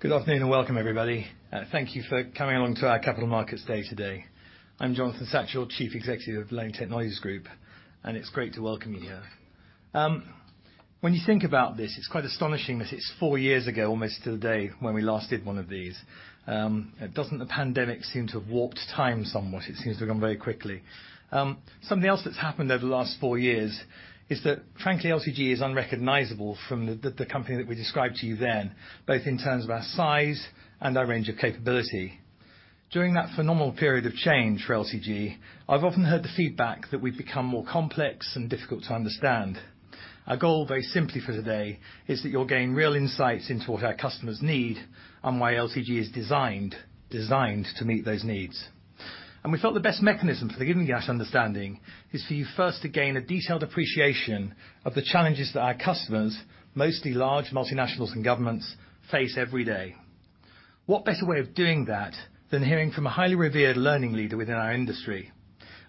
Good afternoon and welcome, everybody. Thank you for coming along to our capital markets day today. I'm Jonathan Satchell, Chief Executive of Learning Technologies Group, and it's great to welcome you here. When you think about this, it's quite astonishing that it's four years ago, almost to the day, when we last did one of these. Doesn't the pandemic seem to have warped time somewhat? It seems to have gone very quickly. Something else that's happened over the last four years is that, frankly, LTG is unrecognizable from the company that we described to you then, both in terms of our size and our range of capability. During that phenomenal period of change for LTG, I've often heard the feedback that we've become more complex and difficult to understand. Our goal, very simply for today, is that you'll gain real insights into what our customers need and why LTG is designed to meet those needs. We felt the best mechanism for giving you that understanding is for you first to gain a detailed appreciation of the challenges that our customers, mostly large multinationals and governments, face every day. What better way of doing that than hearing from a highly revered learning leader within our industry?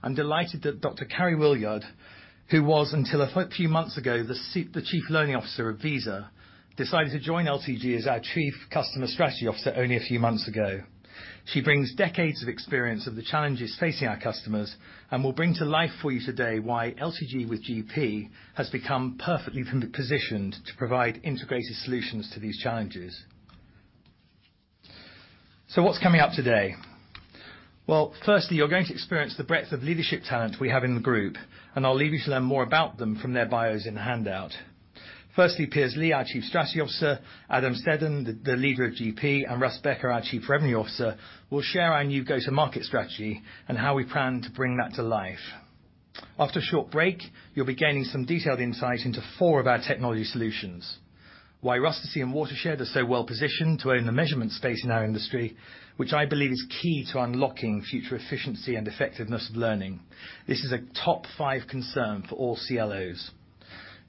I'm delighted that Dr. Karie Willyerd, who was until a few months ago, the Chief Learning Officer of Visa, decided to join LTG as our Chief Customer Strategy Officer only a few months ago. She brings decades of experience of the challenges facing our customers and will bring to life for you today why LTG with GP has become perfectly positioned to provide integrated solutions to these challenges. What's coming up today? Well, firstly, you're going to experience the breadth of leadership talent we have in the group, and I'll leave you to learn more about them from their bios in the handout. Firstly, Piers Lea, our Chief Strategy Officer, Adam Stedham, the leader of GP, and Russ Becker, our Chief Revenue Officer, will share our new go-to-market strategy and how we plan to bring that to life. After a short break, you'll be gaining some detailed insight into four of our technology solutions. Why Rustici and Watershed are so well positioned to own the measurement space in our industry, which I believe is key to unlocking future efficiency and effectiveness of learning. This is a top five concern for all CLOs.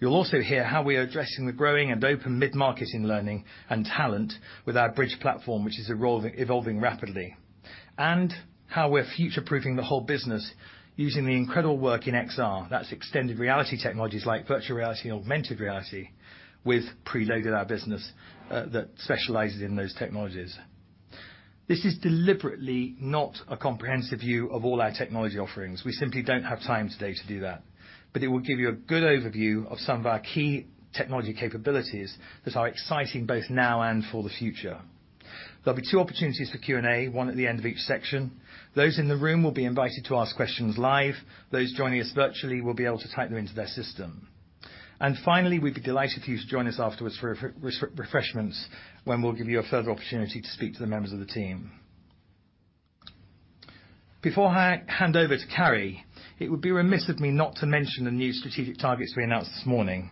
You'll also hear how we are addressing the growing and open mid-market in learning and talent with our Bridge platform, which is evolving rapidly, and how we're future-proofing the whole business using the incredible work in XR. That's extended reality technologies like virtual reality and augmented reality with PRELOADED, our business that specializes in those technologies. This is deliberately not a comprehensive view of all our technology offerings. We simply don't have time today to do that, but it will give you a good overview of some of our key technology capabilities that are exciting both now and for the future. There'll be two opportunities for Q&A, one at the end of each section. Those in the room will be invited to ask questions live. Those joining us virtually will be able to type them into their system. Finally, we'd be delighted for you to join us afterwards for refreshments when we'll give you a further opportunity to speak to the members of the team. Before I hand over to Carrie, it would be remiss of me not to mention the new strategic targets we announced this morning.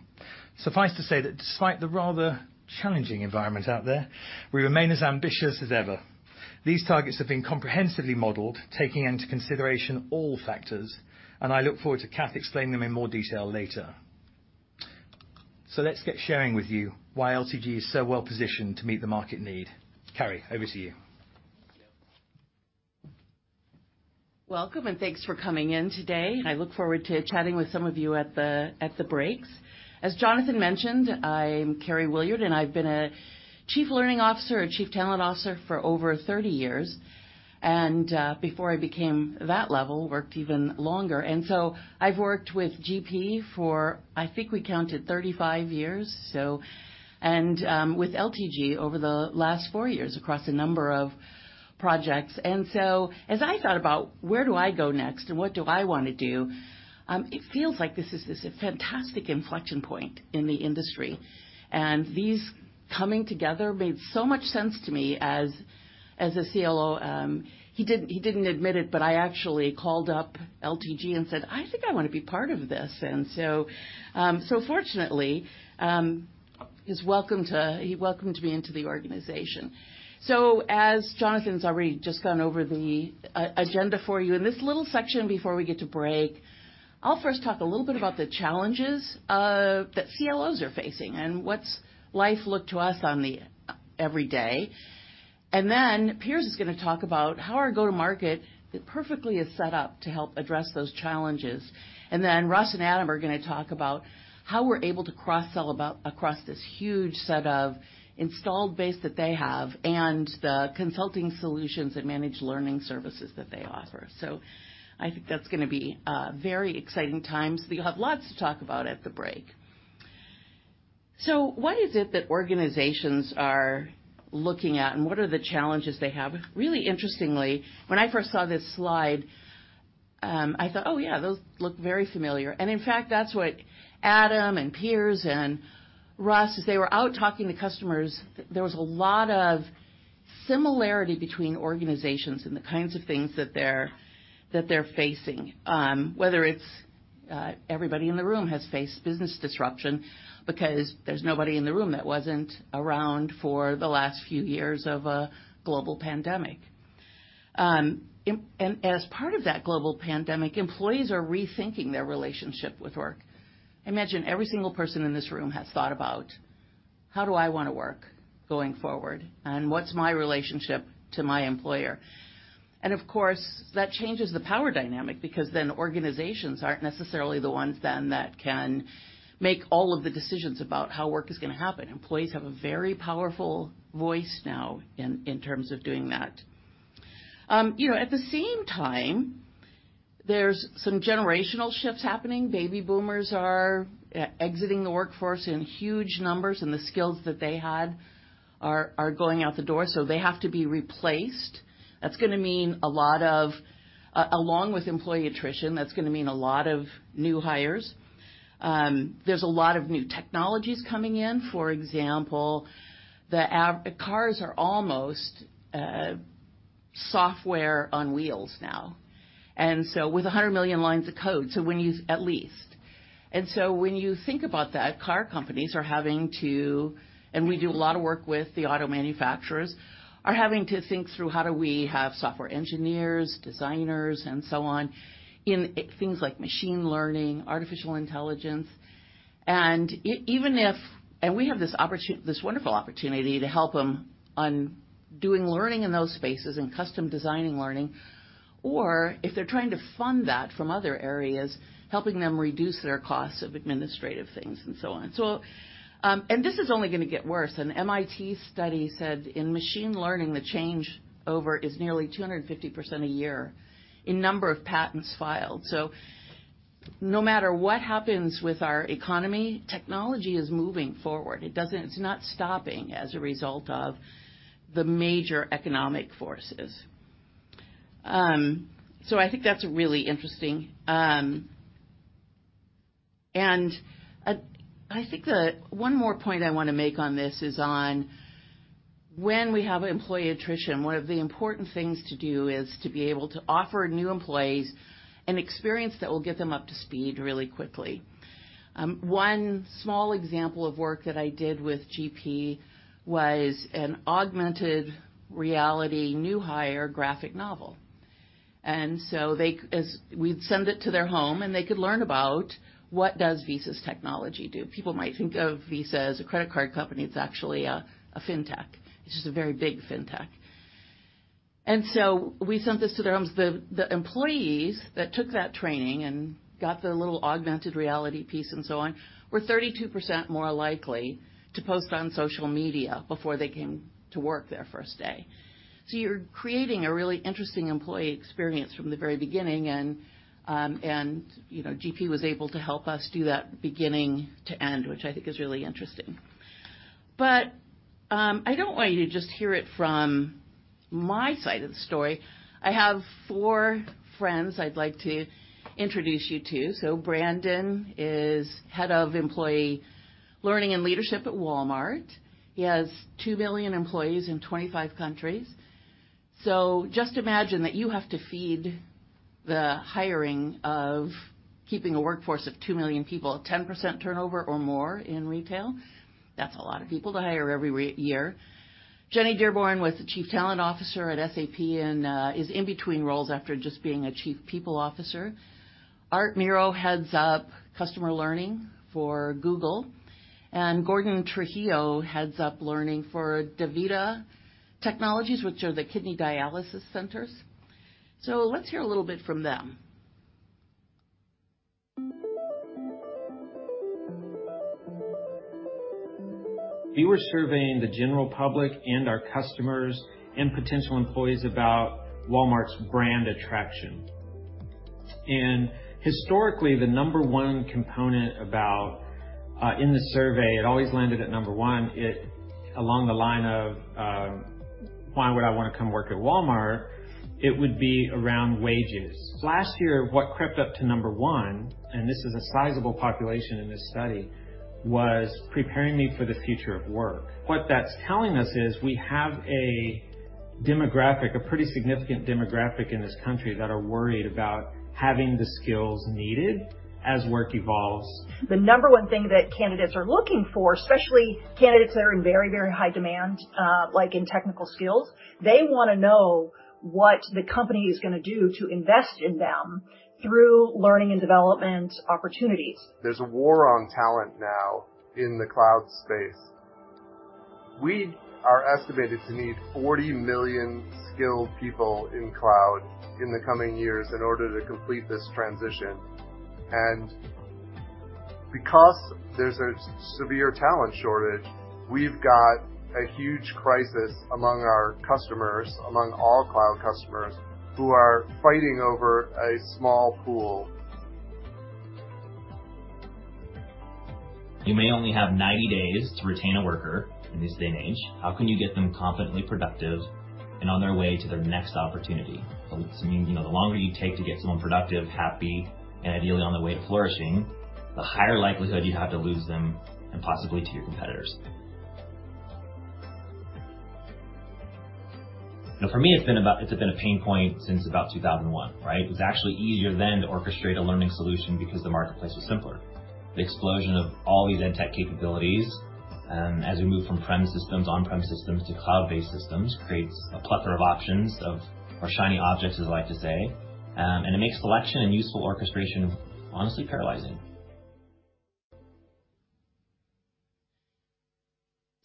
Suffice to say that despite the rather challenging environment out there, we remain as ambitious as ever. These targets have been comprehensively modeled, taking into consideration all factors, and I look forward to Cath explaining them in more detail later. Let's get sharing with you why LTG is so well positioned to meet the market need. Karie, over to you. Welcome, and thanks for coming in today, and I look forward to chatting with some of you at the breaks. As Jonathan mentioned, I'm Karie Willyerd, and I've been a chief learning officer or chief talent officer for over 30 years. Before I became that level, worked even longer. I've worked with GP for, I think we counted 35 years, so, and with LTG over the last four years across a number of projects. As I thought about where do I go next and what do I wanna do, it feels like this is a fantastic inflection point in the industry. These coming together made so much sense to me as a CLO. He didn't admit it, but I actually called up LTG and said, "I think I wanna be part of this." Fortunately, he welcomed me into the organization. As Jonathan's already just gone over the agenda for you, in this little section before we get to break, I'll first talk a little bit about the challenges that CLOs are facing and what life looks like to us every day. Piers is gonna talk about how our go-to-market strategy is set up to help address those challenges. Russ and Adam are gonna talk about how we're able to cross-sell across this huge set of installed base that they have and the consulting solutions and managed learning services that they offer. I think that's gonna be very exciting times. We have lots to talk about at the break. What is it that organizations are looking at, and what are the challenges they have? Really interestingly, when I first saw this slide, I thought, "Oh, yeah, those look very familiar." In fact, that's what Adam Stedham and Piers Lea and Russ Becker, as they were out talking to customers, there was a lot of similarity between organizations and the kinds of things that they're facing. Whether it's, everybody in the room has faced business disruption because there's nobody in the room that wasn't around for the last few years of a global pandemic. As part of that global pandemic, employees are rethinking their relationship with work. I imagine every single person in this room has thought about, "How do I wanna work going forward, and what's my relationship to my employer?" Of course, that changes the power dynamic because then organizations aren't necessarily the ones then that can make all of the decisions about how work is gonna happen. Employees have a very powerful voice now in terms of doing that. You know, at the same time, there's some generational shifts happening. Baby boomers are exiting the workforce in huge numbers, and the skills that they had are going out the door, so they have to be replaced. That's gonna mean a lot of along with employee attrition, that's gonna mean a lot of new hires. There's a lot of new technologies coming in. For example, cars are almost software on wheels now. With 100 million lines of code, at least. When you think about that, car companies are having to, and we do a lot of work with the auto manufacturers, are having to think through how do we have software engineers, designers, and so on in things like machine learning, artificial intelligence. Even if we have this wonderful opportunity to help them on doing learning in those spaces and custom designing learning, or if they're trying to fund that from other areas, helping them reduce their costs of administrative things and so on. This is only gonna get worse. An MIT study said in machine learning, the change over is nearly 250% a year in number of patents filed. No matter what happens with our economy, technology is moving forward. It's not stopping as a result of the major economic forces. I think that's really interesting. One more point I wanna make on this is on when we have employee attrition, one of the important things to do is to be able to offer new employees an experience that will get them up to speed really quickly. One small example of work that I did with GP was an augmented reality new hire graphic novel. We'd send it to their home, and they could learn about what does Visa's technology do. People might think of Visa as a credit card company. It's actually a fintech. It's just a very big fintech. We sent this to their homes. The employees that took that training and got the little augmented reality piece and so on were 32% more likely to post on social media before they came to work their first day. You're creating a really interesting employee experience from the very beginning, and you know GP was able to help us do that beginning to end, which I think is really interesting. I don't want you to just hear it from my side of the story. I have four friends I'd like to introduce you to. Brandon is head of employee learning and leadership at Walmart. He has 2 million employees in 25 countries. Just imagine that you have to feed the hiring of keeping a workforce of 2 million people, 10% turnover or more in retail. That's a lot of people to hire every year. Jenny Dearborn was the Chief Talent Officer at SAP and is in between roles after just being a Chief People Officer. Art Muro heads up Customer Learning for Google. Gordon Trujillo heads up learning for DaVita, which are the kidney dialysis centers. Let's hear a little bit from them. We were surveying the general public and our customers and potential employees about Walmart's brand attraction. Historically, the number one component about in the survey, it always landed at number one. Along the line of why would I wanna come work at Walmart, it would be around wages. Last year, what crept up to number one, and this is a sizable population in this study, was preparing me for the future of work. What that's telling us is we have a demographic, a pretty significant demographic in this country that are worried about having the skills needed as work evolves. The number one thing that candidates are looking for, especially candidates that are in very, very high demand, like in technical skills, they wanna know what the company is gonna do to invest in them through learning and development opportunities. There's a war on talent now in the cloud space. We are estimated to need 40 million skilled people in cloud in the coming years in order to complete this transition. Because there's a severe talent shortage, we've got a huge crisis among our customers, among all cloud customers, who are fighting over a small pool. You may only have 90 days to retain a worker in this day and age. How can you get them confidently productive and on their way to their next opportunity? This means, you know, the longer you take to get someone productive, happy, and ideally on their way to flourishing, the higher likelihood you have to lose them and possibly to your competitors. Now, for me, it's been a pain point since about 2001, right? It was actually easier then to orchestrate a learning solution because the marketplace was simpler. The explosion of all these edtech capabilities, as we move from on-prem systems to cloud-based systems, creates a plethora of options or shiny objects, as I like to say. It makes selection and useful orchestration honestly paralyzing.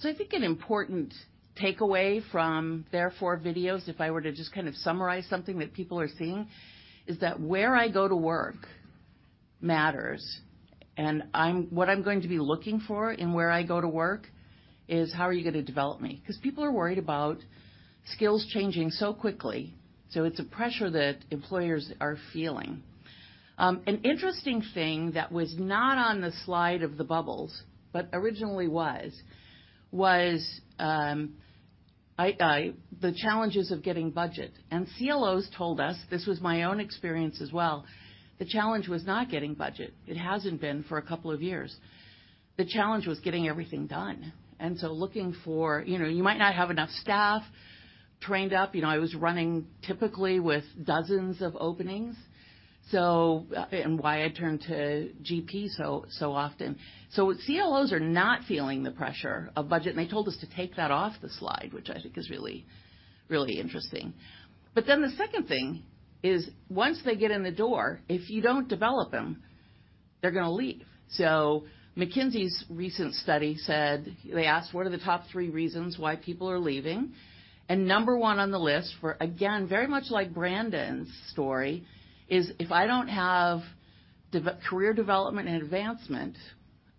I think an important takeaway from the four videos, if I were to just kind of summarize something that people are seeing, is that where I go to work matters, and what I'm going to be looking for in where I go to work is how are you gonna develop me? 'Cause people are worried about skills changing so quickly. It's a pressure that employers are feeling. An interesting thing that was not on the slide of the bubbles, but originally was the challenges of getting budget. CLOs told us, this was my own experience as well, the challenge was not getting budget. It hasn't been for a couple of years. The challenge was getting everything done. Looking for, you know, you might not have enough staff trained up. You know, I was running typically with dozens of openings, so and why I turned to GP so often. CLOs are not feeling the pressure of budget, and they told us to take that off the slide, which I think is really interesting. The second thing is, once they get in the door, if you don't develop them, they're gonna leave. McKinsey's recent study said they asked, what are the top three reasons why people are leaving? Number one on the list for, again, very much like Brandon's story, is if I don't have career development and advancement,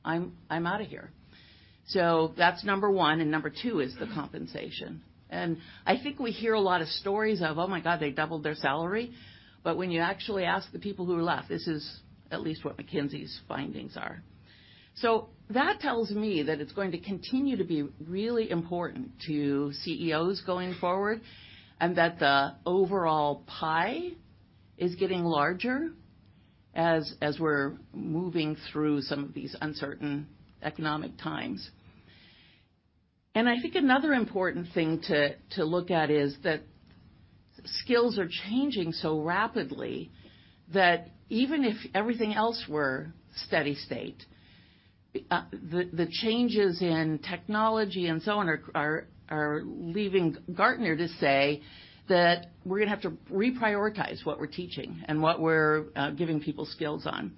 I'm out of here. That's number one, and number two is the compensation. I think we hear a lot of stories of, oh, my God, they doubled their salary. When you actually ask the people who left, this is at least what McKinsey's findings are. That tells me that it's going to continue to be really important to CEOs going forward, and that the overall pie is getting larger as we're moving through some of these uncertain economic times. I think another important thing to look at is that skills are changing so rapidly that even if everything else were steady state, the changes in technology and so on are leaving Gartner to say that we're gonna have to reprioritize what we're teaching and what we're giving people skills on.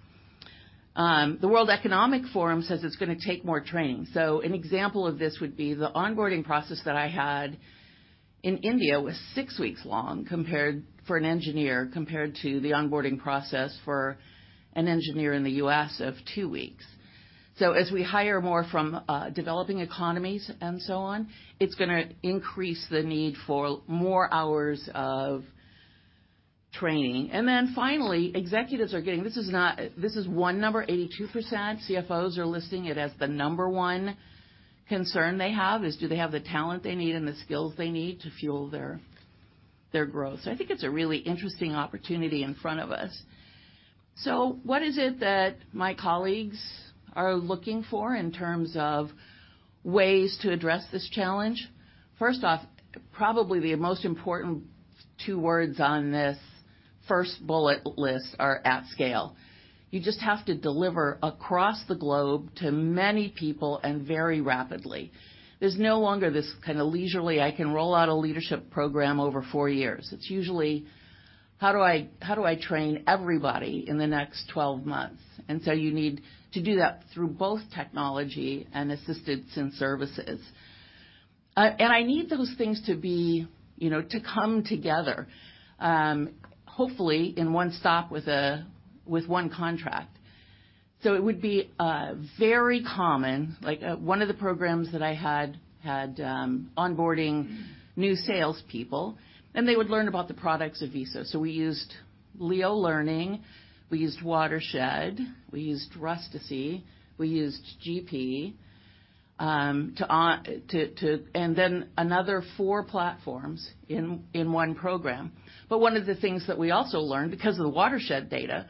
The World Economic Forum says it's gonna take more training. An example of this would be the onboarding process that I had in India was 6 weeks long compared to the onboarding process for an engineer in the U.S. of two weeks. As we hire more from developing economies and so on, it's gonna increase the need for more hours of training. Then finally, executives are getting this one number, 82%. CFOs are listing it as the number one concern they have, is do they have the talent they need and the skills they need to fuel their growth. I think it's a really interesting opportunity in front of us. What is it that my colleagues are looking for in terms of ways to address this challenge? First off, probably the most important two words on this first bullet list are at scale. You just have to deliver across the globe to many people and very rapidly. There's no longer this kind of leisurely, I can roll out a leadership program over four years. It's usually, how do I train everybody in the next 12 months? You need to do that through both technology and assistance in services. I need those things to be, you know, to come together, hopefully in one stop with one contract. It would be very common. Like, one of the programs that I had, onboarding new salespeople, and they would learn about the products of Visa. We used LEO Learning, we used Watershed, we used Rustici, we used GP. Then another four platforms in one program. One of the things that we also learned because of the Watershed data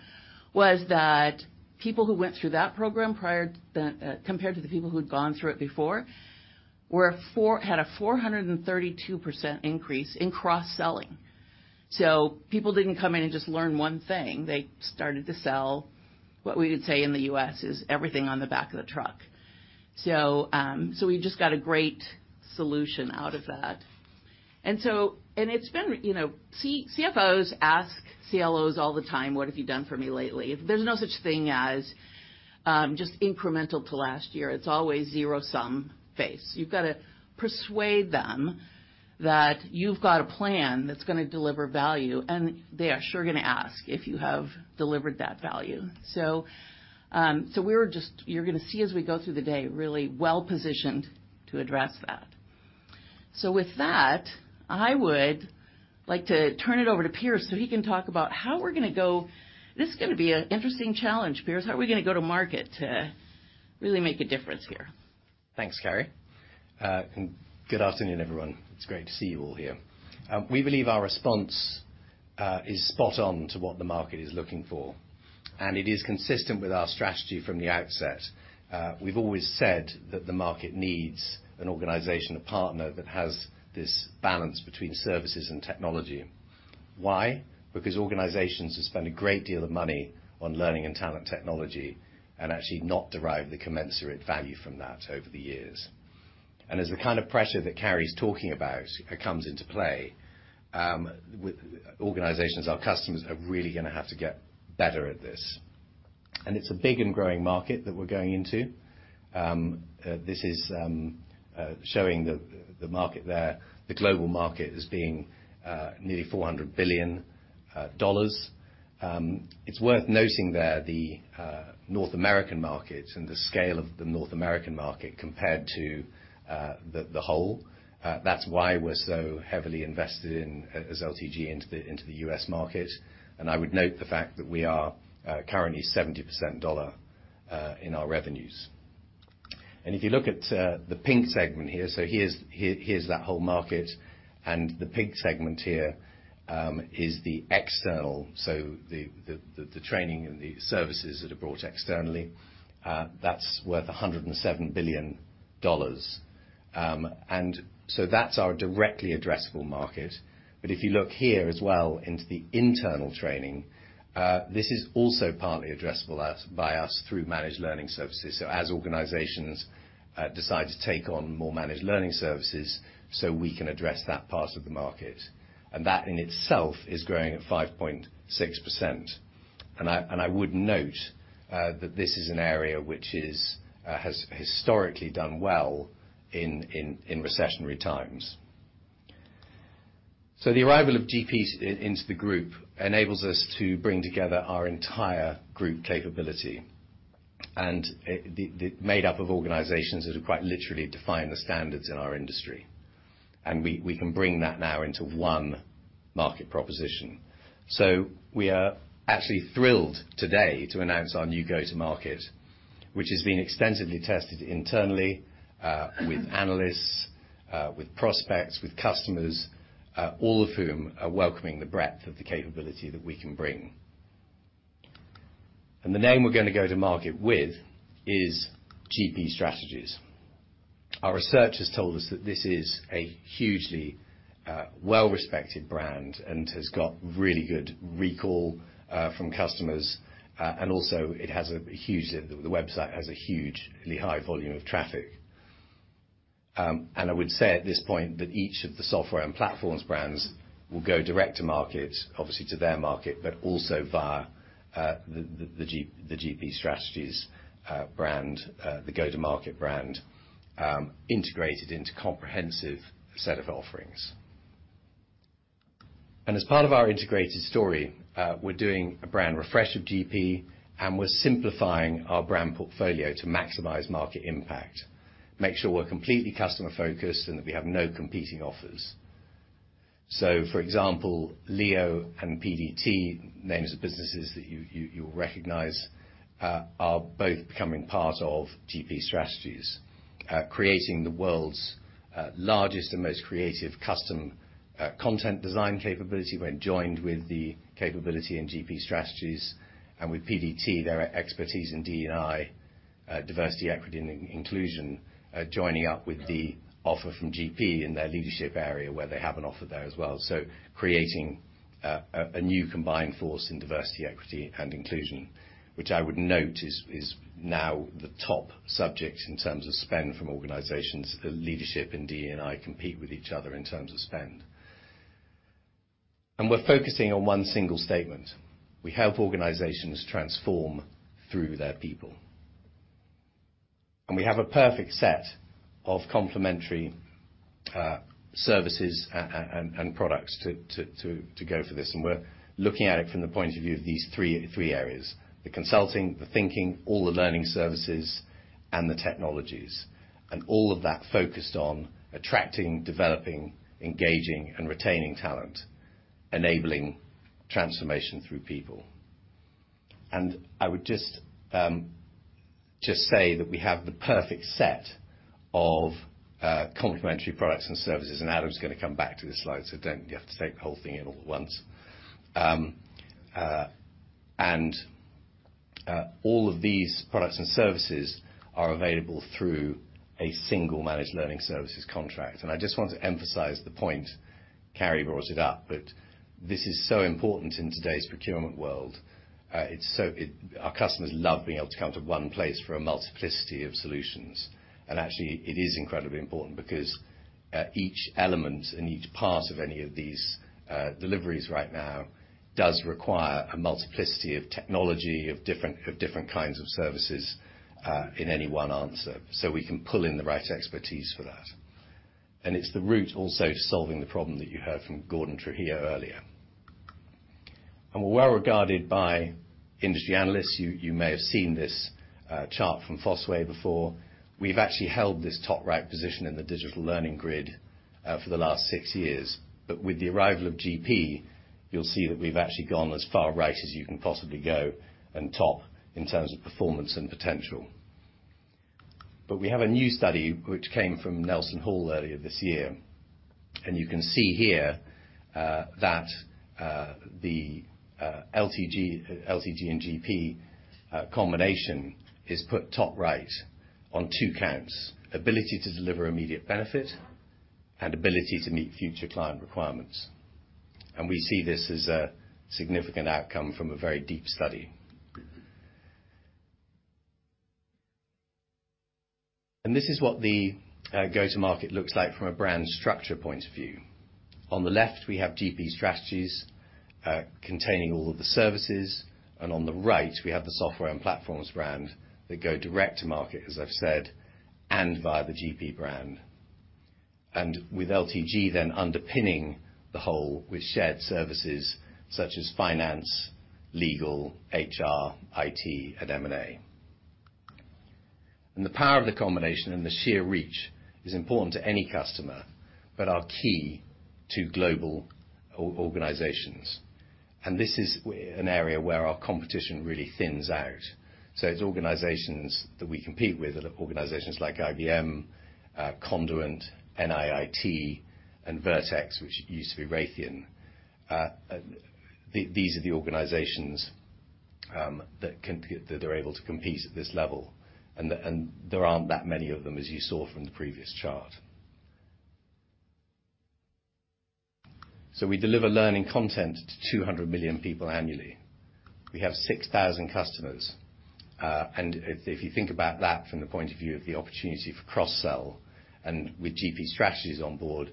was that people who went through that program prior, compared to the people who'd gone through it before, had a 432% increase in cross-selling. People didn't come in and just learn one thing. They started to sell, what we would say in the US is everything on the back of the truck. We just got a great solution out of that. It's been, you know, CFOs ask CLOs all the time, "What have you done for me lately?" There's no such thing as just incremental to last year. It's always zero-sum game. You've gotta persuade them that you've got a plan that's gonna deliver value, and they are sure gonna ask if you have delivered that value. You're gonna see as we go through the day, really well-positioned to address that. With that, I would like to turn it over to Piers so he can talk about how we're gonna go. This is gonna be an interesting challenge, Piers. How are we gonna go to market to really make a difference here? Thanks, Karie. Good afternoon, everyone. It's great to see you all here. We believe our response is spot on to what the market is looking for, and it is consistent with our strategy from the outset. We've always said that the market needs an organizational partner that has this balance between services and technology. Why? Because organizations have spent a great deal of money on learning and talent technology and actually not derived the commensurate value from that over the years. As the kind of pressure that Karie's talking about comes into play, with organizations, our customers are really gonna have to get better at this. It's a big and growing market that we're going into. This is showing the market there. The global market as being nearly $400 billion. It's worth noting that the North American market and the scale of the North American market compared to the whole, that's why we're so heavily invested in, as LTG, into the U.S. market. I would note the fact that we are currently 70% dollar in our revenues. If you look at the pink segment here's that whole market, and the pink segment here is the external. The training and the services that are brought externally, that's worth $107 billion. That's our directly addressable market. If you look here as well into the internal training, this is also partly addressable by us through managed learning services. As organizations decide to take on more managed learning services, we can address that part of the market. That in itself is growing at 5.6%. I would note that this is an area which has historically done well in recessionary times. The arrival of GP into the group enables us to bring together our entire group capability, and made up of organizations that have quite literally defined the standards in our industry. We can bring that now into one market proposition. We are actually thrilled today to announce our new go-to-market, which has been extensively tested internally with analysts, with prospects, with customers, all of whom are welcoming the breadth of the capability that we can bring. The name we're gonna go to market with is GP Strategies. Our research has told us that this is a hugely well-respected brand and has got really good recall from customers, and also the website has a hugely high volume of traffic. I would say at this point that each of the software and platforms brands will go direct to market, obviously to their market, but also via the GP Strategies brand, the go-to-market brand integrated into comprehensive set of offerings. As part of our integrated story, we're doing a brand refresh of GP, and we're simplifying our brand portfolio to maximize market impact, make sure we're completely customer-focused, and that we have no competing offers. For example, LEO and PDT, names of businesses that you will recognize, are both becoming part of GP Strategies, creating the world's largest and most creative custom content design capability when joined with the capability in GP Strategies and with PDT, their expertise in DE&I, diversity, equity, and inclusion, joining up with the offer from GP in their leadership area where they have an offer there as well. Creating a new combined force in diversity, equity, and inclusion, which I would note is now the top subject in terms of spend from organizations. Leadership and DE&I compete with each other in terms of spend. We're focusing on one single statement. We help organizations transform through their people. We have a perfect set of complementary services and products to go for this. We're looking at it from the point of view of these three areas, the consulting, the thinking, all the learning services, and the technologies, and all of that focused on attracting, developing, engaging, and retaining talent, enabling transformation through people. I would just say that we have the perfect set of complementary products and services, and Adam's gonna come back to this slide, so you don't have to take the whole thing in all at once. All of these products and services are available through a single managed learning services contract. I just want to emphasize the point Carrie brought up, that this is so important in today's procurement world. It's so. Our customers love being able to come to one place for a multiplicity of solutions. Actually, it is incredibly important because each element and each part of any of these deliveries right now does require a multiplicity of technology of different kinds of services in any one answer. We can pull in the right expertise for that. It's the route also to solving the problem that you heard from Gordon Trujillo earlier. We're well regarded by industry analysts. You may have seen this chart from Fosway before. We've actually held this top right position in the digital learning grid for the last six years. With the arrival of GP, you'll see that we've actually gone as far right as you can possibly go and top in terms of performance and potential. We have a new study which came from Nelson Hall earlier this year, and you can see here that the LTG and GP combination is put top right on two counts, ability to deliver immediate benefit and ability to meet future client requirements. This is what the go-to-market looks like from a brand structure point of view. On the left, we have GP Strategies containing all of the services, and on the right, we have the software and platforms brand that go direct to market, as I've said, and via the GP brand. With LTG then underpinning the whole with shared services such as finance, legal, HR, IT, and M&A. The power of the combination and the sheer reach is important to any customer, but are key to global organizations. This is an area where our competition really thins out. It's organizations that we compete with are the organizations like IBM, Conduent, NIIT, and Vertex, which used to be Raytheon. These are the organizations that are able to compete at this level, and there aren't that many of them, as you saw from the previous chart. We deliver learning content to 200 million people annually. We have 6,000 customers. If you think about that from the point of view of the opportunity for cross-sell and with GP Strategies on board,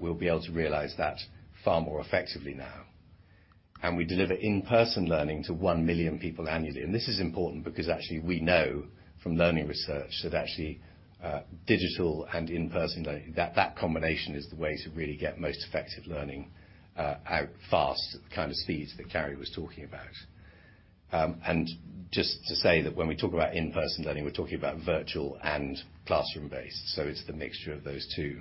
we'll be able to realize that far more effectively now. We deliver in-person learning to 1 million people annually. This is important because actually we know from learning research that actually, digital and in-person learning, that combination is the way to really get most effective learning, out fast, the kind of speeds that Karie was talking about. Just to say that when we talk about in-person learning, we're talking about virtual and classroom-based, so it's the mixture of those two.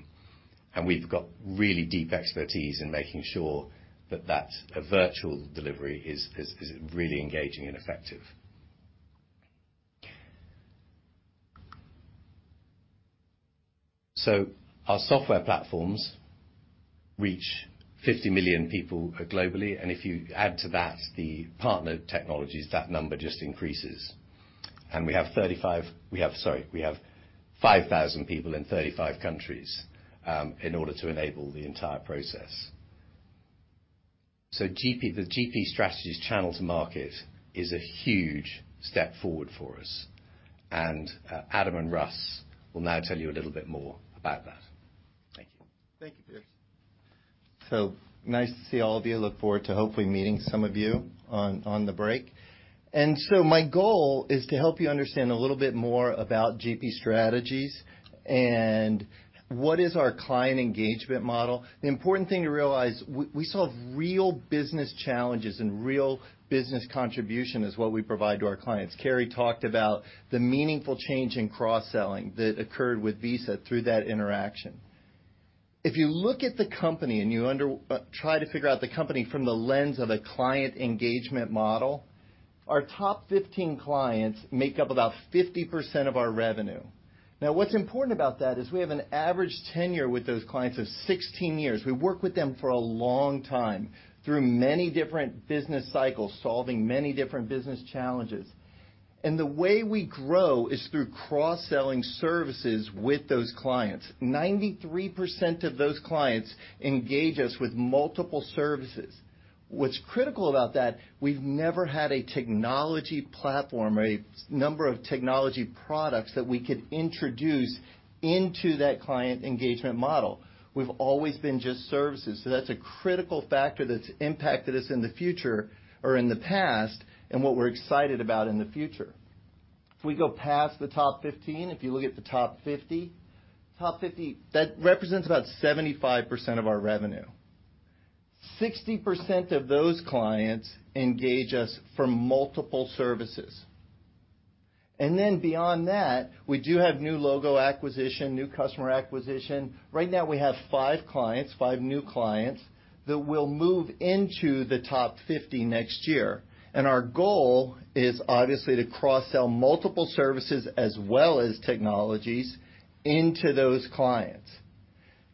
We've got really deep expertise in making sure that that virtual delivery is really engaging and effective. Our software platforms reach 50 million people globally, and if you add to that the partner technologies, that number just increases. We have 5,000 people in 35 countries in order to enable the entire process. GP. The GP Strategies channel to market is a huge step forward for us. Adam Stedham and Russ Becker will now tell you a little bit more about that. Thank you. Thank you, Piers. Nice to see all of you. Look forward to hopefully meeting some of you on the break. My goal is to help you understand a little bit more about GP Strategies and what is our client engagement model. The important thing to realize, we solve real business challenges and real business contribution is what we provide to our clients. Karie talked about the meaningful change in cross-selling that occurred with Visa through that interaction. If you look at the company and you try to figure out the company from the lens of a client engagement model, our top 15 clients make up about 50% of our revenue. Now, what's important about that is we have an average tenure with those clients of 16 years. We work with them for a long time through many different business cycles, solving many different business challenges. The way we grow is through cross-selling services with those clients. 93% of those clients engage us with multiple services. What's critical about that, we've never had a technology platform or a number of technology products that we could introduce into that client engagement model. We've always been just services. That's a critical factor that's impacted us in the future or in the past and what we're excited about in the future. If we go past the top 15, if you look at the top 50, that represents about 75% of our revenue. 60% of those clients engage us for multiple services. Then beyond that, we do have new logo acquisition, new customer acquisition. Right now we have five clients, five new clients that will move into the top 50 next year. Our goal is obviously to cross-sell multiple services as well as technologies into those clients.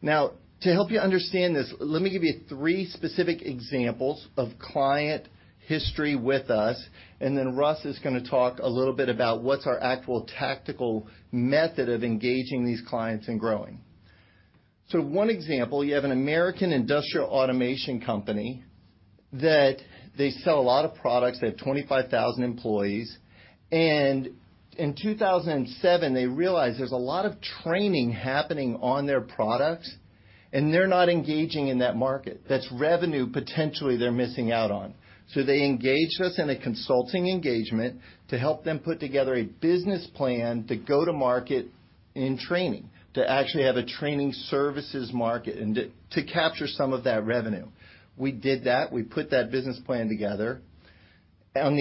Now, to help you understand this, let me give you three specific examples of client history with us, and then Russ is gonna talk a little bit about what's our actual tactical method of engaging these clients and growing. One example, you have an American industrial automation company that they sell a lot of products. They have 25,000 employees. In 2007, they realized there's a lot of training happening on their products, and they're not engaging in that market. That's revenue potentially they're missing out on. They engaged us in a consulting engagement to help them put together a business plan to go to market in training, to actually have a training services market and to capture some of that revenue. We did that. We put that business plan together. On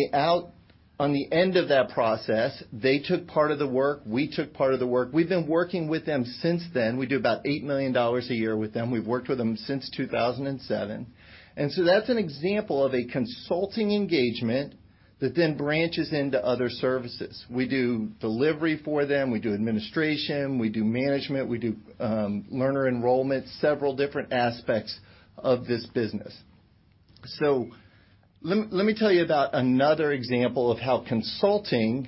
the end of that process, they took part of the work, we took part of the work. We've been working with them since then. We do about $8 million a year with them. We've worked with them since 2007. That's an example of a consulting engagement that then branches into other services. We do delivery for them. We do administration. We do management. We do learner enrollment, several different aspects of this business. Let me tell you about another example of how consulting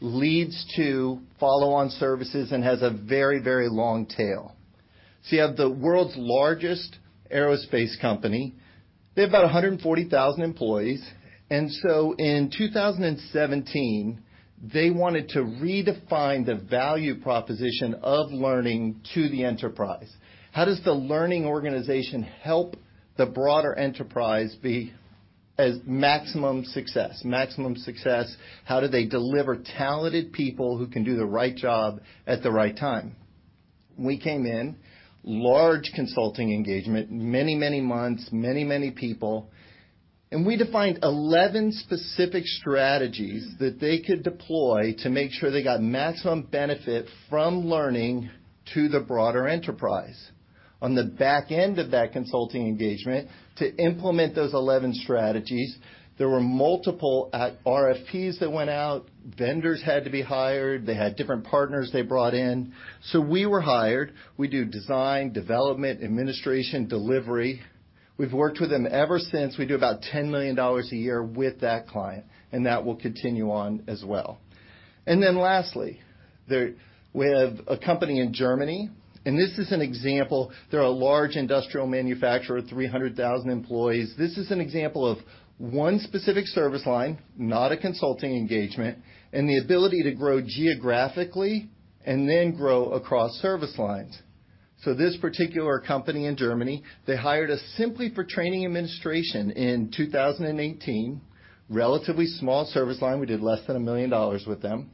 leads to follow-on services and has a very, very long tail. You have the world's largest aerospace company. They have about 140,000 employees. In 2017, they wanted to redefine the value proposition of learning to the enterprise. How does the learning organization help the broader enterprise achieve maximum success? How do they deliver talented people who can do the right job at the right time? We came in, large consulting engagement, many months, many people, and we defined 11 specific strategies that they could deploy to make sure they got maximum benefit from learning to the broader enterprise. On the back end of that consulting engagement to implement those 11 strategies, there were multiple RFPs that went out. Vendors had to be hired. They had different partners they brought in. We were hired. We do design, development, administration, delivery. We've worked with them ever since. We do about $10 million a year with that client, and that will continue on as well. Lastly, we have a company in Germany, and this is an example. They're a large industrial manufacturer, 300,000 employees. This is an example of one specific service line, not a consulting engagement, and the ability to grow geographically and then grow across service lines. This particular company in Germany, they hired us simply for training administration in 2018. Relatively small service line. We did less than $1 million with them.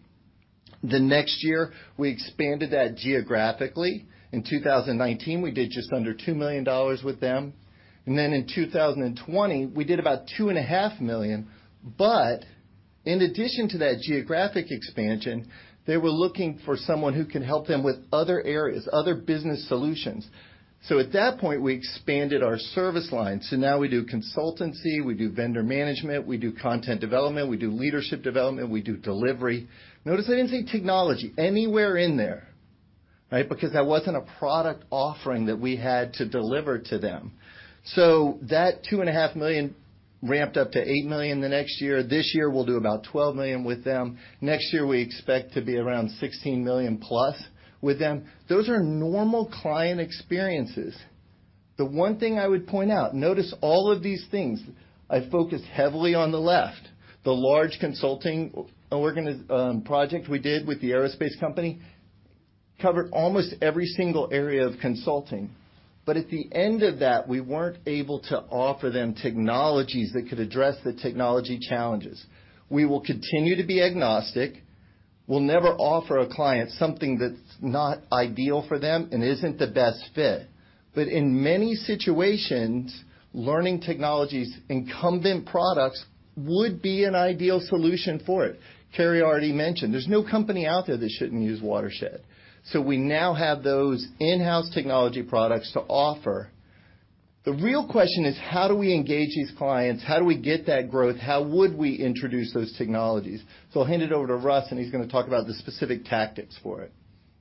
The next year, we expanded that geographically. In 2019, we did just under $2 million with them. In 2020, we did about two and a half million. In addition to that geographic expansion, they were looking for someone who could help them with other areas, other business solutions. At that point, we expanded our service line. Now we do consultancy, we do vendor management, we do content development, we do leadership development, we do delivery. Notice I didn't say technology anywhere in there, right? Because that wasn't a product offering that we had to deliver to them. That two and a half million ramped up to 8 million the next year. This year we'll do about 12 million with them. Next year, we expect to be around 16 million-plus with them. Those are normal client experiences. The one thing I would point out, notice all of these things, I focus heavily on the left. The large consulting organization project we did with the aerospace company covered almost every single area of consulting. At the end of that, we weren't able to offer them technologies that could address the technology challenges. We will continue to be agnostic. We'll never offer a client something that's not ideal for them and isn't the best fit. In many situations, Learning Technologies' incumbent products would be an ideal solution for it. Karie already mentioned, there's no company out there that shouldn't use Watershed. We now have those in-house technology products to offer. The real question is how do we engage these clients? How do we get that growth? How would we introduce those technologies? I'll hand it over to Russ, and he's gonna talk about the specific tactics for it.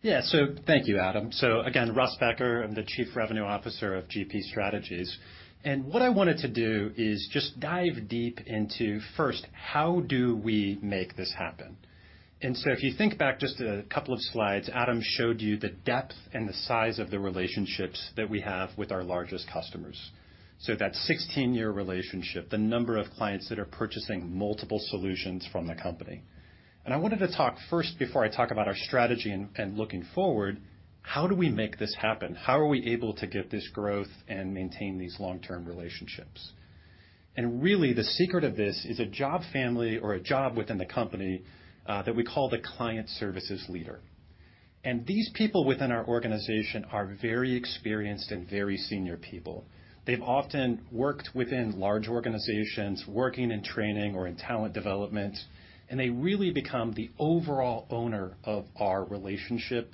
Yeah. Thank you, Adam. Again, Russ Becker. I'm the Chief Revenue Officer of GP Strategies. What I wanted to do is just dive deep into, first, how do we make this happen? If you think back just a couple of slides, Adam showed you the depth and the size of the relationships that we have with our largest customers. That 16-year relationship, the number of clients that are purchasing multiple solutions from the company. I wanted to talk first, before I talk about our strategy and looking forward, how do we make this happen? How are we able to get this growth and maintain these long-term relationships? Really, the secret of this is a job family or a job within the company that we call the client services leader. These people within our organization are very experienced and very senior people. They've often worked within large organizations, working in training or in talent development, and they really become the overall owner of our relationship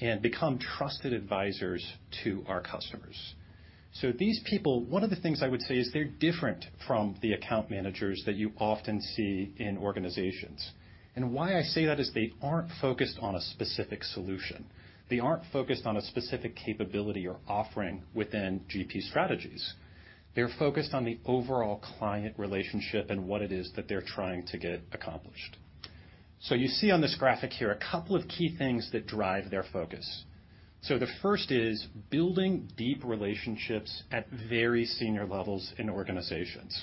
and become trusted advisors to our customers. These people, one of the things I would say is they're different from the account managers that you often see in organizations. Why I say that is they aren't focused on a specific solution. They aren't focused on a specific capability or offering within GP Strategies. They're focused on the overall client relationship and what it is that they're trying to get accomplished. You see on this graphic here a couple of key things that drive their focus. The first is building deep relationships at very senior levels in organizations.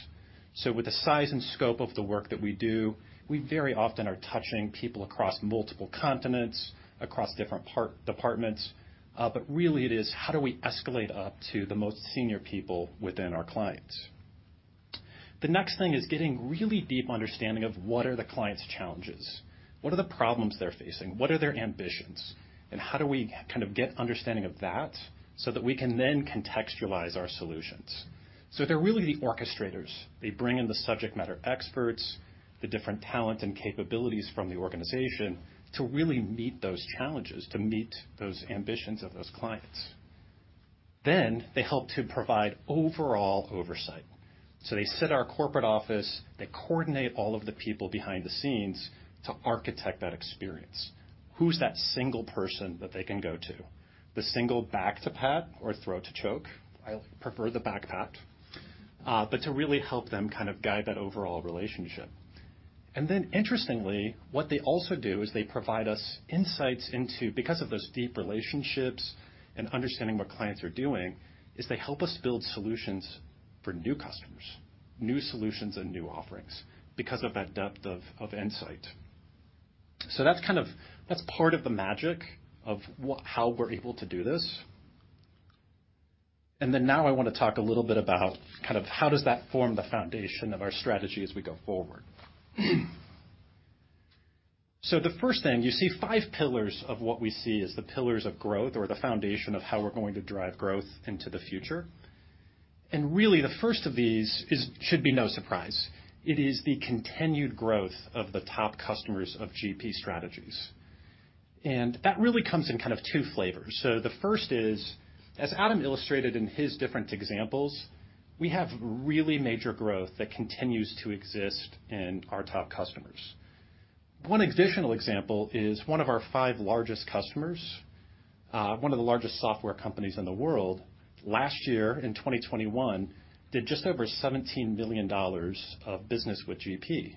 With the size and scope of the work that we do, we very often are touching people across multiple continents, across different departments. Really it is how do we escalate up to the most senior people within our clients? The next thing is getting really deep understanding of what are the client's challenges, what are the problems they're facing, what are their ambitions, and how do we kind of get understanding of that so that we can then contextualize our solutions. They're really the orchestrators. They bring in the subject matter experts, the different talent and capabilities from the organization to really meet those challenges, to meet those ambitions of those clients. They help to provide overall oversight. They sit in our corporate office, they coordinate all of the people behind the scenes to architect that experience. Who's that single person that they can go to? The single back to pat or throat to choke. I prefer the back pat. But to really help them kind of guide that overall relationship. Interestingly, what they also do is they provide us insights into, because of those deep relationships and understanding what clients are doing, they help us build solutions for new customers, new solutions and new offerings because of that depth of insight. That's part of the magic of how we're able to do this. Now I wanna talk a little bit about kind of how does that form the foundation of our strategy as we go forward. The first thing, you see five pillars of what we see as the pillars of growth or the foundation of how we're going to drive growth into the future. Really, the first of these is. It should be no surprise. It is the continued growth of the top customers of GP Strategies. That really comes in kind of two flavors. The first is, as Adam illustrated in his different examples, we have really major growth that continues to exist in our top customers. One additional example is one of our five largest customers, one of the largest software companies in the world, last year in 2021, did just over $17 million of business with GP.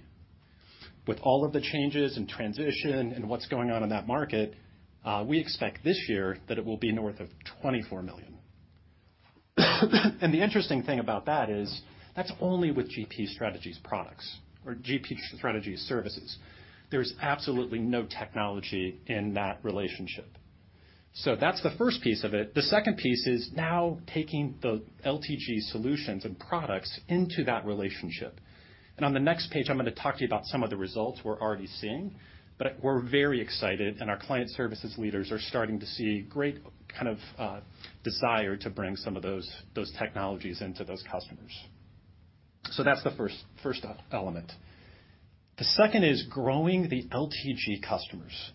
With all of the changes and transition and what's going on in that market, we expect this year that it will be north of $24 million. The interesting thing about that is that's only with GP Strategies products or GP Strategies services. There's absolutely no technology in that relationship. That's the first piece of it. The second piece is now taking the LTG solutions and products into that relationship. On the next page, I'm gonna talk to you about some of the results we're already seeing. We're very excited, and our client services leaders are starting to see great kind of desire to bring some of those technologies into those customers. That's the first element. The second is growing the LTG customers.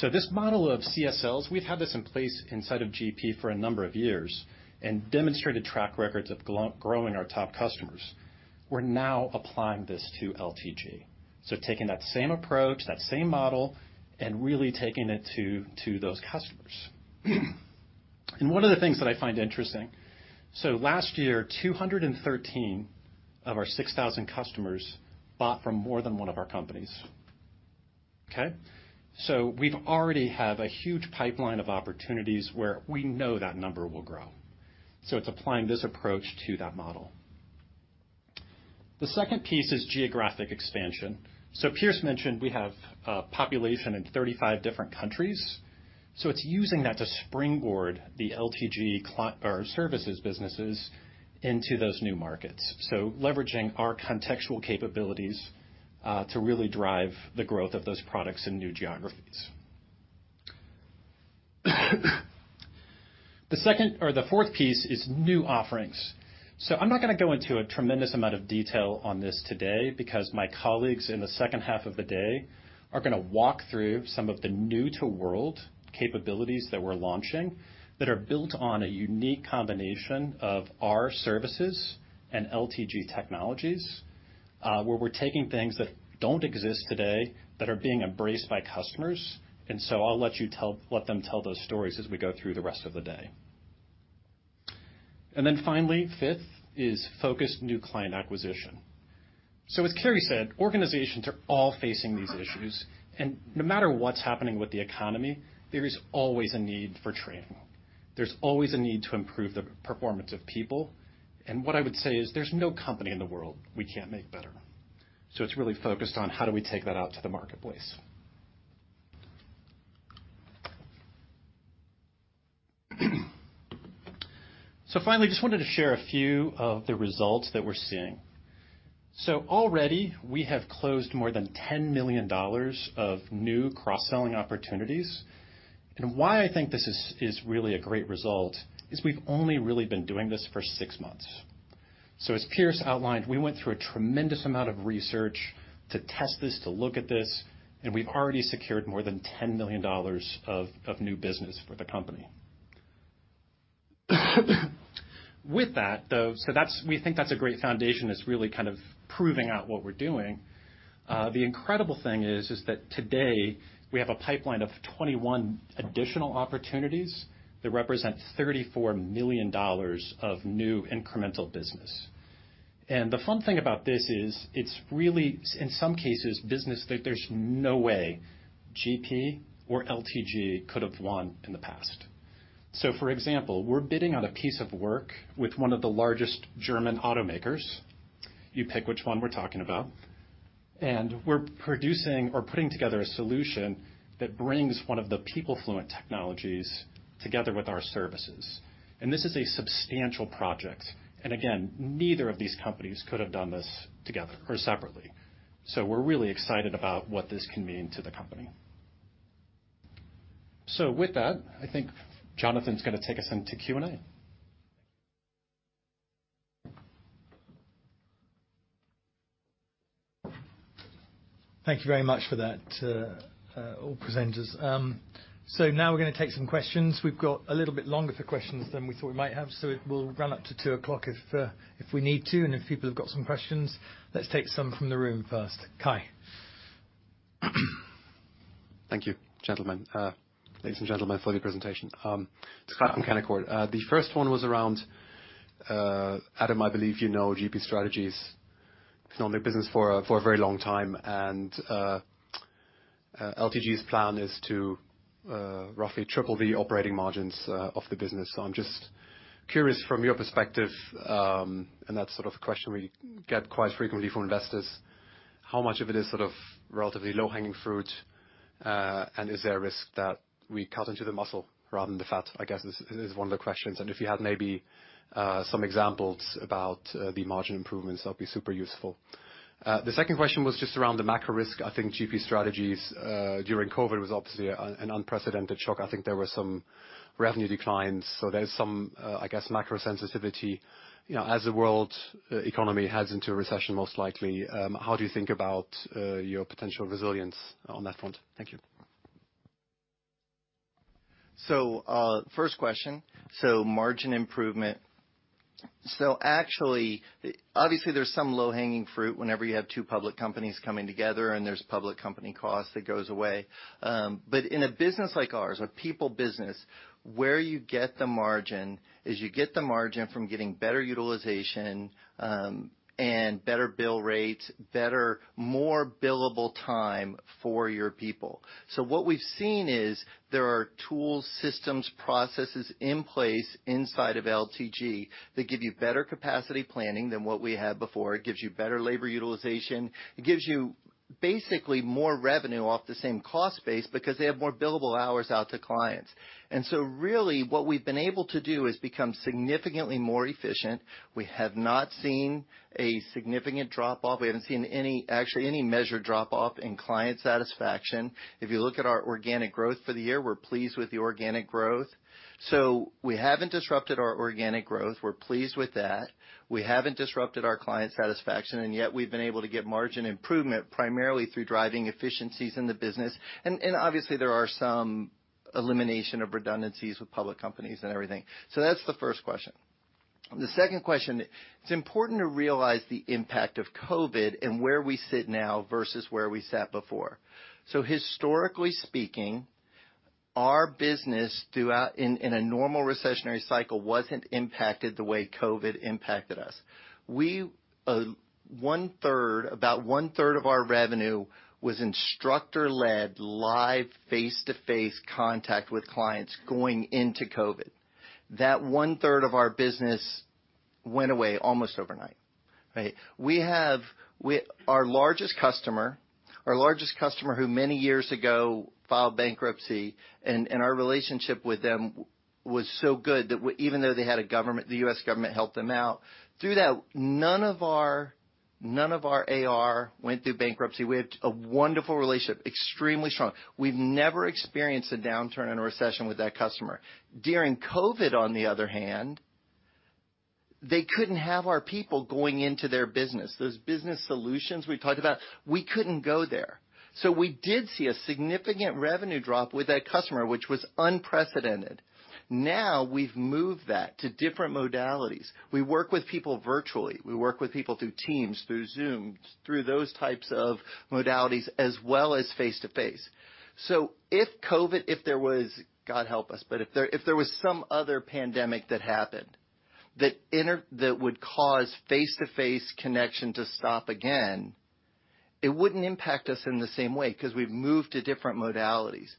This model of CSLs, we've had this in place inside of GP for a number of years and demonstrated track records of growing our top customers. We're now applying this to LTG. Taking that same approach, that same model, and really taking it to those customers. One of the things that I find interesting, last year, 2013 of our 6,000 customers bought from more than one of our companies, okay? We've already have a huge pipeline of opportunities where we know that number will grow. It's applying this approach to that model. The second piece is geographic expansion. Piers mentioned we have a population in 35 different countries. It's using that to springboard the LTG or services businesses into those new markets. Leveraging our contextual capabilities to really drive the growth of those products in new geographies. The second or the fourth piece is new offerings. I'm not gonna go into a tremendous amount of detail on this today because my colleagues in the second half of the day are gonna walk through some of the new to world capabilities that we're launching that are built on a unique combination of our services and LTG technologies, where we're taking things that don't exist today that are being embraced by customers. I'll let them tell those stories as we go through the rest of the day. Finally, fifth is focused new client acquisition. As Kerry said, organizations are all facing these issues, and no matter what's happening with the economy, there is always a need for training. There's always a need to improve the performance of people. What I would say is there's no company in the world we can't make better. It's really focused on how do we take that out to the marketplace. Finally, just wanted to share a few of the results that we're seeing. Already, we have closed more than $10 million of new cross-selling opportunities. Why I think this is really a great result is we've only really been doing this for 6 months. As Piers Lea outlined, we went through a tremendous amount of research to test this, to look at this, and we've already secured more than $10 million of new business for the company. With that, though. That's we think that's a great foundation that's really kind of proving out what we're doing. The incredible thing is that today we have a pipeline of 21 additional opportunities that represent $34 million of new incremental business. The fun thing about this is it's really, in some cases, business that there's no way GP or LTG could have won in the past. For example, we're bidding on a piece of work with one of the largest German automakers. You pick which one we're talking about. We're producing or putting together a solution that brings one of the PeopleFluent technologies together with our services. This is a substantial project. Again, neither of these companies could have done this together or separately. We're really excited about what this can mean to the company. With that, I think Jonathan's gonna take us into Q&A. Thank you very much for that, all presenters. Now we're gonna take some questions. We've got a little bit longer for questions than we thought we might have. It will run up to 2:00 P.M. if we need to, and if people have got some questions. Let's take some from the room first. Kai? Thank you, gentlemen, ladies and gentlemen, for the presentation. It's Scott from Canaccord. The first one was around Adam. I believe you know GP Strategies has known their business for a very long time, and LTG's plan is to roughly triple the operating margins of the business. I'm just curious from your perspective, and that's sort of question we get quite frequently from investors, how much of it is sort of relatively low-hanging fruit, and is there a risk that we cut into the muscle rather than the fat? I guess this is one of the questions. If you had maybe some examples about the margin improvements, that'd be super useful. The second question was just around the macro risk. I think GP Strategies during COVID was obviously an unprecedented shock. I think there were some revenue declines. There's some, I guess, macro sensitivity. You know, as the world economy heads into a recession, most likely, how do you think about your potential resilience on that front? Thank you. First question. Margin improvement. Actually, obviously there's some low-hanging fruit whenever you have two public companies coming together and there's public company cost that goes away. But in a business like ours, a people business, where you get the margin is you get the margin from getting better utilization, and better bill rates, more billable time for your people. What we've seen is there are tools, systems, processes in place inside of LTG that give you better capacity planning than what we had before. It gives you better labor utilization. It gives you basically more revenue off the same cost base because they have more billable hours out to clients. Really what we've been able to do is become significantly more efficient. We have not seen a significant drop off. We haven't seen any, actually any measure drop off in client satisfaction. If you look at our organic growth for the year, we're pleased with the organic growth. We haven't disrupted our organic growth. We're pleased with that. We haven't disrupted our client satisfaction, and yet we've been able to get margin improvement primarily through driving efficiencies in the business. Obviously there are some elimination of redundancies with public companies and everything. That's the first question. The second question, it's important to realize the impact of COVID and where we sit now versus where we sat before. Historically speaking, our business in a normal recessionary cycle wasn't impacted the way COVID impacted us. About one third of our revenue was instructor-led, live, face-to-face contact with clients going into COVID. That one third of our business went away almost overnight, right? We have our largest customer who many years ago filed bankruptcy, and our relationship with them was so good that even though they had a government, the US government helped them out, through that, none of our AR went through bankruptcy. We had a wonderful relationship, extremely strong. We've never experienced a downturn in a recession with that customer. During COVID, on the other hand, they couldn't have our people going into their business. Those business solutions we talked about, we couldn't go there. We did see a significant revenue drop with that customer, which was unprecedented. Now, we've moved that to different modalities. We work with people virtually. We work with people through Teams, through Zoom, through those types of modalities, as well as face-to-face. If COVID, God help us, but if there was some other pandemic that happened that would cause face-to-face connection to stop again, it wouldn't impact us in the same way 'cause we've moved to different modalities.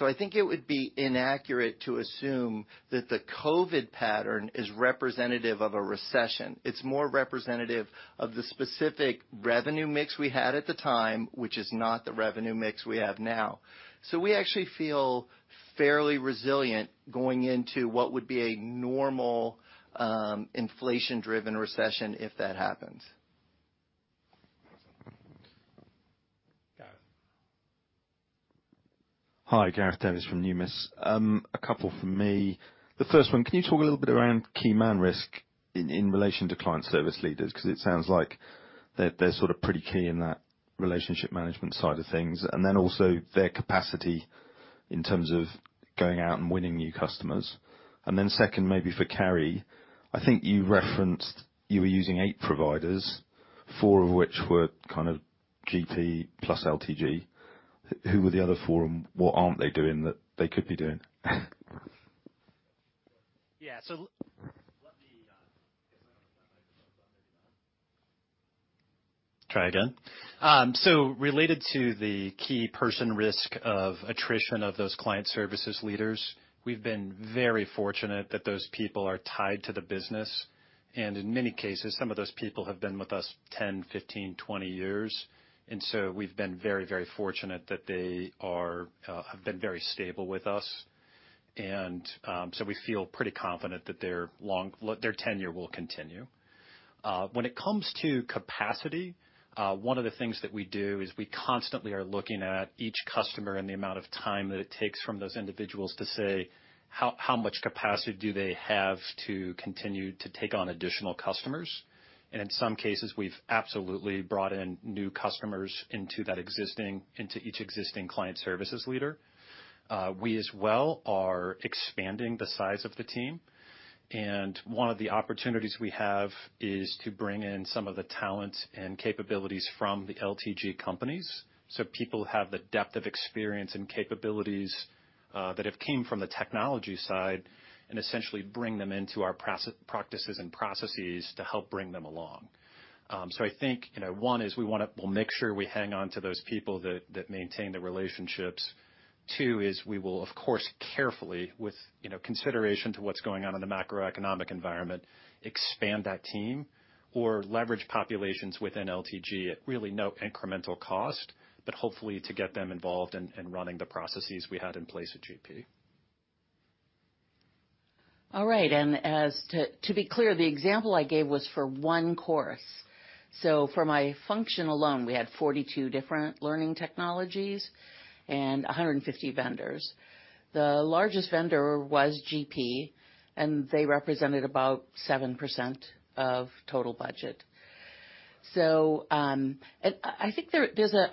I think it would be inaccurate to assume that the COVID pattern is representative of a recession. It's more representative of the specific revenue mix we had at the time, which is not the revenue mix we have now. We actually feel fairly resilient going into what would be a normal, inflation-driven recession if that happens. Gareth. Hi, Gareth Davies from Numis. A couple from me. The first one, can you talk a little bit around key man risk in relation to client service leaders? 'Cause it sounds like they're sort of pretty key in that relationship management side of things. And then also their capacity in terms of going out and winning new customers. And then second, maybe for Karie Willyerd, I think you referenced you were using eight providers, four of which were kind of GP plus LTG. Who were the other four and what aren't they doing that they could be doing? Let me try again. Related to the key person risk of attrition of those client services leaders, we've been very fortunate that those people are tied to the business. In many cases, some of those people have been with us 10, 15, 20 years. We've been very, very fortunate that they have been very stable with us. We feel pretty confident that their tenure will continue. When it comes to capacity, one of the things that we do is we constantly are looking at each customer and the amount of time that it takes from those individuals to say how much capacity do they have to continue to take on additional customers. In some cases, we've absolutely brought in new customers into each existing client services leader. We as well are expanding the size of the team, and one of the opportunities we have is to bring in some of the talent and capabilities from the LTG companies. People have the depth of experience and capabilities that have came from the technology side and essentially bring them into our practices and processes to help bring them along. I think, you know, one is we'll make sure we hang on to those people that maintain the relationships. 2 is we will of course carefully with you know consideration to what's going on in the macroeconomic environment expand that team or leverage populations within LTG at really no incremental cost but hopefully to get them involved in running the processes we had in place with GP. All right. To be clear, the example I gave was for one course. For my function alone, we had 42 different learning technologies and 150 vendors. The largest vendor was GP, and they represented about 7% of total budget. I think.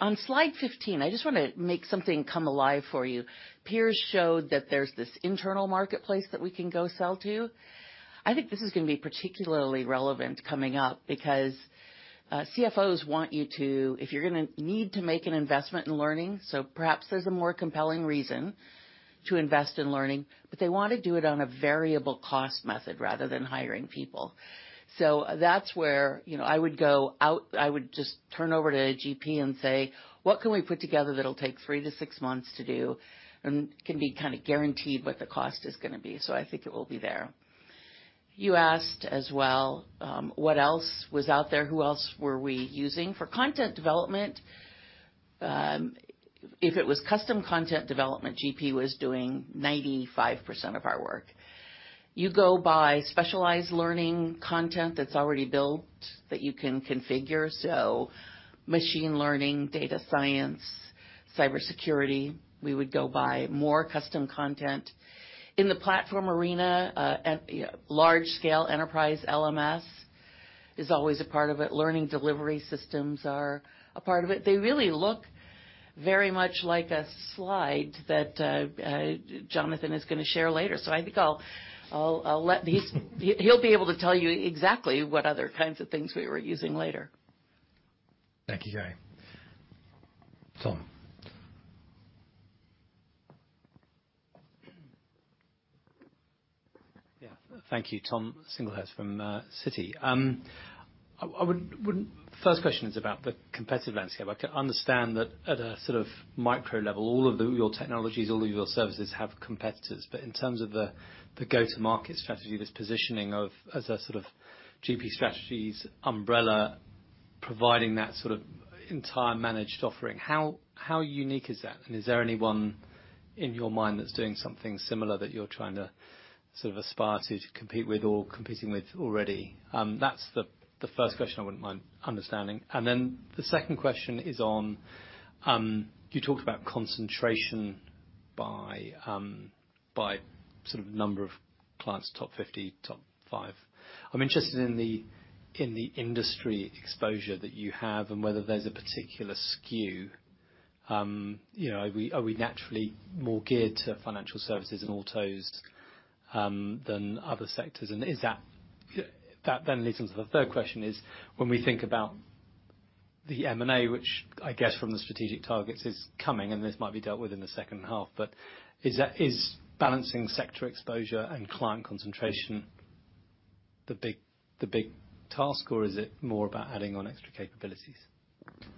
On slide 15, I just wanna make something come alive for you. Piers showed that there's this internal marketplace that we can go sell to. I think this is gonna be particularly relevant coming up because CFOs want you to. If you're gonna need to make an investment in learning, perhaps there's a more compelling reason to invest in learning, but they want to do it on a variable cost method rather than hiring people. That's where, you know, I would go out, I would just turn over to GP and say, "What can we put together that'll take 3-6 months to do and can be kinda guaranteed what the cost is gonna be?" I think it will be there. You asked as well, what else was out there? Who else were we using? For content development, if it was custom content development, GP was doing 95% of our work. You go buy specialized learning content that's already built that you can configure. Machine learning, data science, cybersecurity, we would go buy more custom content. In the platform arena, large scale enterprise LMS is always a part of it. Learning delivery systems are a part of it. They really look very much like a slide that Jonathan is gonna share later. I think I'll let him. He'll be able to tell you exactly what other kinds of things we were using later. Thank you, Gary. Tom. Yeah. Thank you. Tom Singlehurst from Citi. First question is about the competitive landscape. I can understand that at a sort of micro level, all of your technologies, all of your services have competitors. But in terms of the go-to-market strategy, this positioning as a sort of GP Strategies umbrella, providing that sort of entire managed offering, how unique is that? And is there anyone in your mind that's doing something similar that you're trying to sort of aspire to compete with or competing with already? That's the first question I wouldn't mind understanding. And then the second question is on you talked about concentration by sort of number of clients, top 50, top five. I'm interested in the industry exposure that you have and whether there's a particular skew. You know, are we naturally more geared to financial services and autos than other sectors? That then leads on to the third question is, when we think about the M&A, which I guess from the strategic targets is coming, and this might be dealt with in the second half, but is that balancing sector exposure and client concentration the big task, or is it more about adding on extra capabilities?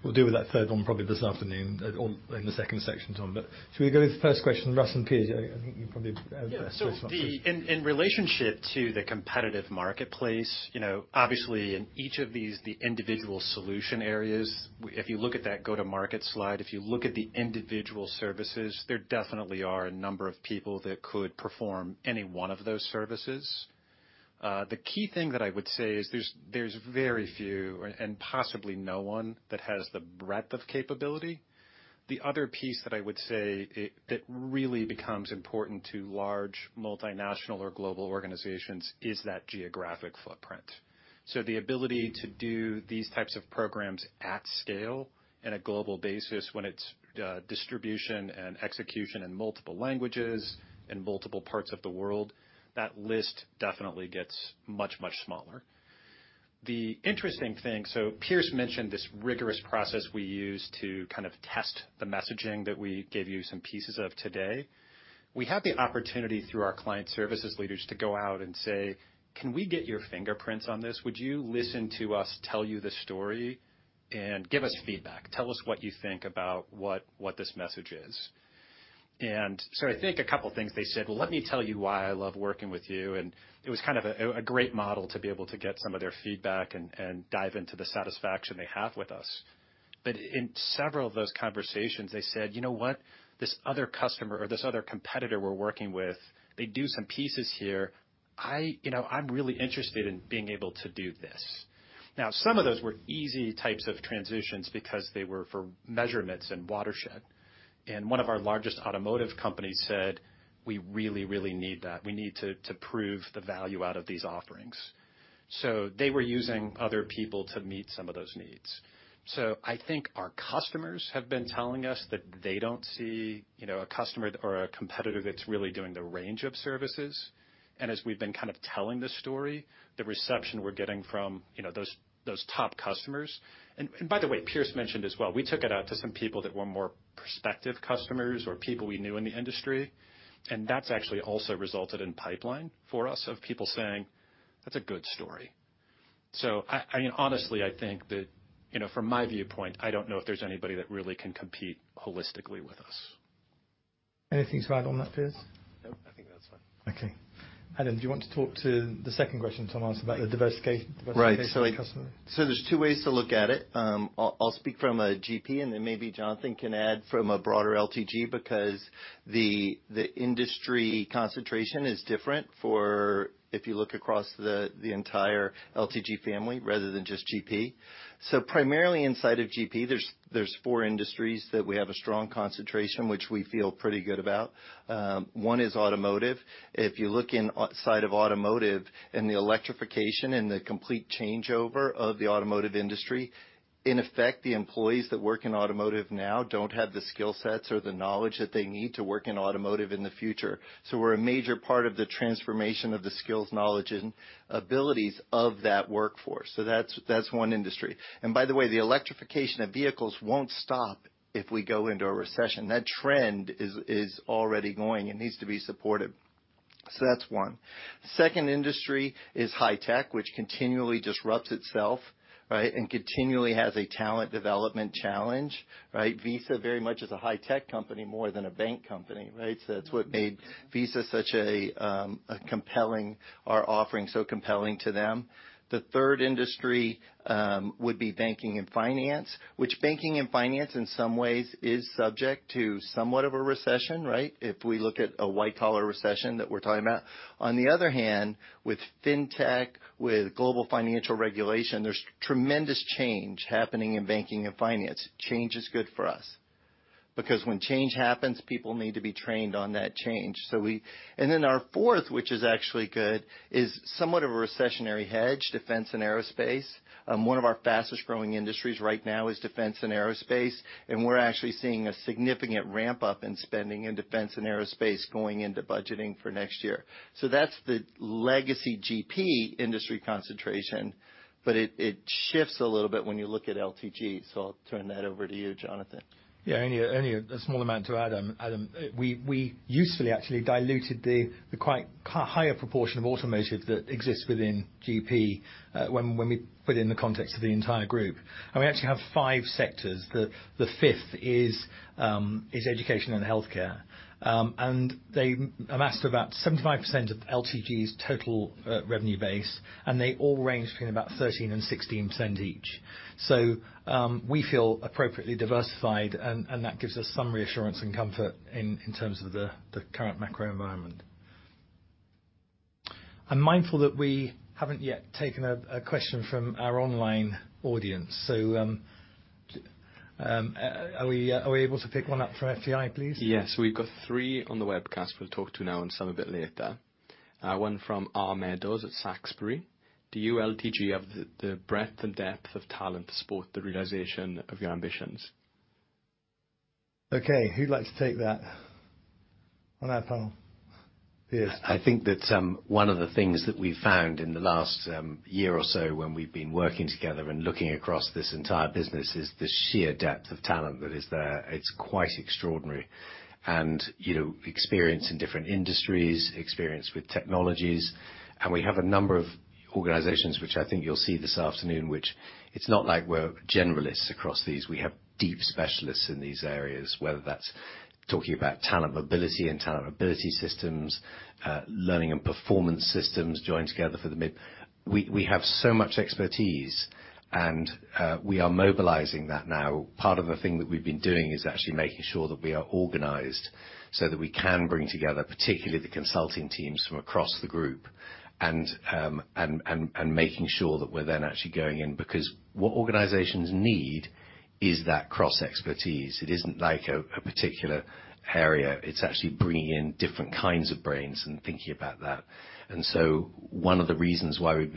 We'll deal with that third one probably this afternoon or in the second section, Tom. Should we go to the first question? Russ and Piers, I think you probably Yeah. In relationship to the competitive marketplace, you know, obviously in each of these, the individual solution areas, if you look at that go-to-market slide, if you look at the individual services, there definitely are a number of people that could perform any one of those services. The key thing that I would say is there's very few and possibly no one that has the breadth of capability. The other piece that I would say that really becomes important to large multinational or global organizations is that geographic footprint. The ability to do these types of programs at scale in a global basis when it's distribution and execution in multiple languages in multiple parts of the world, that list definitely gets much smaller. The interesting thing, Piers mentioned this rigorous process we use to kind of test the messaging that we gave you some pieces of today. We have the opportunity through our client services leaders to go out and say, "Can we get your fingerprints on this? Would you listen to us tell you the story and give us feedback? Tell us what you think about what this message is." I think a couple things they said, "Well, let me tell you why I love working with you." It was kind of a great model to be able to get some of their feedback and dive into the satisfaction they have with us. In several of those conversations, they said, "You know what? This other customer or this other competitor we're working with, they do some pieces here. I... You know, I'm really interested in being able to do this. Now, some of those were easy types of transitions because they were for measurements and Watershed. One of our largest automotive companies said. We really, really need that. We need to prove the value out of these offerings. They were using other people to meet some of those needs. I think our customers have been telling us that they don't see, you know, a customer or a competitor that's really doing the range of services. As we've been kind of telling the story, the reception we're getting from, you know, those top customers. By the way, Piers mentioned as well, we took it out to some people that were more prospective customers or people we knew in the industry, and that's actually also resulted in pipeline for us, of people saying, "That's a good story." I mean, honestly, I think that, you know, from my viewpoint, I don't know if there's anybody that really can compete holistically with us. Anything to add on that, Piers? No, I think that's fine. Okay. Adam, do you want to talk to the second question Tom asked about the diversification of the customer? Right. Like, there's two ways to look at it. I'll speak from a GP and then maybe Jonathan can add from a broader LTG because the industry concentration is different if you look across the entire LTG family rather than just GP. Primarily inside of GP, there's four industries that we have a strong concentration, which we feel pretty good about. One is automotive. If you look inside of automotive and the electrification and the complete changeover of the automotive industry, in effect, the employees that work in automotive now don't have the skill sets or the knowledge that they need to work in automotive in the future. We're a major part of the transformation of the skills, knowledge, and abilities of that workforce. That's one industry. By the way, the electrification of vehicles won't stop if we go into a recession. That trend is already going and needs to be supported. That's one. Second industry is high-tech, which continually disrupts itself, right, and continually has a talent development challenge, right? Visa very much is a high-tech company more than a bank company, right? That's what made our offering so compelling to them. The third industry would be banking and finance, which banking and finance in some ways is subject to somewhat of a recession, right? If we look at a white-collar recession that we're talking about. On the other hand, with fintech, with global financial regulation, there's tremendous change happening in banking and finance. Change is good for us because when change happens, people need to be trained on that change. We Our fourth, which is actually good, is somewhat of a recessionary hedge, defense and aerospace. One of our fastest-growing industries right now is defense and aerospace, and we're actually seeing a significant ramp-up in spending in defense and aerospace going into budgeting for next year. That's the legacy GP industry concentration, but it shifts a little bit when you look at LTG. I'll turn that over to you, Jonathan. Yeah. Only a small amount to add, Adam. We usefully actually diluted the quite higher proportion of automotive that exists within GP, when we put in the context of the entire group. We actually have five sectors. The fifth is education and healthcare. They amass about 75% of LTG's total revenue base, and they all range between about 13% and 16% each. We feel appropriately diversified and that gives us some reassurance and comfort in terms of the current macro environment. I'm mindful that we haven't yet taken a question from our online audience. Are we able to pick one up from FTI, please? Yes. We've got three on the webcast we'll talk to now and some a bit later. One from R Meadows at Saxbury: Do you, LTG, have the breadth and depth of talent to support the realization of your ambitions? Okay. Who'd like to take that on that panel? Piers. I think that one of the things that we found in the last year or so when we've been working together and looking across this entire business is the sheer depth of talent that is there. It's quite extraordinary. You know, experience in different industries, experience with technologies, and we have a number of organizations which I think you'll see this afternoon, which it's not like we're generalists across these. We have deep specialists in these areas, whether that's talking about talent mobility and talent mobility systems, learning and performance systems joined together for the mid-market. We have so much expertise, and we are mobilizing that now. Part of the thing that we've been doing is actually making sure that we are organized so that we can bring together particularly the consulting teams from across the group and making sure that we're then actually going in because what organizations need is that cross-expertise. It isn't like a particular area. It's actually bringing in different kinds of brains and thinking about that. One of the reasons why we've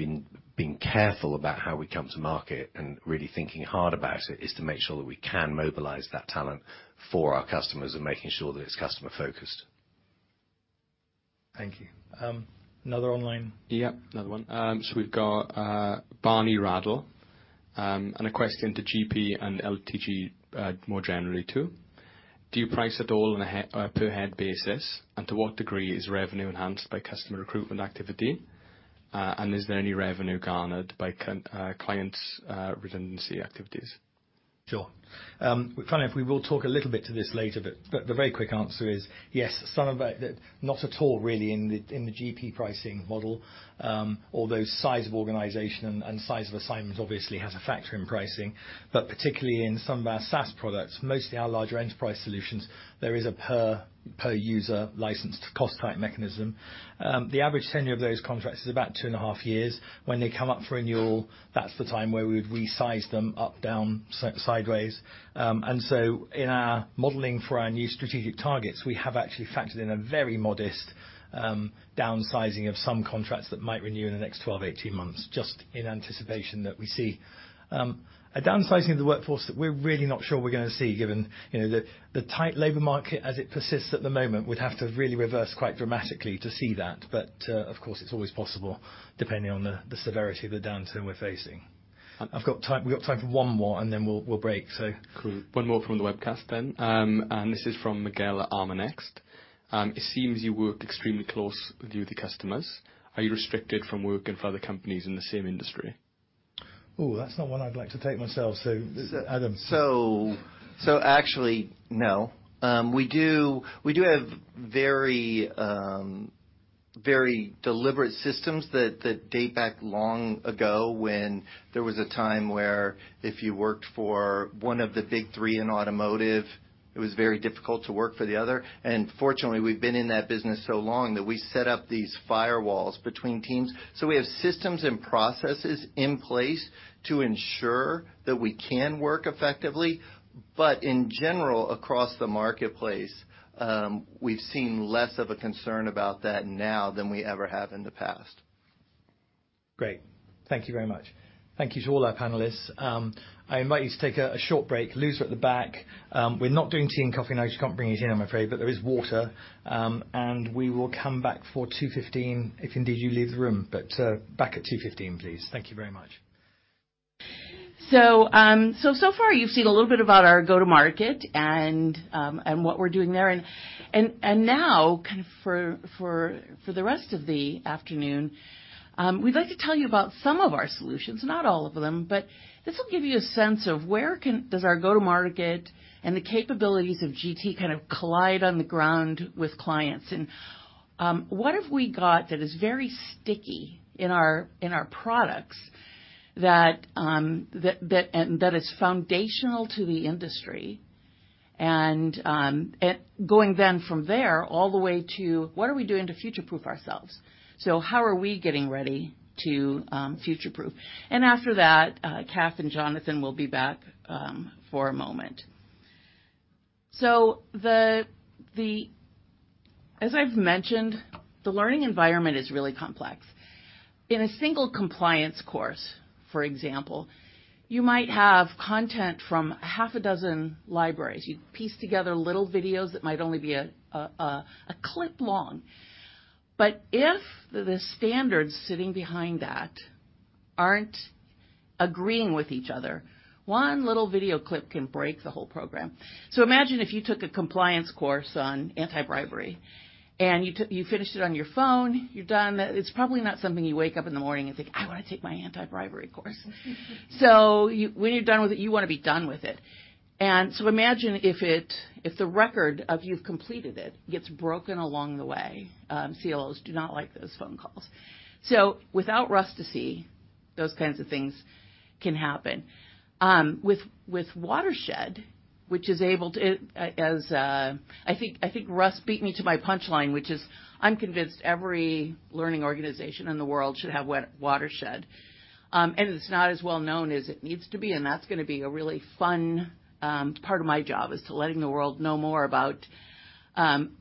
been careful about how we come to market and really thinking hard about it is to make sure that we can mobilize that talent for our customers and making sure that it's customer-focused. Thank you. Another online? Barney Sherwood and a question to GP and LTG more generally too. Do you price at all on a per head basis? And to what degree is revenue enhanced by customer recruitment activity? And is there any revenue garnered by clients' redundancy activities? Sure. We will talk a little bit to this later, but the very quick answer is yes. Some of that not at all really in the GP pricing model, although size of organization and size of assignments obviously has a factor in pricing, but particularly in some of our SaaS products, mostly our larger enterprise solutions, there is a per user license cost type mechanism. The average tenure of those contracts is about 2.5 years. When they come up for renewal, that's the time where we would resize them up, down, sideways. In our modeling for our new strategic targets, we have actually factored in a very modest downsizing of some contracts that might renew in the next 12-18 months, just in anticipation that we see. A downsizing of the workforce that we're really not sure we're gonna see given you know the tight labor market as it persists at the moment would have to really reverse quite dramatically to see that. Of course it's always possible depending on the severity of the downturn we're facing. We've got time for one more and then we'll break. Cool. One more from the webcast then. This is from Miguel at ArmaNext. It seems you work extremely close with your other customers. Are you restricted from working for other companies in the same industry? Ooh, that's not one I'd like to take myself, so Adam. Actually, no. We do have very deliberate systems that date back long ago when there was a time where if you worked for one of the big three in automotive, it was very difficult to work for the other. Fortunately, we've been in that business so long that we set up these firewalls between teams. We have systems and processes in place to ensure that we can work effectively. In general, across the marketplace, we've seen less of a concern about that now than we ever have in the past. Great. Thank you very much. Thank you to all our panelists. I invite you to take a short break. Loos at the back. We're not doing tea and coffee now. You can't bring it in, I'm afraid, but there is water. We will come back at 2:15 P.M. if indeed you leave the room. Back at 2:15 P.M., please. Thank you very much. So far you've seen a little bit about our go-to market and what we're doing there. Now kind of for the rest of the afternoon, we'd like to tell you about some of our solutions, not all of them. This will give you a sense of where does our go-to market and the capabilities of LTG kind of collide on the ground with clients. What have we got that is very sticky in our products that is foundational to the industry. Going then from there all the way to what are we doing to future-proof ourselves. How are we getting ready to future-proof. After that, Cath and Jonathan will be back for a moment. The... As I've mentioned, the learning environment is really complex. In a single compliance course, for example, you might have content from half a dozen libraries. You piece together little videos that might only be a clip long. If the standards sitting behind that aren't agreeing with each other, one little video clip can break the whole program. Imagine if you took a compliance course on anti-bribery, and you finished it on your phone, you're done. It's probably not something you wake up in the morning and think, "I wanna take my anti-bribery course." When you're done with it, you wanna be done with it. Imagine if the record of you've completed it gets broken along the way, CLOs do not like those phone calls. Without Rustici, those kinds of things can happen. With Watershed, which is able to. I think Russ beat me to my punch line, which is I'm convinced every learning organization in the world should have Watershed. And it's not as well-known as it needs to be, and that's gonna be a really fun part of my job, is to letting the world know more about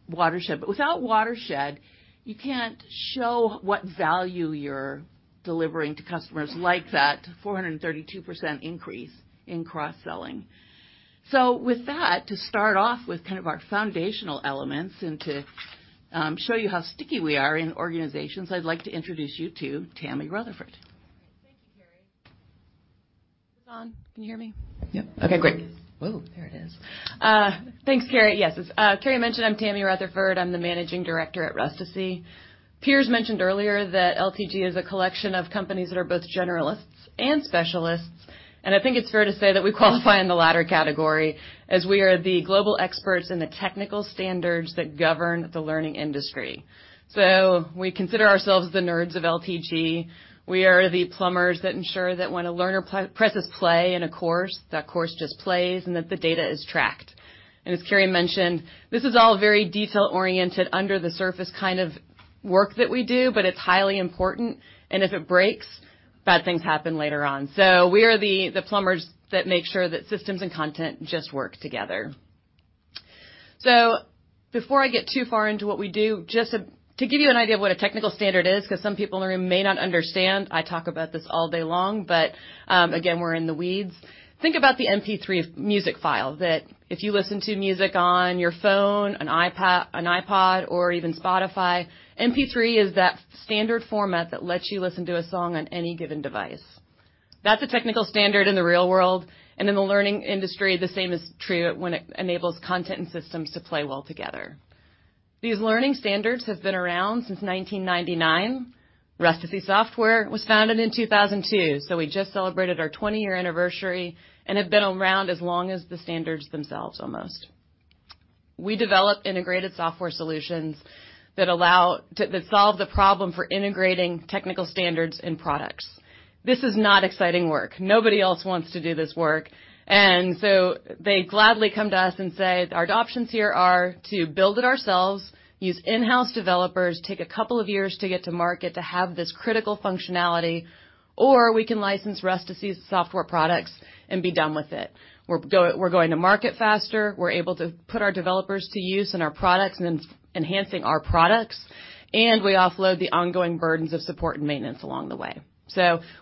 Watershed. But without Watershed, you can't show what value you're delivering to customers like that 432% increase in cross-selling. With that, to start off with kind of our foundational elements and to show you how sticky we are in organizations, I'd like to introduce you to Tammy Rutherford. All right. Thank you, Karie. Is this on? Can you hear me? Yep. Okay, great. Whoa. There it is. Thanks, Carrie. Yes, as Carrie mentioned, I'm Tammy Rutherford. I'm the Managing Director at Rustici. Piers mentioned earlier that LPG is a collection of companies that are both generalists and specialists. I think it's fair to say that we qualify in the latter category as we are the global experts in the technical standards that govern the learning industry. We consider ourselves the nerds of LPG. We are the plumbers that ensure that when a learner presses play in a course, that course just plays and that the data is tracked. As Carrie mentioned, this is all very detail-oriented, under the surface kind of work that we do, but it's highly important. If it breaks, bad things happen later on. We are the plumbers that make sure that systems and content just work together. Before I get too far into what we do, just to give you an idea of what a technical standard is, because some people in the room may not understand. I talk about this all day long, but again, we're in the weeds. Think about the MP3 music file that if you listen to music on your phone, an iPod, or even Spotify, MP3 is that standard format that lets you listen to a song on any given device. That's a technical standard in the real world, and in the learning industry, the same is true when it enables content and systems to play well together. These learning standards have been around since 1999. Rustici Software was founded in 2002, so we just celebrated our 20-year anniversary and have been around as long as the standards themselves, almost. We develop integrated software solutions that allow to solve the problem for integrating technical standards and products. This is not exciting work. Nobody else wants to do this work. They gladly come to us and say, "Our options here are to build it ourselves, use in-house developers, take a couple of years to get to market to have this critical functionality, or we can license Rustici's software products and be done with it. We're going to market faster, we're able to put our developers to use in our products and enhancing our products, and we offload the ongoing burdens of support and maintenance along the way."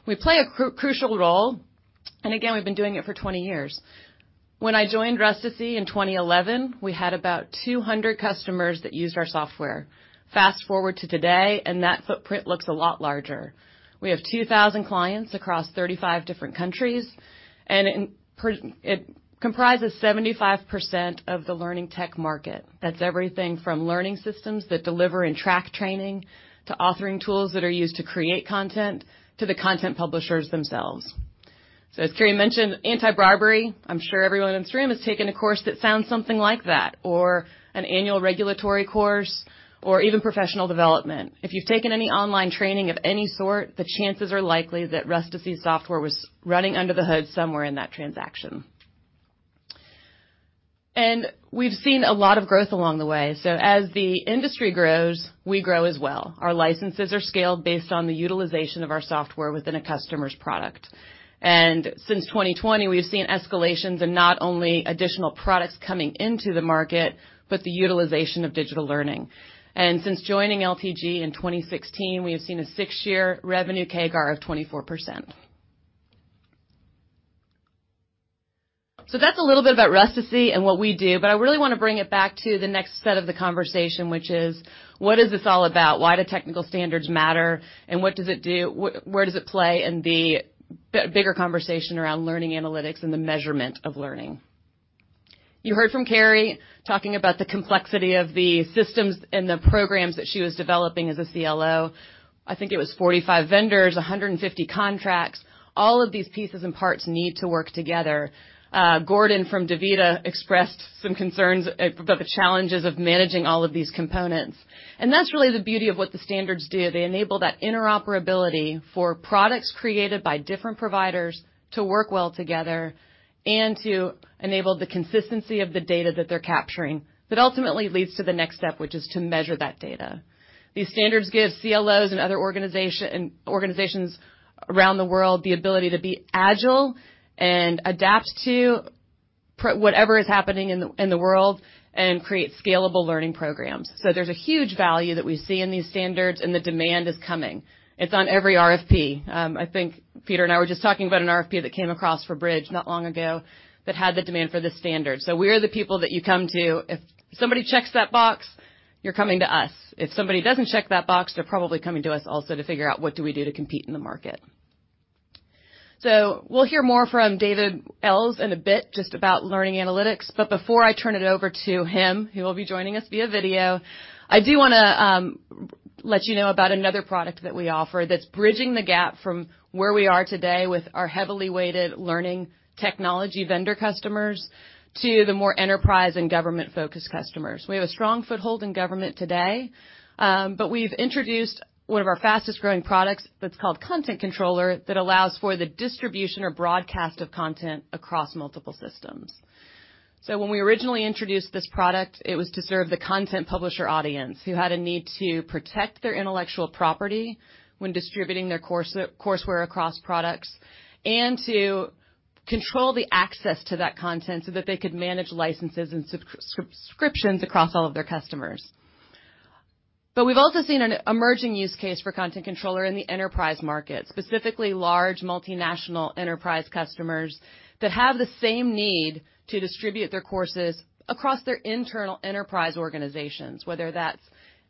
We play a crucial role, and again, we've been doing it for 20 years. When I joined Rustici in 2011, we had about 200 customers that used our software. Fast-forward to today, and that footprint looks a lot larger. We have 2,000 clients across 35 different countries, and it comprises 75% of the learning tech market. That's everything from learning systems that deliver and track training, to authoring tools that are used to create content, to the content publishers themselves. As Karie mentioned, anti-bribery. I'm sure everyone in this room has taken a course that sounds something like that, or an annual regulatory course, or even professional development. If you've taken any online training of any sort, the chances are likely that Rustici Software was running under the hood somewhere in that transaction. We've seen a lot of growth along the way. As the industry grows, we grow as well. Our licenses are scaled based on the utilization of our software within a customer's product. Since 2020, we've seen escalations in not only additional products coming into the market, but the utilization of digital learning. Since joining LTG in 2016, we have seen a six-year revenue CAGR of 24%. That's a little bit about Rustici and what we do, but I really wanna bring it back to the next set of the conversation, which is what is this all about? Why do technical standards matter, and what does it do? Where does it play in the bigger conversation around learning analytics and the measurement of learning? You heard from Carrie talking about the complexity of the systems and the programs that she was developing as a CLO. I think it was 45 vendors, 150 contracts. All of these pieces and parts need to work together. Gordon from DaVita expressed some concerns about the challenges of managing all of these components. That's really the beauty of what the standards do. They enable that interoperability for products created by different providers to work well together and to enable the consistency of the data that they're capturing. That ultimately leads to the next step, which is to measure that data. These standards give CLOs and other organizations around the world the ability to be agile and adapt to whatever is happening in the world and create scalable learning programs. There's a huge value that we see in these standards, and the demand is coming. It's on every RFP. I think Peter and I were just talking about an RFP that came across for Bridge not long ago that had the demand for this standard. We are the people that you come to. If somebody checks that box, you're coming to us. If somebody doesn't check that box, they're probably coming to us also to figure out what do we do to compete in the market. We'll hear more from David Ells in a bit, just about learning analytics, but before I turn it over to him, he will be joining us via video. I do wanna let you know about another product that we offer that's bridging the gap from where we are today with our heavily weighted learning technology vendor customers to the more enterprise and government-focused customers. We have a strong foothold in government today, but we've introduced one of our fastest-growing products that's called Content Controller that allows for the distribution or broadcast of content across multiple systems. When we originally introduced this product, it was to serve the content publisher audience who had a need to protect their intellectual property when distributing their courseware across products, and to control the access to that content, so that they could manage licenses and subscriptions across all of their customers. We've also seen an emerging use case for Content Controller in the enterprise market, specifically large multinational enterprise customers that have the same need to distribute their courses across their internal enterprise organizations, whether that's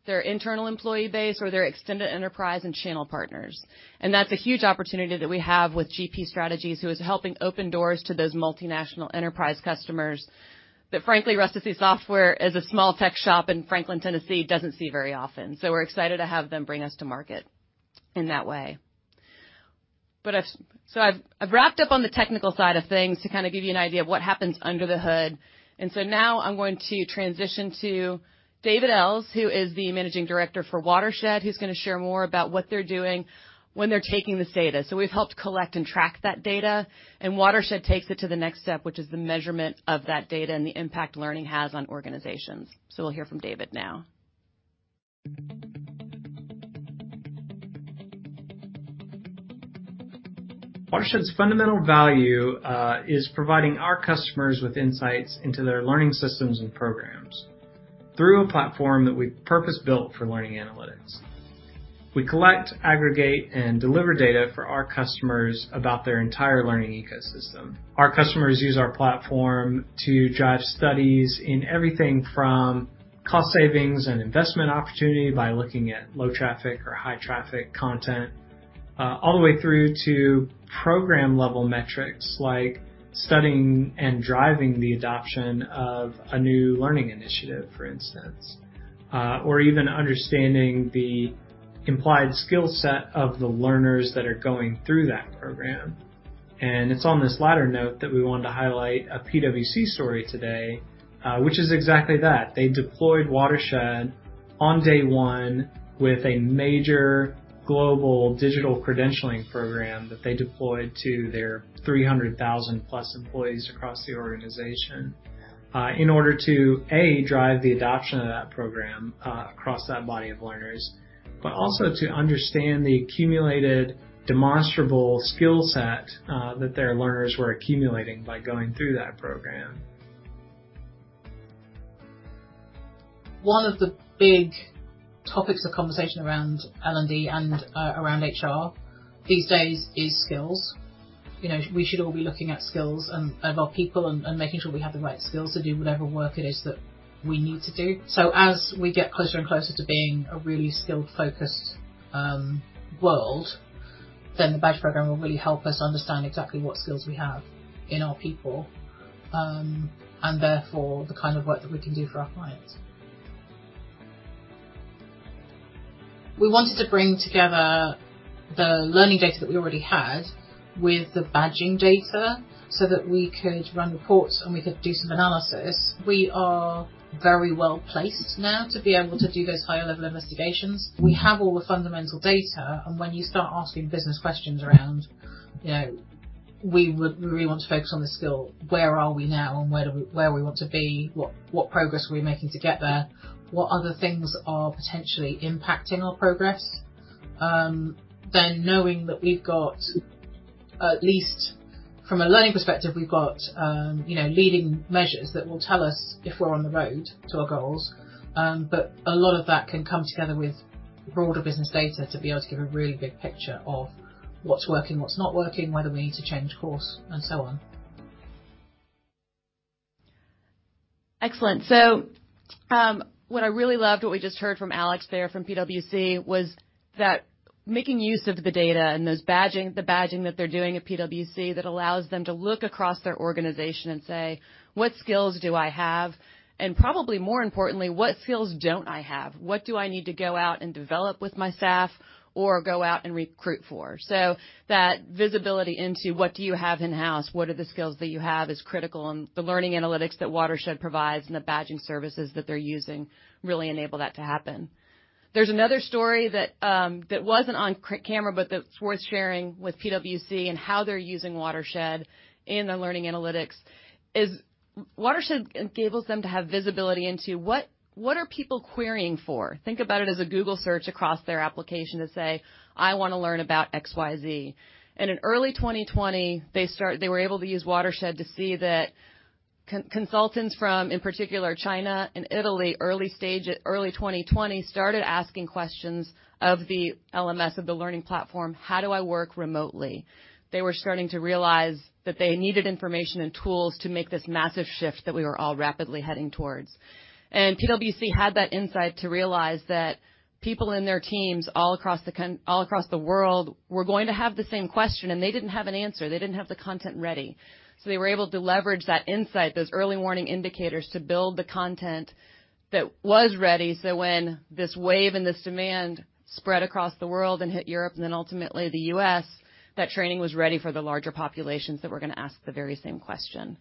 their internal employee base or their extended enterprise and channel partners. That's a huge opportunity that we have with GP Strategies, who is helping open doors to those multinational enterprise customers that frankly, Rustici Software as a small tech shop in Franklin, Tennessee, doesn't see very often. We're excited to have them bring us to market in that way. I've. I've wrapped up on the technical side of things to kind of give you an idea of what happens under the hood. Now I'm going to transition to David Ells, who is the Managing Director for Watershed. He's gonna share more about what they're doing when they're taking this data. We've helped collect and track that data, and Watershed takes it to the next step, which is the measurement of that data and the impact learning has on organizations. We'll hear from David now. Watershed's fundamental value is providing our customers with insights into their learning systems and programs through a platform that we've purpose-built for learning analytics. We collect, aggregate, and deliver data for our customers about their entire learning ecosystem. Our customers use our platform to drive studies in everything from cost savings and investment opportunity by looking at low traffic or high traffic content, all the way through to program-level metrics like studying and driving the adoption of a new learning initiative, for instance, or even understanding the implied skill set of the learners that are going through that program. It's on this latter note that we wanted to highlight a PwC story today, which is exactly that. They deployed Watershed on day one with a major global digital credentialing program that they deployed to their 300,000+ employees across the organization, in order to, A, drive the adoption of that program, across that body of learners, but also to understand the accumulated demonstrable skill set, that their learners were accumulating by going through that program. One of the big topics of conversation around L&D and around HR these days is skills. You know, we should all be looking at skills and of our people and making sure we have the right skills to do whatever work it is that we need to do. As we get closer and closer to being a really skill-focused world, then the badge program will really help us understand exactly what skills we have in our people, and therefore the kind of work that we can do for our clients. We wanted to bring together the learning data that we already had with the badging data so that we could run reports, and we could do some analysis. We are very well-placed now to be able to do those higher-level investigations. We have all the fundamental data and when you start asking business questions around, you know, we would really want to focus on this skill, where are we now and where we want to be? What progress are we making to get there? What other things are potentially impacting our progress? Knowing that we've got, at least from a learning perspective, we've got, you know, leading measures that will tell us if we're on the road to our goals. A lot of that can come together with broader business data to be able to give a really big picture of what's working, what's not working, whether we need to change course, and so on. Excellent. What I really loved what we just heard from Alex there from PwC was that making use of the data and those badging the badging that they're doing at PwC that allows them to look across their organization and say, "What skills do I have?" And probably more importantly, "What skills don't I have? What do I need to go out and develop with my staff or go out and recruit for?" That visibility into what do you have in-house, what are the skills that you have, is critical, and the learning analytics that Watershed provides and the badging services that they're using really enable that to happen. There's another story that that wasn't on camera, but that's worth sharing with PwC and how they're using Watershed in their learning analytics is Watershed enables them to have visibility into what are people querying for? Think about it as a Google search across their application to say, "I wanna learn about XYZ." In early 2020, they were able to use Watershed to see that consultants from, in particular, China and Italy, early 2020, started asking questions of the LMS, of the learning platform, "How do I work remotely?" They were starting to realize that they needed information and tools to make this massive shift that we were all rapidly heading towards. PwC had that insight to realize that people in their teams all across the world were going to have the same question, and they didn't have an answer. They didn't have the content ready. They were able to leverage that insight, those early warning indicators, to build the content that was ready, so when this wave and this demand spread across the world and hit Europe and then ultimately the US, that training was ready for the larger populations that were gonna ask the very same question.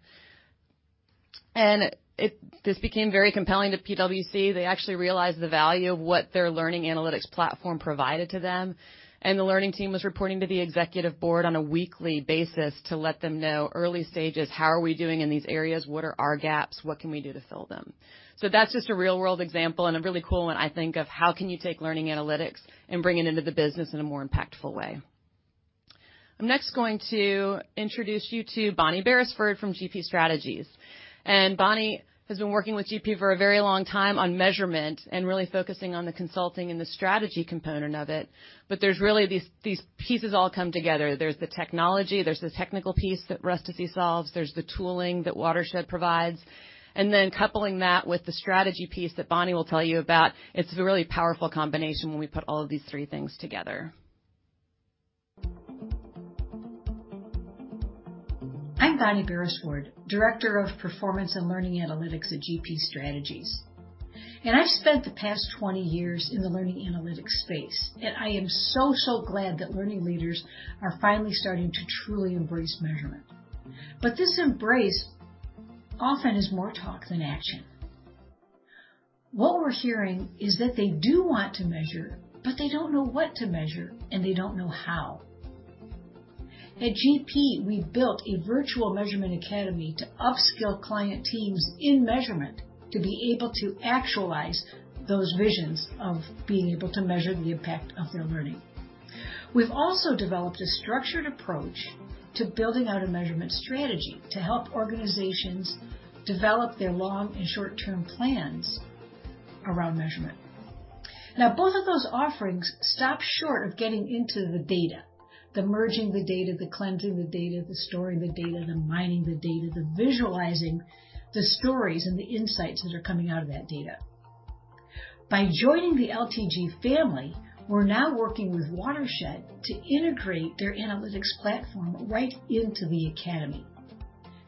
This became very compelling to PwC. They actually realized the value of what their learning analytics platform provided to them, and the learning team was reporting to the executive board on a weekly basis to let them know early stages, how are we doing in these areas? What are our gaps? What can we do to fill them? That's just a real-world example, and a really cool one, I think, of how can you take learning analytics and bring it into the business in a more impactful way. I'm next going to introduce you to Bonnie Beresford from GP Strategies. Bonnie has been working with GP for a very long time on measurement and really focusing on the consulting and the strategy component of it. There's really these pieces all come together. There's the technology, there's the technical piece that Rustici solves, there's the tooling that Watershed provides, and then coupling that with the strategy piece that Bonnie will tell you about. It's a really powerful combination when we put all of these three things together. I'm Bonnie Beresford, Director of Performance and Learning Analytics at GP Strategies. I've spent the past 20 years in the learning analytics space, and I am so glad that learning leaders are finally starting to truly embrace measurement. This embrace often is more talk than action. What we're hearing is that they do want to measure, but they don't know what to measure, and they don't know how. At GP, we built a virtual measurement academy to upskill client teams in measurement to be able to actualize those visions of being able to measure the impact of their learning. We've also developed a structured approach to building out a measurement strategy to help organizations develop their long and short-term plans around measurement. Now, both of those offerings stop short of getting into the data, the merging the data, the cleansing the data, the storing the data, the mining the data, the visualizing the stories and the insights that are coming out of that data. By joining the LTG family, we're now working with Watershed to integrate their analytics platform right into the academy.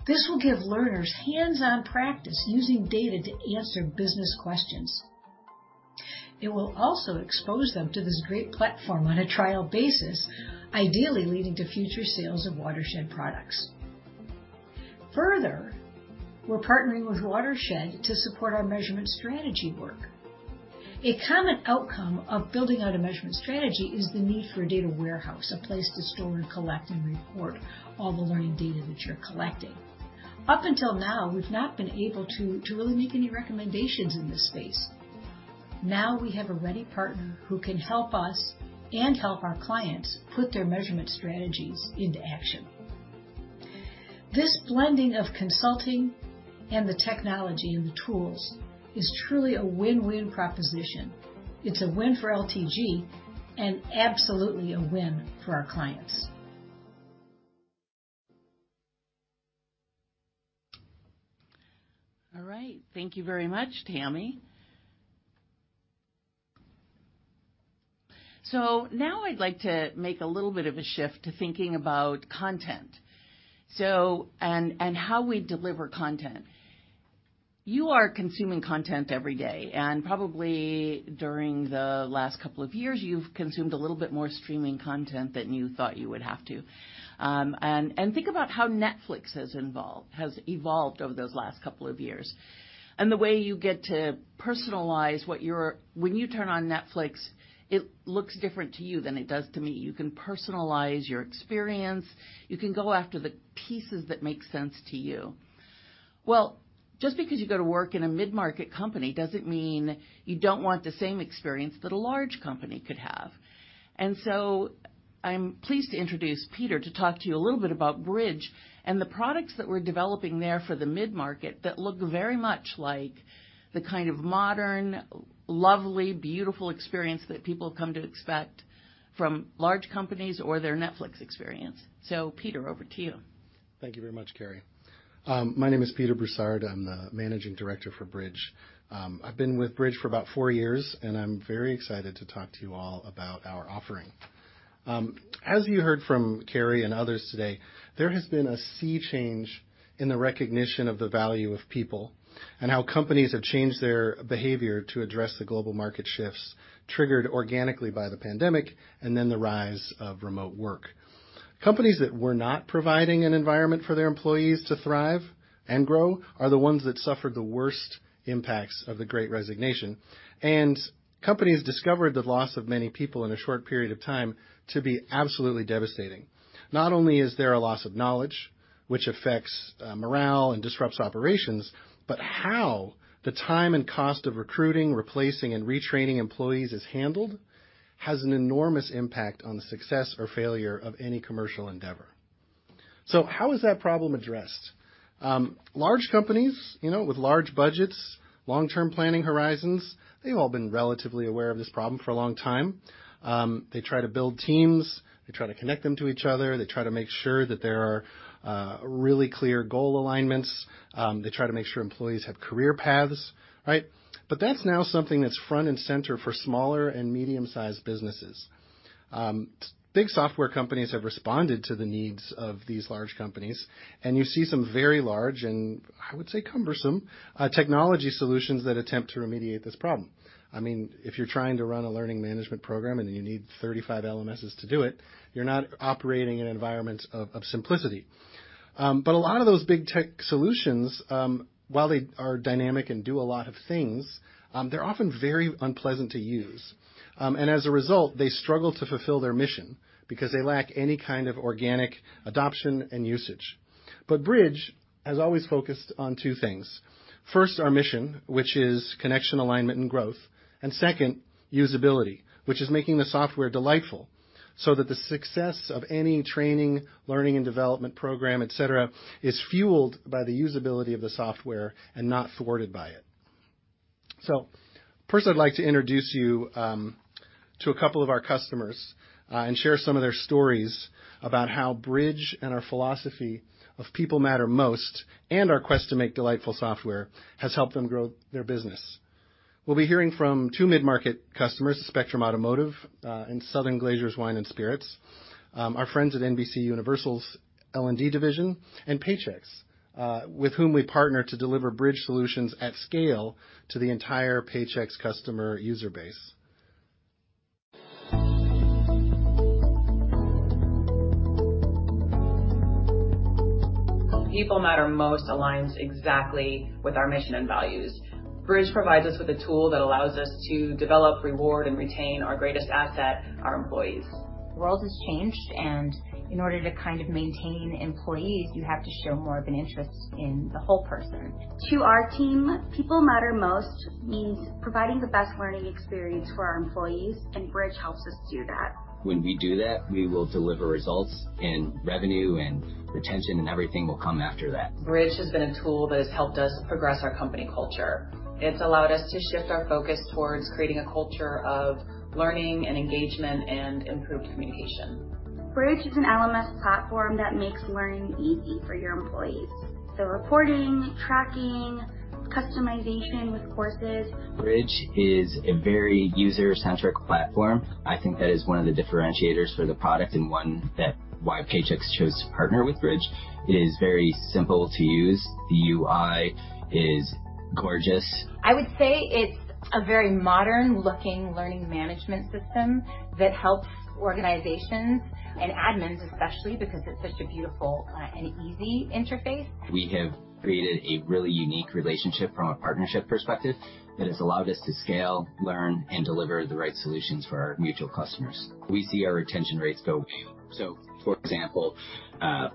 This will give learners hands-on practice using data to answer business questions. It will also expose them to this great platform on a trial basis, ideally leading to future sales of Watershed products. Further, we're partnering with Watershed to support our measurement strategy work. A common outcome of building out a measurement strategy is the need for a data warehouse, a place to store and collect and report all the learning data that you're collecting. Up until now, we've not been able to really make any recommendations in this space. Now we have a ready partner who can help us and help our clients put their measurement strategies into action. This blending of consulting and the technology and the tools is truly a win-win proposition. It's a win for LTG and absolutely a win for our clients. All right. Thank you very much, Tammy. Now I'd like to make a little bit of a shift to thinking about content and how we deliver content. You are consuming content every day, and probably during the last couple of years, you've consumed a little bit more streaming content than you thought you would have to. Think about how Netflix has evolved over those last couple of years. When you turn on Netflix, it looks different to you than it does to me. You can personalize your experience. You can go after the pieces that make sense to you. Well, just because you go to work in a mid-market company doesn't mean you don't want the same experience that a large company could have. I'm pleased to introduce Peter Broussard to talk to you a little bit about Bridge and the products that we're developing there for the mid-market that look very much like the kind of modern, lovely, beautiful experience that people come to expect from large companies or their Netflix experience. Peter Broussard, over to you. Thank you very much, Carrie. My name is Peter Brussard. I'm the managing director for Bridge. I've been with Bridge for about four years, and I'm very excited to talk to you all about our offering. As you heard from Carrie and others today, there has been a sea change in the recognition of the value of people and how companies have changed their behavior to address the global market shifts triggered organically by the pandemic and then the rise of remote work. Companies that were not providing an environment for their employees to thrive and grow are the ones that suffered the worst impacts of the great resignation. Companies discovered the loss of many people in a short period of time to be absolutely devastating. Not only is there a loss of knowledge which affects morale and disrupts operations, but how the time and cost of recruiting, replacing, and retraining employees is handled has an enormous impact on the success or failure of any commercial endeavor. How is that problem addressed? Large companies, you know, with large budgets, long-term planning horizons, they've all been relatively aware of this problem for a long time. They try to build teams, they try to connect them to each other, they try to make sure that there are really clear goal alignments. They try to make sure employees have career paths, right? That's now something that's front and center for smaller and medium-sized businesses. Big software companies have responded to the needs of these large companies, and you see some very large, and I would say cumbersome, technology solutions that attempt to remediate this problem. I mean, if you're trying to run a learning management program and you need 35 LMSs to do it, you're not operating in an environment of simplicity. A lot of those big tech solutions, while they are dynamic and do a lot of things, they're often very unpleasant to use. As a result, they struggle to fulfill their mission because they lack any kind of organic adoption and usage. Bridge has always focused on two things, first, our mission, which is connection, alignment, and growth, and second, usability, which is making the software delightful, so that the success of any training, learning, and development program, et cetera, is fueled by the usability of the software and not thwarted by it. First, I'd like to introduce you to a couple of our customers, and share some of their stories about how Bridge and our philosophy of people matter most, and our quest to make delightful software has helped them grow their business. We'll be hearing from two mid-market customers, Spectrum Automotive, and Southern Glazers Wine and Spirits, our friends at NBCUniversal's L&D division, and Paychex, with whom we partner to deliver Bridge solutions at scale to the entire Paychex customer user base. People matter most aligns exactly with our mission and values. Bridge provides us with a tool that allows us to develop, reward, and retain our greatest asset, our employees. The world has changed, and in order to kind of maintain employees, you have to show more of an interest in the whole person. To our team, people matter most means providing the best learning experience for our employees, and Bridge helps us do that. When we do that, we will deliver results, and revenue and retention and everything will come after that. Bridge has been a tool that has helped us progress our company culture. It's allowed us to shift our focus toward creating a culture of learning and engagement and improved communication. Bridge is an LMS platform that makes learning easy for your employees. The reporting, tracking. Customization with courses Bridge is a very user-centric platform. I think that is one of the differentiators for the product and one that why Paychex chose to partner with Bridge. It is very simple to use. The UI is gorgeous. I would say it's a very modern-looking learning management system that helps organizations and admins especially because it's such a beautiful and easy interface. We have created a really unique relationship from a partnership perspective that has allowed us to scale, learn, and deliver the right solutions for our mutual customers. We see our retention rates go way up. For example, the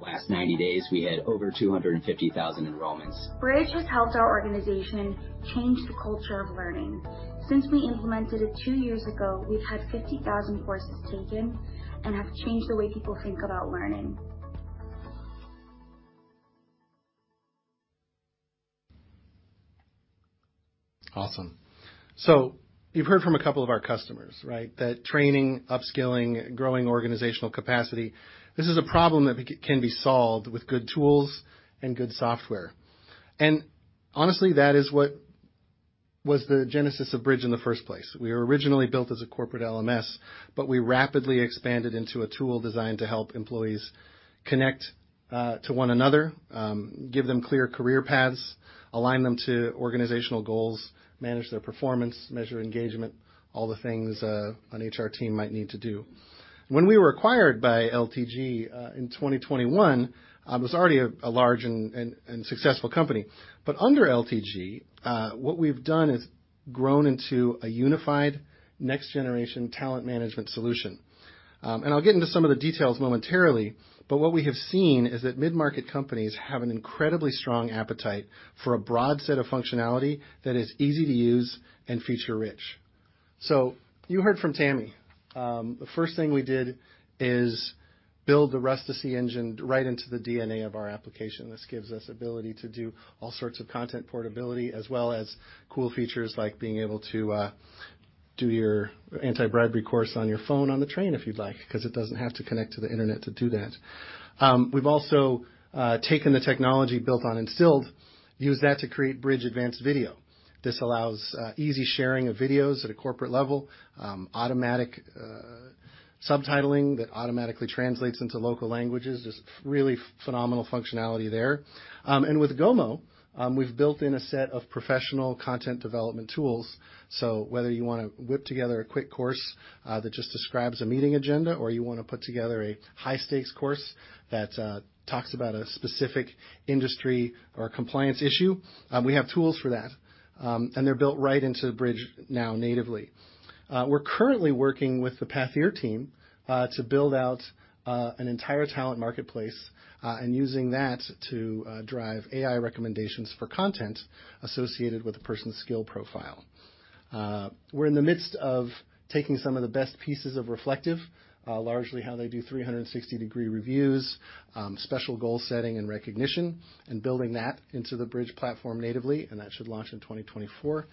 last 90 days, we had over 250,000 enrollments. Bridge has helped our organization change the culture of learning. Since we implemented it 2 years ago, we've had 50,000 courses taken and have changed the way people think about learning. Awesome. You've heard from a couple of our customers, right? That training, upskilling, growing organizational capacity, this is a problem that can be solved with good tools and good software. Honestly, that is what was the genesis of Bridge in the first place. We were originally built as a corporate LMS, but we rapidly expanded into a tool designed to help employees connect to one another, give them clear career paths, align them to organizational goals, manage their performance, measure engagement, all the things an HR team might need to do. When we were acquired by LTG in 2021, was already a large and successful company. Under LTG, what we've done is grown into a unified next-generation talent management solution. I'll get into some of the details momentarily, but what we have seen is that mid-market companies have an incredibly strong appetite for a broad set of functionality that is easy to use and feature-rich. You heard from Tammy. The first thing we did is build the Rustici engine right into the DNA of our application. This gives us ability to do all sorts of content portability as well as cool features like being able to do your anti-bribery course on your phone on the train if you'd like, 'cause it doesn't have to connect to the internet to do that. We've also taken the technology built on Instilled, used that to create Bridge Advanced Video. This allows easy sharing of videos at a corporate level, automatic subtitling that automatically translates into local languages. Just really phenomenal functionality there. With Gomo, we've built in a set of professional content development tools. Whether you wanna whip together a quick course that just describes a meeting agenda or you wanna put together a high-stakes course that talks about a specific industry or compliance issue, we have tools for that. They're built right into Bridge now natively. We're currently working with the Pathear team to build out an entire talent marketplace and using that to drive AI recommendations for content associated with a person's skill profile. We're in the midst of taking some of the best pieces of Reflektive, largely how they do 360-degree reviews, special goal setting and recognition, and building that into the Bridge platform natively, and that should launch in 2024.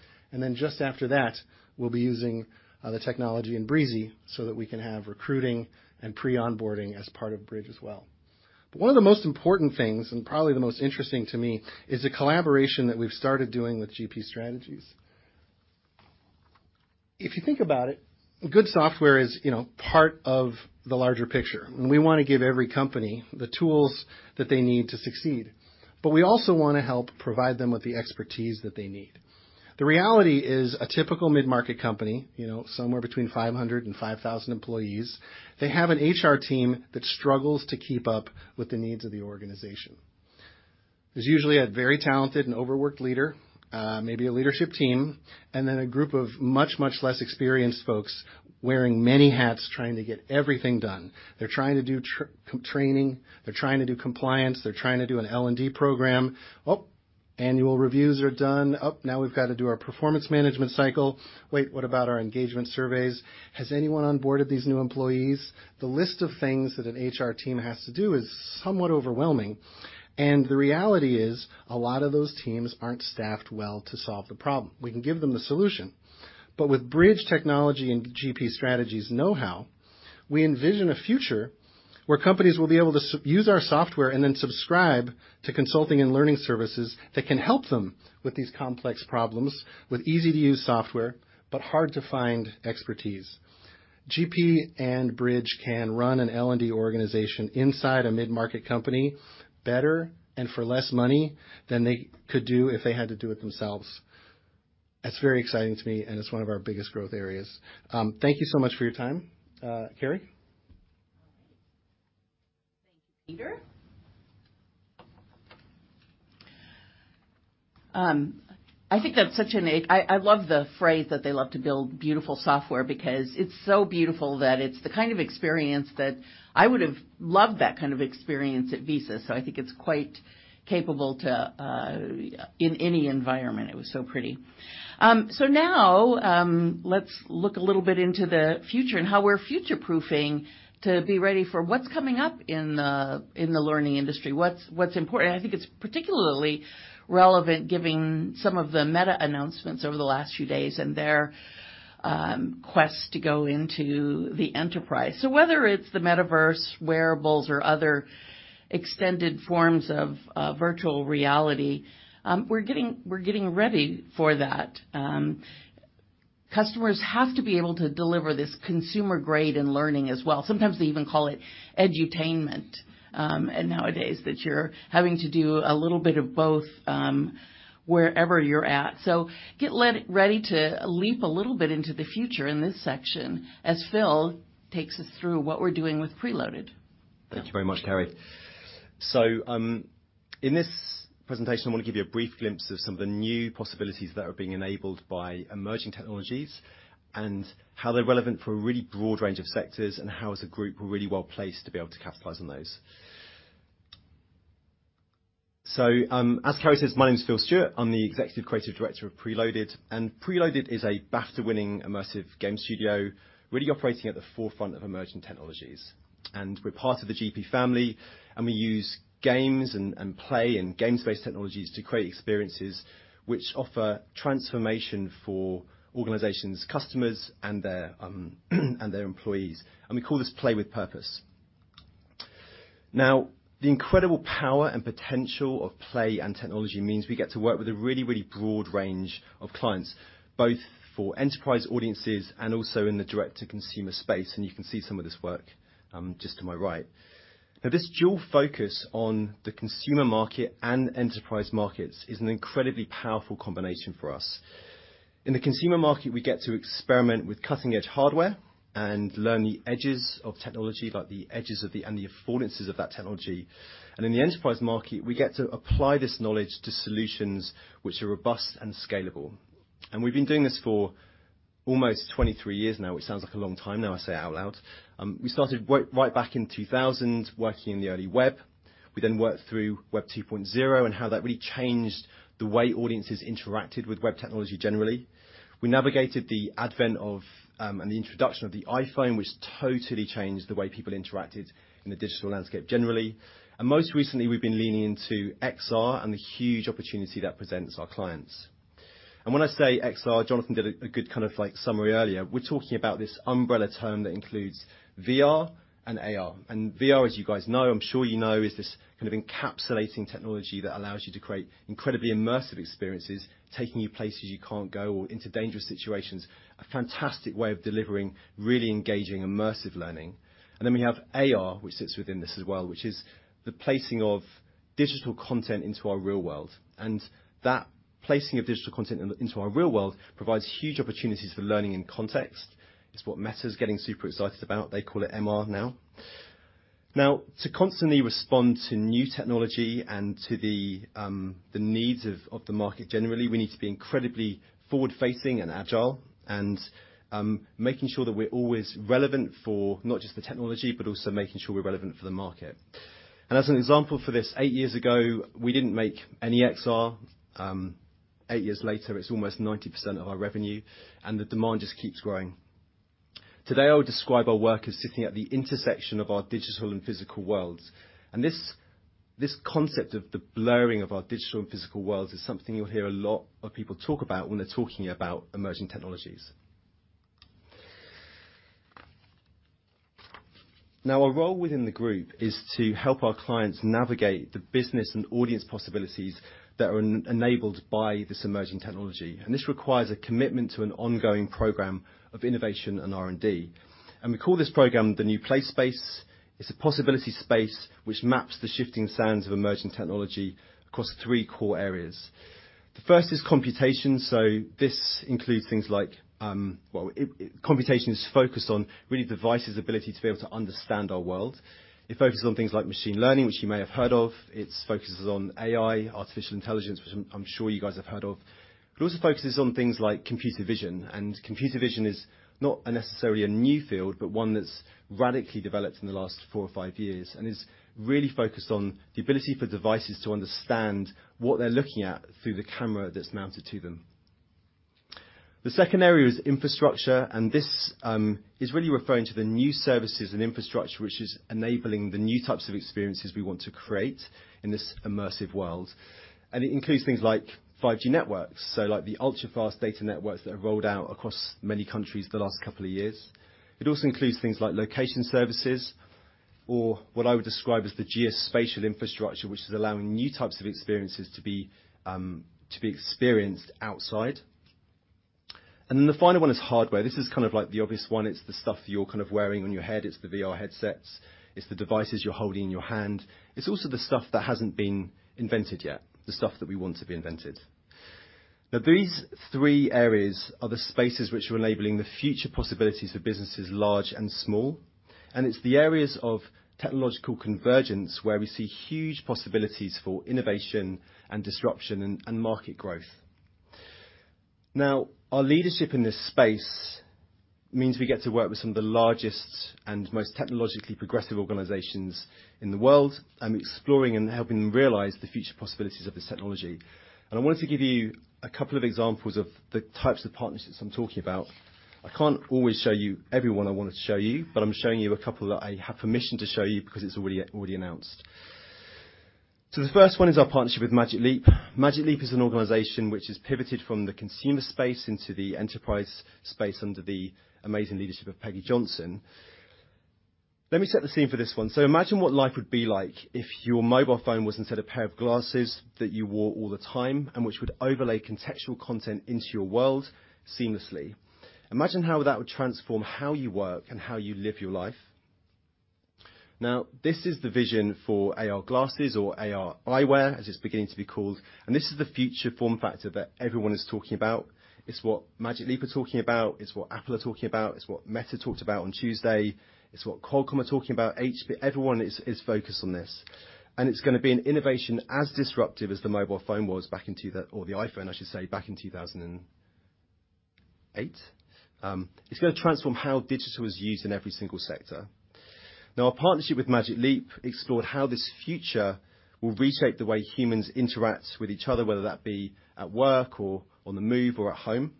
Just after that, we'll be using the technology in Breezy so that we can have recruiting and pre-onboarding as part of Bridge as well. One of the most important things, and probably the most interesting to me, is the collaboration that we've started doing with GP Strategies. If you think about it, good software is, you know, part of the larger picture. We wanna give every company the tools that they need to succeed, but we also wanna help provide them with the expertise that they need. The reality is a typical mid-market company, you know, somewhere between 500 and 5,000 employees, they have an HR team that struggles to keep up with the needs of the organization. There's usually a very talented and overworked leader, maybe a leadership team, and then a group of much, much less experienced folks wearing many hats trying to get everything done. They're trying to do training. They're trying to do compliance. They're trying to do an L&D program. Oh, annual reviews are due. Oh, now we've got to do our performance management cycle. Wait, what about our engagement surveys? Has anyone onboarded these new employees? The list of things that an HR team has to do is somewhat overwhelming. The reality is a lot of those teams aren't staffed well to solve the problem. We can give them the solution. With Bridge technology and GP Strategies know-how, we envision a future where companies will be able to use our software and then subscribe to consulting and learning services that can help them with these complex problems with easy-to-use software, but hard-to-find expertise. GP and Bridge can run an L&D organization inside a mid-market company better and for less money than they could do if they had to do it themselves. That's very exciting to me, and it's one of our biggest growth areas. Thank you so much for your time. Carrie. Thank you, Peter. I think that's such an. I love the phrase that they love to build beautiful software because it's so beautiful that it's the kind of experience that I would've loved at Visa. I think it's quite capable, too, in any environment. It was so pretty. Now, let's look a little bit into the future and how we're future-proofing to be ready for what's coming up in the learning industry. What's important. I think it's particularly relevant given some of the Meta announcements over the last few days and their quest to go into the enterprise. Whether it's the metaverse, wearables or other extended forms of virtual reality, we're getting ready for that. Customers have to be able to deliver this consumer-grade in learning as well. Sometimes they even call it edutainment, and nowadays that you're having to do a little bit of both, wherever you're at. Get ready to leap a little bit into the future in this section as Phil takes us through what we're doing with PRELOADED. Thank you very much, Kerry. In this presentation, I wanna give you a brief glimpse of some of the new possibilities that are being enabled by emerging technologies and how they're relevant for a really broad range of sectors, and how as a group we're really well placed to be able to capitalize on those. As Kerry says, my name is Phil Stuart. I'm the Executive Creative Director of PRELOADED, and PRELOADED is a BAFTA-winning immersive game studio, really operating at the forefront of emerging technologies. We're part of the GP family, and we use games and play and games-based technologies to create experiences which offer transformation for organizations, customers, and their employees, and we call this Play with Purpose. Now, the incredible power and potential of play and technology means we get to work with a really, really broad range of clients, both for enterprise audiences and also in the direct-to-consumer space, and you can see some of this work just to my right. This dual focus on the consumer market and enterprise markets is an incredibly powerful combination for us. In the consumer market, we get to experiment with cutting-edge hardware and learn the edges of technology, like the edges and the affordances of that technology. In the enterprise market, we get to apply this knowledge to solutions which are robust and scalable. We've been doing this for almost 23 years now, which sounds like a long time now I say it out loud. We started right back in 2000, working in the early web. We then worked through Web 2.0 and how that really changed the way audiences interacted with web technology generally. We navigated the introduction of the iPhone, which totally changed the way people interacted in the digital landscape generally. Most recently, we've been leaning into XR and the huge opportunity that presents our clients. When I say XR, Jonathan did a good kind of summary earlier. We're talking about this umbrella term that includes VR and AR. VR, as you guys know, I'm sure you know, is this kind of encapsulating technology that allows you to create incredibly immersive experiences, taking you places you can't go or into dangerous situations. A fantastic way of delivering really engaging, immersive learning. We have AR, which sits within this as well, which is the placing of digital content into our real world. That placing of digital content into our real world provides huge opportunities for learning in context. It's what Meta's getting super excited about. They call it MR now. Now, to constantly respond to new technology and to the needs of the market generally, we need to be incredibly forward-facing and agile, and making sure that we're always relevant for not just the technology, but also making sure we're relevant for the market. As an example for this, eight years ago, we didn't make any XR. Eight years later, it's almost 90% of our revenue, and the demand just keeps growing. Today, I would describe our work as sitting at the intersection of our digital and physical worlds. This concept of the blurring of our digital and physical worlds is something you'll hear a lot of people talk about when they're talking about emerging technologies. Now, our role within the group is to help our clients navigate the business and audience possibilities that are enabled by this emerging technology, and this requires a commitment to an ongoing program of innovation and R&D. We call this program the New Play Space. It's a possibility space which maps the shifting sands of emerging technology across three core areas. The first is computation. This includes things like computation. Computation is focused on really the device's ability to be able to understand our world. It focuses on things like machine learning, which you may have heard of. It focuses on AI, artificial intelligence, which I'm sure you guys have heard of. It also focuses on things like computer vision, and computer vision is not necessarily a new field, but one that's radically developed in the last four or five years and is really focused on the ability for devices to understand what they're looking at through the camera that's mounted to them. The second area is infrastructure, and this is really referring to the new services and infrastructure which is enabling the new types of experiences we want to create in this immersive world. It includes things like 5G networks, so like the ultra-fast data networks that have rolled out across many countries the last couple of years. It also includes things like location services or what I would describe as the geospatial infrastructure, which is allowing new types of experiences to be experienced outside. The final one is hardware. This is kind of like the obvious one. It's the stuff you're kind of wearing on your head. It's the VR headsets. It's the devices you're holding in your hand. It's also the stuff that hasn't been invented yet, the stuff that we want to be invented. Now, these three areas are the spaces which are enabling the future possibilities for businesses large and small, and it's the areas of technological convergence where we see huge possibilities for innovation and disruption and market growth. Now, our leadership in this space means we get to work with some of the largest and most technologically progressive organizations in the world and exploring and helping them realize the future possibilities of this technology. I wanted to give you a couple of examples of the types of partnerships I'm talking about. I can't always show you every one I wanted to show you, but I'm showing you a couple that I have permission to show you because it's already announced. The first one is our partnership with Magic Leap. Magic Leap is an organization which has pivoted from the consumer space into the enterprise space under the amazing leadership of Peggy Johnson. Let me set the scene for this one. Imagine what life would be like if your mobile phone was instead a pair of glasses that you wore all the time and which would overlay contextual content into your world seamlessly. Imagine how that would transform how you work and how you live your life. Now, this is the vision for AR glasses or AR eyewear as it's beginning to be called, and this is the future form factor that everyone is talking about. It's what Magic Leap are talking about. It's what Apple are talking about. It's what Meta talked about on Tuesday. It's what Qualcomm are talking about. HP. Everyone is focused on this, and it's gonna be an innovation as disruptive as the mobile phone was or the iPhone, I should say, back in 2008. It's gonna transform how digital is used in every single sector. Now, our partnership with Magic Leap explored how this future will reshape the way humans interact with each other, whether that be at work or on the move or at home.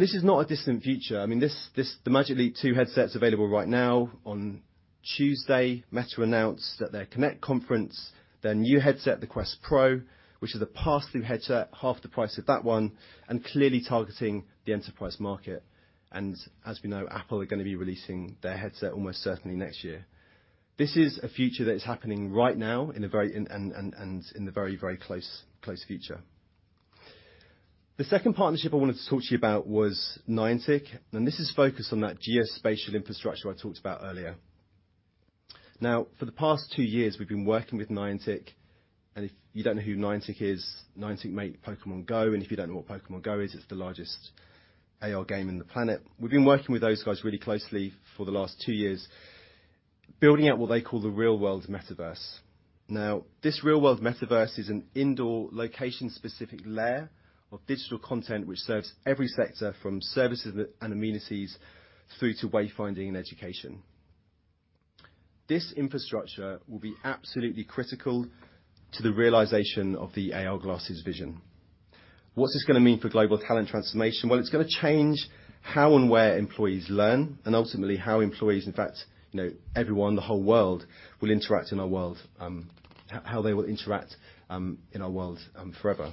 This is not a distant future. I mean, this, the Magic Leap 2 headset's available right now. On Tuesday, Meta announced at Meta Connect their new headset, the Quest Pro, which is a pass-through headset, half the price of that one, and clearly targeting the enterprise market. As we know, Apple are gonna be releasing their headset almost certainly next year. This is a future that is happening right now in a very close future. The second partnership I wanted to talk to you about was Niantic, and this is focused on that geospatial infrastructure I talked about earlier. Now, for the past years, we've been working with Niantic, and if you don't know who Niantic is, Niantic make Pokémon GO, and if you don't know what Pokémon GO is, it's the largest AR game on the planet. We've been working with those guys really closely for the last two years, building out what they call the real world metaverse. Now, this real world metaverse is an indoor location-specific layer of digital content which serves every sector from services and amenities through to way-finding and education. This infrastructure will be absolutely critical to the realization of the AR glasses vision. What's this gonna mean for global talent transformation? Well, it's gonna change how and where employees learn, and ultimately how employees, in fact, you know, everyone, the whole world will interact in our world, how they will interact in our world forever.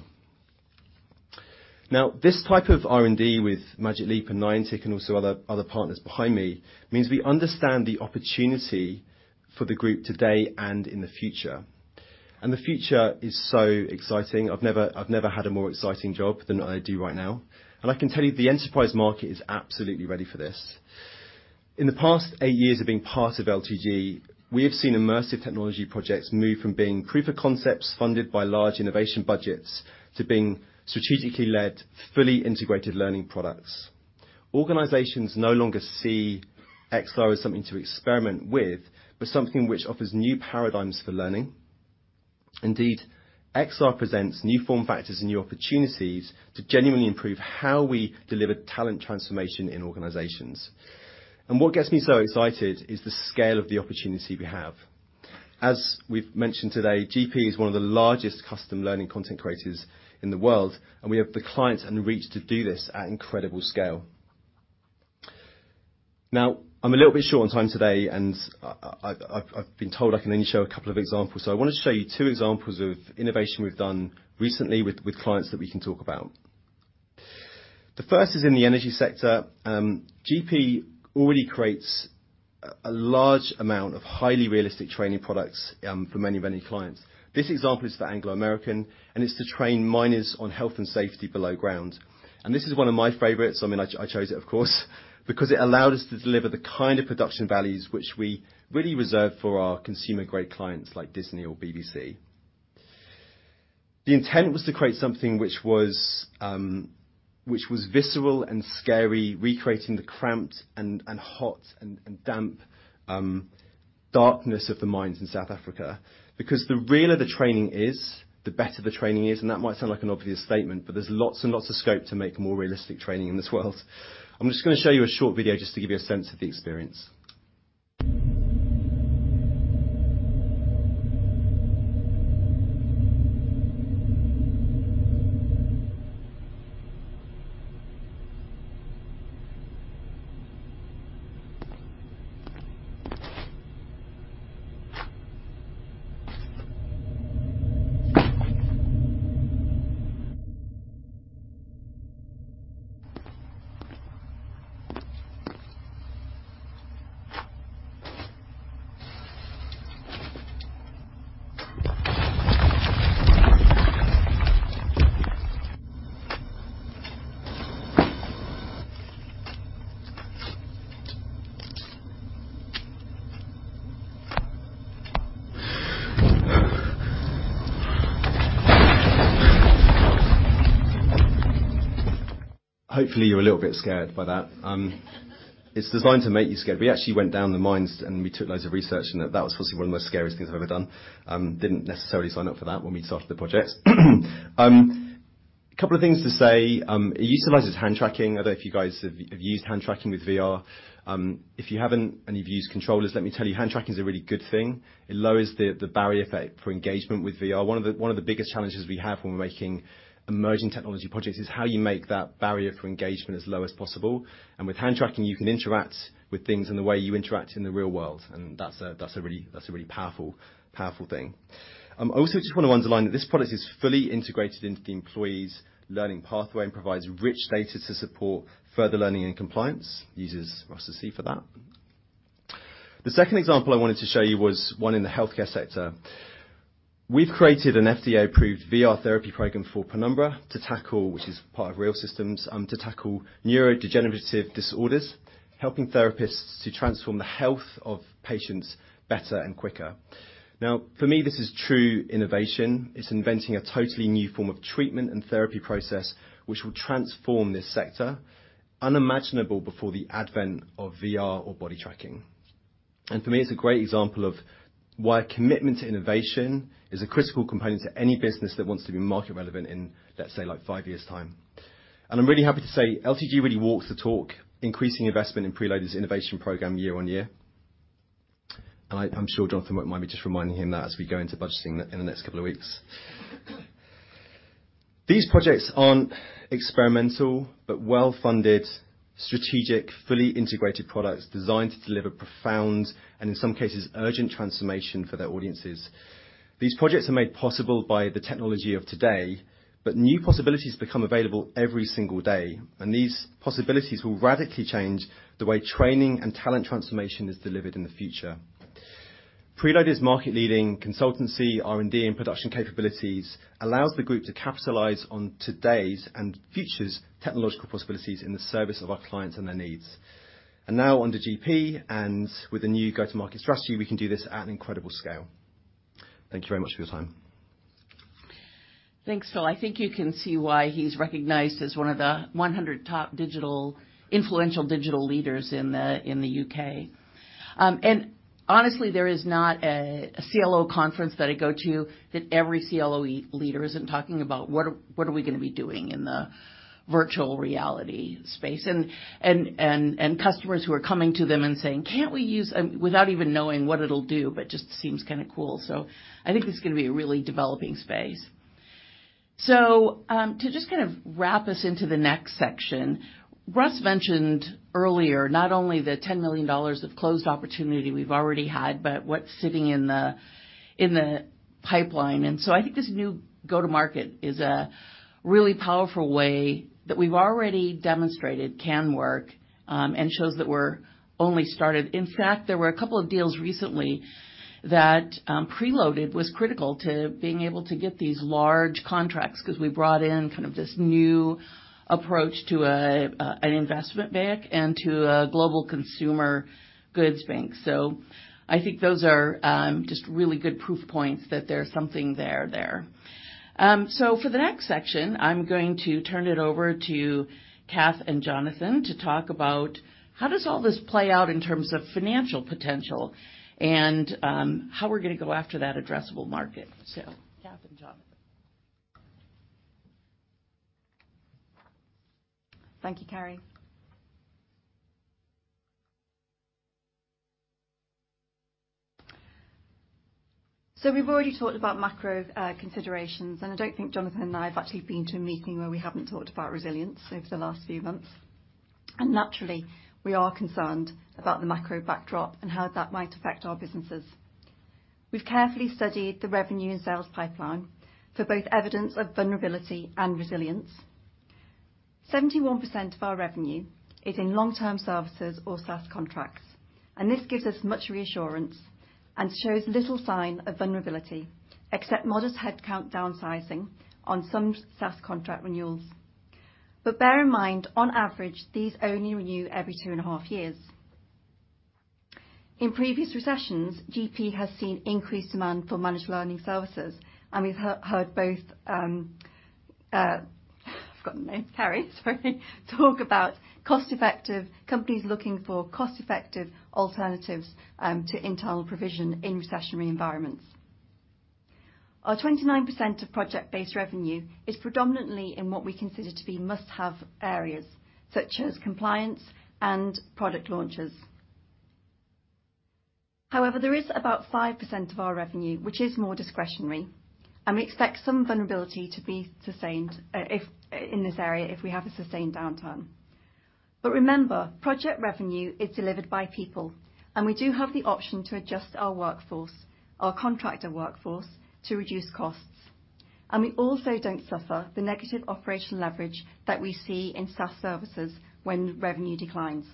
Now, this type of R&D with Magic Leap and Niantic and also other partners behind me means we understand the opportunity for the group today and in the future, and the future is so exciting. I've never had a more exciting job than what I do right now, and I can tell you the enterprise market is absolutely ready for this. In the past eight years of being part of LTG, we have seen immersive technology projects move from being proof of concepts funded by large innovation budgets to being strategically led, fully integrated learning products. Organizations no longer see XR as something to experiment with, but something which offers new paradigms for learning. Indeed, XR presents new form factors and new opportunities to genuinely improve how we deliver talent transformation in organizations. What gets me so excited is the scale of the opportunity we have. As we've mentioned today, GP is one of the largest custom learning content creators in the world, and we have the clients and the reach to do this at incredible scale. Now, I'm a little bit short on time today, and I've been told I can only show a couple of examples. I wanna show you two examples of innovation we've done recently with clients that we can talk about. The first is in the energy sector. GP already creates a large amount of highly realistic training products for many clients. This example is for Anglo American, and it's to train miners on health and safety below ground. This is one of my favorites. I mean, I chose it, of course, because it allowed us to deliver the kind of production values which we really reserve for our consumer grade clients like Disney or BBC. The intent was to create something which was visceral and scary, recreating the cramped and hot and damp darkness of the mines in South Africa. Because the realer the training is, the better the training is, and that might sound like an obvious statement, but there's lots and lots of scope to make more realistic training in this world. I'm just gonna show you a short video just to give you a sense of the experience. Hopefully you're a little bit scared by that. It's designed to make you scared. We actually went down the mines, and we took loads of research, and that was possibly one of the scariest things I've ever done. Didn't necessarily sign up for that when we started the project. Couple of things to say. It utilizes hand tracking. I don't know if you guys have used hand tracking with VR. If you haven't and you've used controllers, let me tell you, hand tracking is a really good thing. It lowers the barrier for engagement with VR. One of the biggest challenges we have when we're making emerging technology projects is how you make that barrier for engagement as low as possible, and with hand tracking, you can interact with things in the way you interact in the real world, and that's a really powerful thing. I also just wanna underline that this product is fully integrated into the employee's learning pathway and provides rich data to support further learning and compliance. Uses Rustici for that. The second example I wanted to show you was one in the healthcare sector. We've created an FDA-approved VR therapy program for Penumbra to tackle, which is part of REAL System, to tackle neurodegenerative disorders, helping therapists to transform the health of patients better and quicker. Now, for me, this is true innovation. It's inventing a totally new form of treatment and therapy process which will transform this sector. Unimaginable before the advent of VR or body tracking. For me, it's a great example of why commitment to innovation is a critical component to any business that wants to be market relevant in, let's say, like five years' time. I'm really happy to say LTG really walks the talk, increasing investment in PRELOADED's innovation program year on year. I'm sure Jonathan won't mind me just reminding him that as we go into budgeting in the next couple of weeks. These projects aren't experimental, but well-funded, strategic, fully integrated products designed to deliver profound and, in some cases, urgent transformation for their audiences. These projects are made possible by the technology of today, but new possibilities become available every single day, and these possibilities will radically change the way training and talent transformation is delivered in the future. PRELOADED's market-leading consultancy, R&D, and production capabilities allows the group to capitalize on today's and future's technological possibilities in the service of our clients and their needs. Now under GP, and with the new go-to-market strategy, we can do this at an incredible scale. Thank you very much for your time. Thanks, Phil. I think you can see why he's recognized as one of the 100 top influential digital leaders in the UK. Honestly, there is not a CLO conference that I go to that every CLO leader isn't talking about what we are gonna be doing in the virtual reality space. Customers who are coming to them and saying, "Can't we use" without even knowing what it'll do, but just seems kinda cool. I think it's gonna be a really developing space. To just kind of wrap us into the next section, Russ mentioned earlier, not only the $10 million of closed opportunity we've already had, but what's sitting in the pipeline. I think this new go-to-market is a really powerful way that we've already demonstrated can work, and shows that we're only started. In fact, there were a couple of deals recently that, Preloaded was critical to being able to get these large contracts 'cause we brought in kind of this new approach to a, an investment bank and to a global consumer goods bank. I think those are, just really good proof points that there's something there there. For the next section, I'm going to turn it over to Cath and Jonathan to talk about how does all this play out in terms of financial potential and, how we're gonna go after that addressable market. Cath and Jonathan. Thank you, Karie. We've already talked about macro considerations, and I don't think Jonathan and I have actually been to a meeting where we haven't talked about resilience over the last few months. Naturally, we are concerned about the macro backdrop and how that might affect our businesses. We've carefully studied the revenue and sales pipeline for both evidence of vulnerability and resilience. 71% of our revenue is in long-term services or SaaS contracts, and this gives us much reassurance and shows little sign of vulnerability, except modest headcount downsizing on some SaaS contract renewals. Bear in mind, on average, these only renew every two and a half years. In previous recessions, GP has seen increased demand for managed learning services, and we've heard both, I've forgotten the name. Karie, sorry. Talk about cost-effective. Companies looking for cost-effective alternatives to internal provision in recessionary environments. Our 29% of project-based revenue is predominantly in what we consider to be must-have areas, such as compliance and product launches. However, there is about 5% of our revenue, which is more discretionary, and we expect some vulnerability to be sustained in this area if we have a sustained downturn. Remember, project revenue is delivered by people, and we do have the option to adjust our workforce, our contractor workforce, to reduce costs. We also don't suffer the negative operational leverage that we see in SaaS services when revenue declines.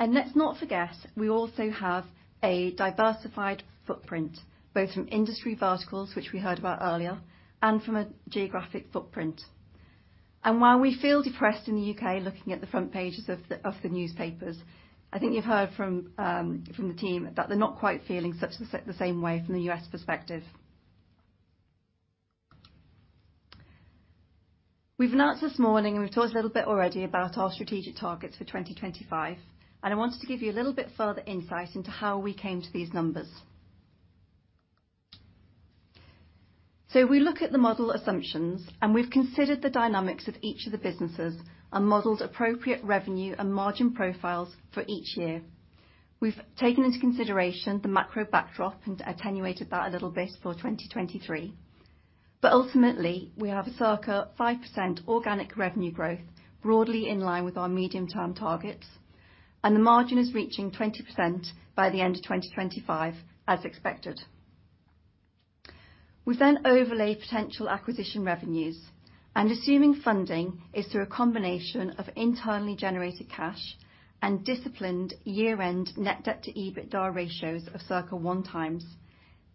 Let's not forget, we also have a diversified footprint, both from industry verticals, which we heard about earlier, and from a geographic footprint. While we feel depressed in the U.K., looking at the front pages of the newspapers, I think you've heard from the team that they're not quite feeling the same way from the U.S. perspective. We've announced this morning, and we've talked a little bit already about our strategic targets for 2025, and I wanted to give you a little bit further insight into how we came to these numbers. We look at the model assumptions, and we've considered the dynamics of each of the businesses and modeled appropriate revenue and margin profiles for each year. We've taken into consideration the macro backdrop and attenuated that a little bit for 2023. Ultimately, we have circa 5% organic revenue growth broadly in line with our medium-term targets, and the margin is reaching 20% by the end of 2025 as expected. We then overlay potential acquisition revenues, and assuming funding is through a combination of internally generated cash and disciplined year-end net debt to EBITDA ratios of circa 1x.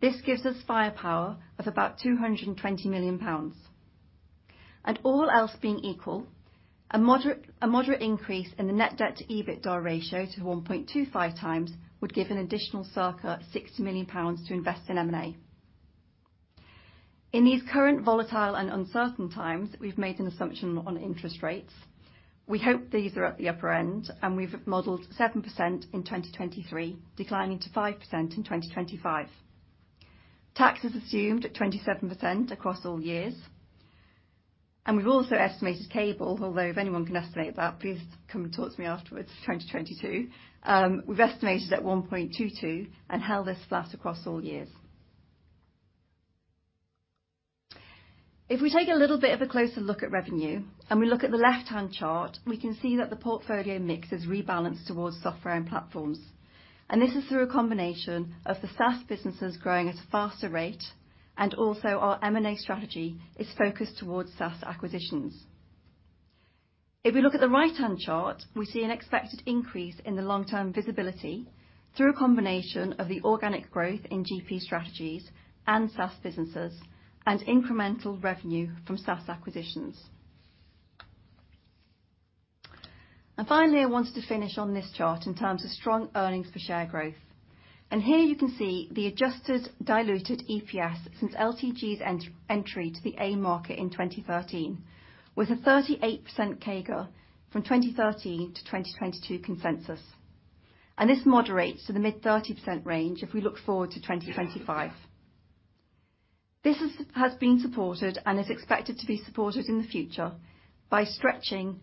This gives us firepower of about 220 million pounds. All else being equal, a moderate increase in the net debt to EBITDA ratio to 1.25x would give an additional circa 60 million pounds to invest in M&A. In these current volatile and uncertain times, we've made an assumption on interest rates. We hope these are at the upper end, and we've modeled 7% in 2023, declining to 5% in 2025. Tax is assumed at 27% across all years. We've also estimated cable, although if anyone can estimate that, please come and talk to me afterwards, 2022. We've estimated at 1.22 and held this flat across all years. If we take a little bit of a closer look at revenue, and we look at the left-hand chart, we can see that the portfolio mix has rebalanced towards software and platforms. This is through a combination of the SaaS businesses growing at a faster rate and also our M&A strategy is focused towards SaaS acquisitions. If we look at the right-hand chart, we see an expected increase in the long-term visibility through a combination of the organic growth in GP Strategies and SaaS businesses and incremental revenue from SaaS acquisitions. Finally, I wanted to finish on this chart in terms of strong earnings per share growth. Here you can see the adjusted diluted EPS since LTG's entry to the AIM market in 2013, with a 38% CAGR from 2013 to 2022 consensus. This moderates to the mid-30% range if we look forward to 2025. This has been supported and is expected to be supported in the future by stretching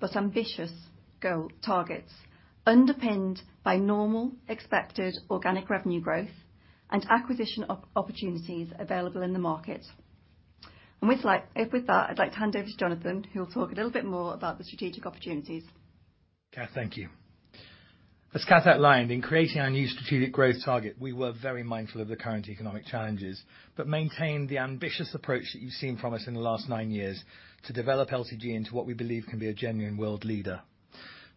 but ambitious goal targets underpinned by normal expected organic revenue growth and acquisition opportunities available in the market. With that, I'd like to hand over to Jonathan, who will talk a little bit more about the strategic opportunities. Cath, thank you. As Cath outlined, in creating our new strategic growth target, we were very mindful of the current economic challenges, but maintained the ambitious approach that you've seen from us in the last nine years to develop LTG into what we believe can be a genuine world leader.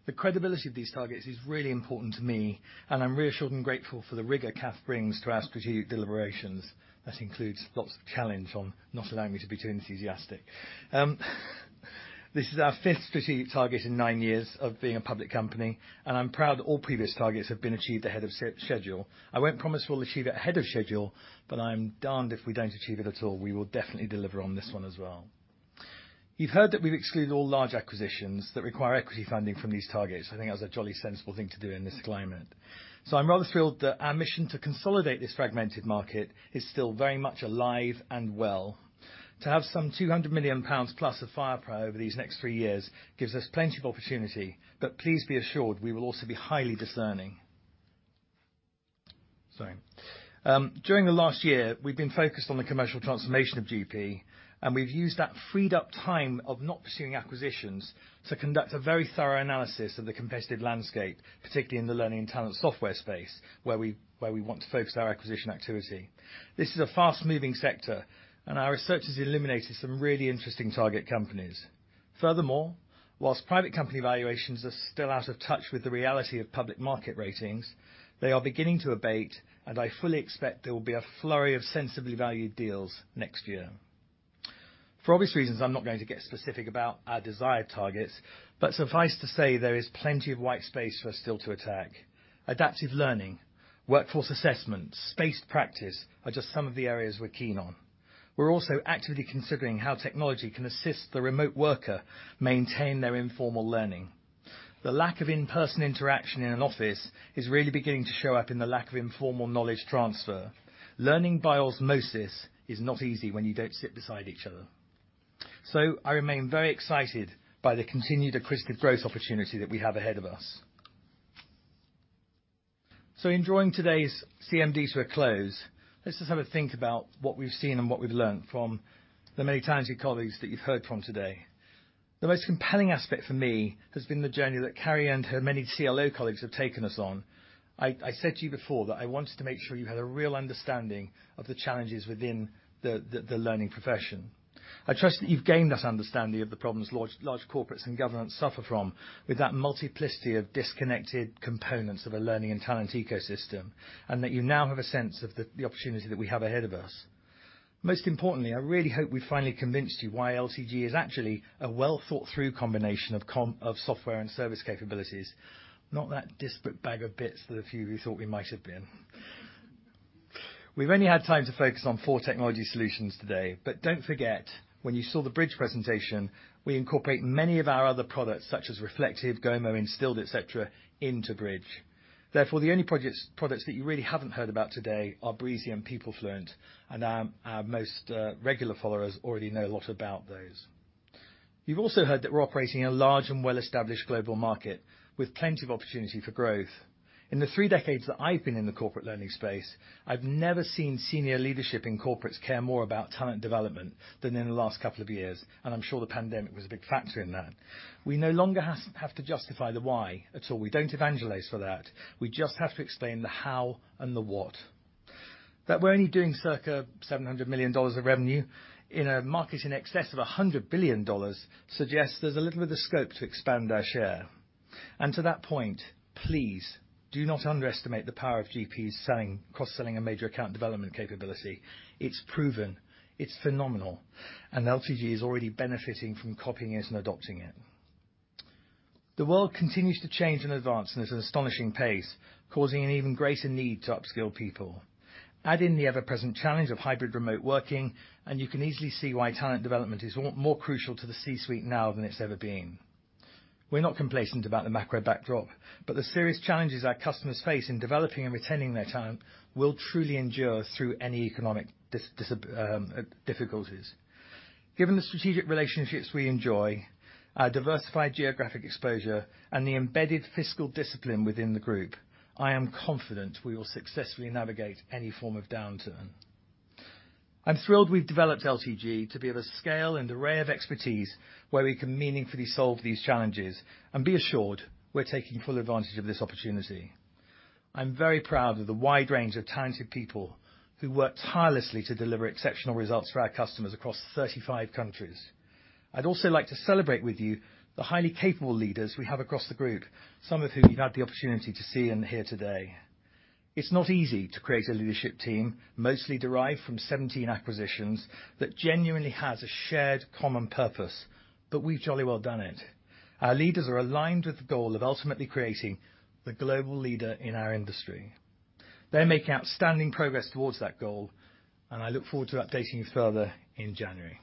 The credibility of these targets is really important to me, and I'm reassured and grateful for the rigor Cath brings to our strategic deliberations. That includes lots of challenge on not allowing me to be too enthusiastic. This is our fifth strategic target in nine years of being a public company, and I'm proud all previous targets have been achieved ahead of schedule. I won't promise we'll achieve it ahead of schedule, but I'm darned if we don't achieve it at all. We will definitely deliver on this one as well. You've heard that we've excluded all large acquisitions that require equity funding from these targets. I think that was a jolly sensible thing to do in this climate. I'm rather thrilled that our mission to consolidate this fragmented market is still very much alive and well. To have some 200 million pounds plus of firepower over these next three years gives us plenty of opportunity. Please be assured, we will also be highly discerning. Sorry. During the last year, we've been focused on the commercial transformation of GP, and we've used that freed up time of not pursuing acquisitions to conduct a very thorough analysis of the competitive landscape, particularly in the learning and talent software space, where we want to focus our acquisition activity. This is a fast-moving sector and our research has eliminated some really interesting target companies. Furthermore, while private company valuations are still out of touch with the reality of public market ratings, they are beginning to abate, and I fully expect there will be a flurry of sensibly valued deals next year. For obvious reasons, I'm not going to get specific about our desired targets, but suffice to say there is plenty of white space for us still to attack. Adaptive learning, workforce assessment, spaced practice are just some of the areas we're keen on. We're also actively considering how technology can assist the remote worker maintain their informal learning. The lack of in-person interaction in an office is really beginning to show up in the lack of informal knowledge transfer. Learning by osmosis is not easy when you don't sit beside each other. I remain very excited by the continued aggressive growth opportunity that we have ahead of us. In drawing today's CMD to a close, let's just have a think about what we've seen and what we've learned from the many talented colleagues that you've heard from today. The most compelling aspect for me has been the journey that Karie and her many CLO colleagues have taken us on. I said to you before that I wanted to make sure you had a real understanding of the challenges within the learning profession. I trust that you've gained that understanding of the problems large corporates and governments suffer from with that multiplicity of disconnected components of a learning and talent ecosystem, and that you now have a sense of the opportunity that we have ahead of us. Most importantly, I really hope we finally convinced you why LTG is actually a well-thought-through combination of software and service capabilities, not that disparate bag of bits that a few of you thought we might have been. We've only had time to focus on four technology solutions today, but don't forget, when you saw the Bridge presentation, we incorporate many of our other products such as Reflektive, Gomo, Instilled, et cetera, into Bridge. Therefore, the only products that you really haven't heard about today are Breezy and PeopleFluent, and our most regular followers already know a lot about those. You've also heard that we're operating a large and well-established global market with plenty of opportunity for growth. In the three decades that I've been in the corporate learning space, I've never seen senior leadership in corporates care more about talent development than in the last couple of years, and I'm sure the pandemic was a big factor in that. We no longer have to justify the why at all. We don't evangelize for that. We just have to explain the how and the what. That we're only doing circa $700 million of revenue in a market in excess of $100 billion suggests there's a little bit of scope to expand our share. To that point, please do not underestimate the power of GP's selling, cross-selling a major account development capability. It's proven, it's phenomenal, and LTG is already benefiting from copying us and adopting it. The world continues to change in advance and it's an astonishing pace, causing an even greater need to upskill people. Add in the ever-present challenge of hybrid remote working, and you can easily see why talent development is more crucial to the C-suite now than it's ever been. We're not complacent about the macro backdrop, but the serious challenges our customers face in developing and retaining their talent will truly endure through any economic difficulties. Given the strategic relationships we enjoy, our diversified geographic exposure, and the embedded fiscal discipline within the group, I am confident we will successfully navigate any form of downturn. I'm thrilled we've developed LTG to be of a scale and array of expertise where we can meaningfully solve these challenges, and be assured we're taking full advantage of this opportunity. I'm very proud of the wide range of talented people who work tirelessly to deliver exceptional results for our customers across 35 countries. I'd also like to celebrate with you the highly capable leaders we have across the group, some of whom you've had the opportunity to see and hear today. It's not easy to create a leadership team, mostly derived from 17 acquisitions, that genuinely has a shared common purpose, but we've jolly well done it. Our leaders are aligned with the goal of ultimately creating the global leader in our industry. They're making outstanding progress towards that goal, and I look forward to updating you further in January.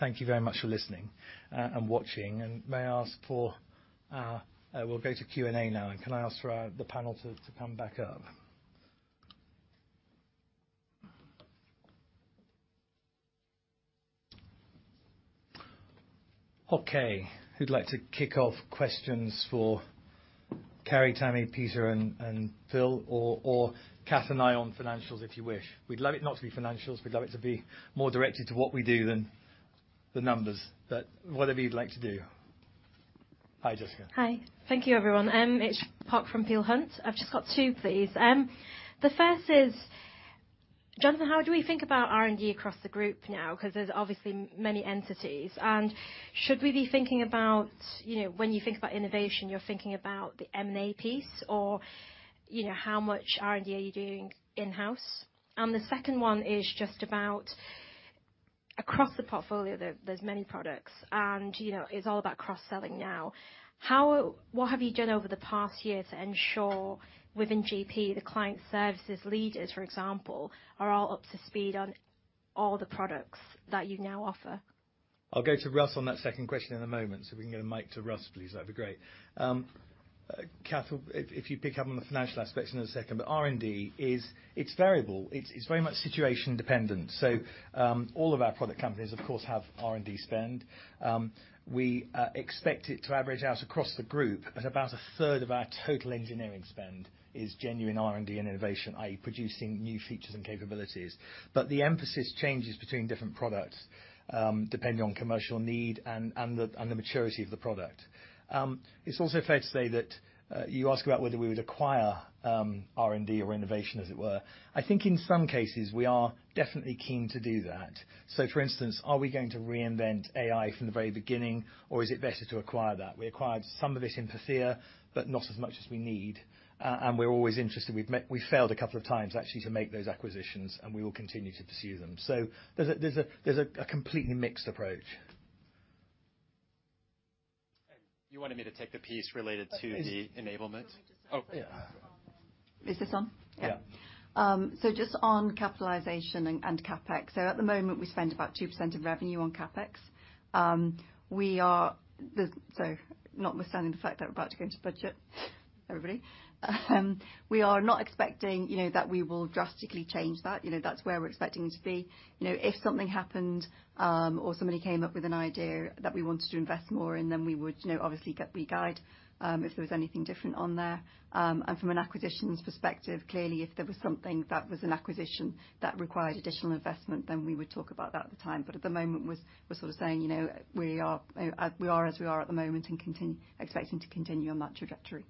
Thank you very much for listening and watching. We'll go to Q&A now. Can I ask for the panel to come back up? Okay, who'd like to kick off questions for Carrie, Tammy, Peter, and Phil, or Cath and I on financials if you wish? We'd love it not to be financials. We'd love it to be more directed to what we do than the numbers, but whatever you'd like to do. Hi, Jessica. Hi. Thank you, everyone. It's Park from Peel Hunt. I've just got 2, please. The first is, Jonathan, how do we think about R&D across the group now? 'Cause there's obviously many entities. Should we be thinking about, you know, when you think about innovation, you're thinking about the M&A piece or, you know, how much R&D are you doing in-house? The second one is just about across the portfolio there's many products and, you know, it's all about cross-selling now. What have you done over the past year to ensure within GP, the client services leaders, for example, are all up to speed on all the products that you now offer? I'll go to Russ on that second question in a moment. If we can get a mic to Russ, please, that'd be great. Kath, if you pick up on the financial aspects in a second. R&D is variable. It's very much situation dependent. All of our product companies, of course, have R&D spend. We expect it to average out across the group at about a third of our total engineering spend is genuine R&D and innovation, i.e., producing new features and capabilities. The emphasis changes between different products depending on commercial need and the maturity of the product. It's also fair to say that you ask about whether we would acquire R&D or innovation as it were. I think in some cases we are definitely keen to do that. For instance, are we going to reinvent AI from the very beginning or is it better to acquire that? We acquired some of it in Pathear, but not as much as we need. We're always interested. We've failed a couple of times actually to make those acquisitions, and we will continue to pursue them. There's a completely mixed approach. You wanted me to take the piece related to the enablement? Can we just take? Oh, yeah. Is this on? Yeah. Yeah. Just on capitalization and CapEx. At the moment we spend about 2% of revenue on CapEx. Notwithstanding the fact that we're about to go into budget, everybody, we are not expecting, you know, that we will drastically change that. You know, that's where we're expecting it to be. You know, if something happened, or somebody came up with an idea that we wanted to invest more in, then we would, you know, obviously reguide, if there was anything different in there. From an acquisitions perspective, clearly, if there was something that was an acquisition that required additional investment, then we would talk about that at the time. At the moment, we're sort of saying, you know, we are as we are at the moment and expecting to continue on that trajectory.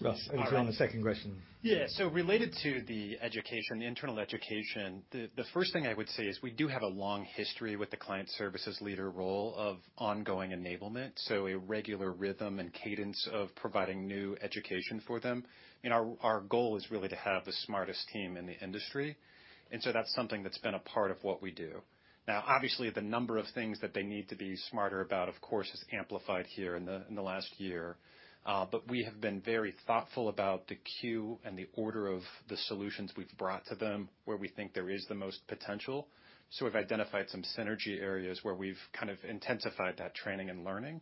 Russ, how'd you get on with the second question? Yeah. Related to the education, the internal education, the first thing I would say is we do have a long history with the client services leader role of ongoing enablement, so a regular rhythm and cadence of providing new education for them. Our goal is really to have the smartest team in the industry, and so that's something that's been a part of what we do. Now, obviously, the number of things that they need to be smarter about, of course, has amplified here in the last year. But we have been very thoughtful about the queue and the order of the solutions we've brought to them, where we think there is the most potential. We've identified some synergy areas where we've kind of intensified that training and learning,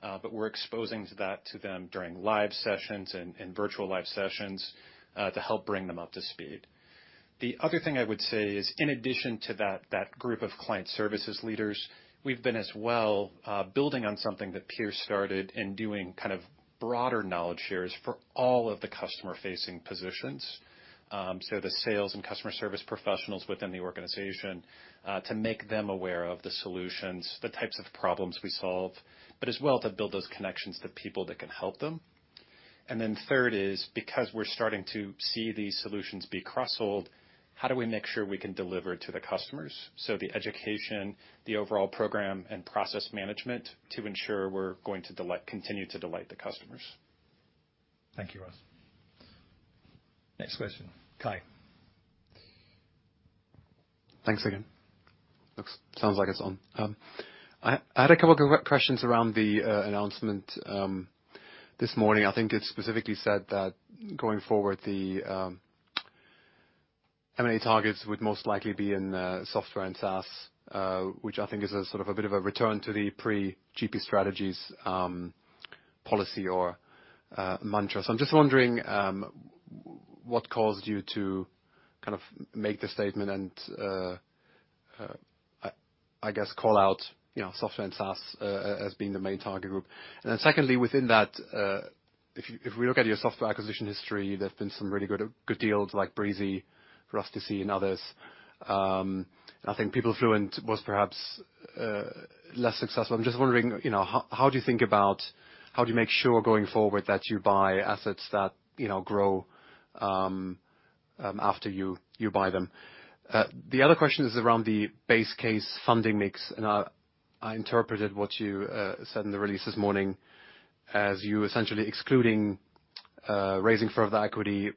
but we're exposing that to them during live sessions and virtual live sessions, to help bring them up to speed. The other thing I would say is, in addition to that group of client services leaders, we've been as well, building on something that Piers started in doing kind of broader knowledge shares for all of the customer-facing positions. The sales and customer service professionals within the organization, to make them aware of the solutions, the types of problems we solve, but as well to build those connections to people that can help them. Third is because we're starting to see these solutions be cross-sold, how do we make sure we can deliver to the customers? The education, the overall program, and process management to ensure we're going to continue to delight the customers. Thank you, Russ. Next question, Kai. Thanks again. Sounds like it's on. I had a couple questions around the announcement this morning. I think it specifically said that going forward, the M&A targets would most likely be in software and SaaS, which I think is a sort of a bit of a return to the pre-GP Strategies policy or mantra. I'm just wondering what caused you to kind of make the statement and I guess call out, you know, software and SaaS as being the main target group. Then secondly, within that, if we look at your software acquisition history, there's been some really good deals like Breezy, Rustici and others. I think PeopleFluent was perhaps less successful. I'm just wondering, you know, how do you think about... How do you make sure going forward that you buy assets that, you know, grow after you buy them? The other question is around the base case funding mix, and I interpreted what you said in the release this morning as you essentially excluding raising further equity.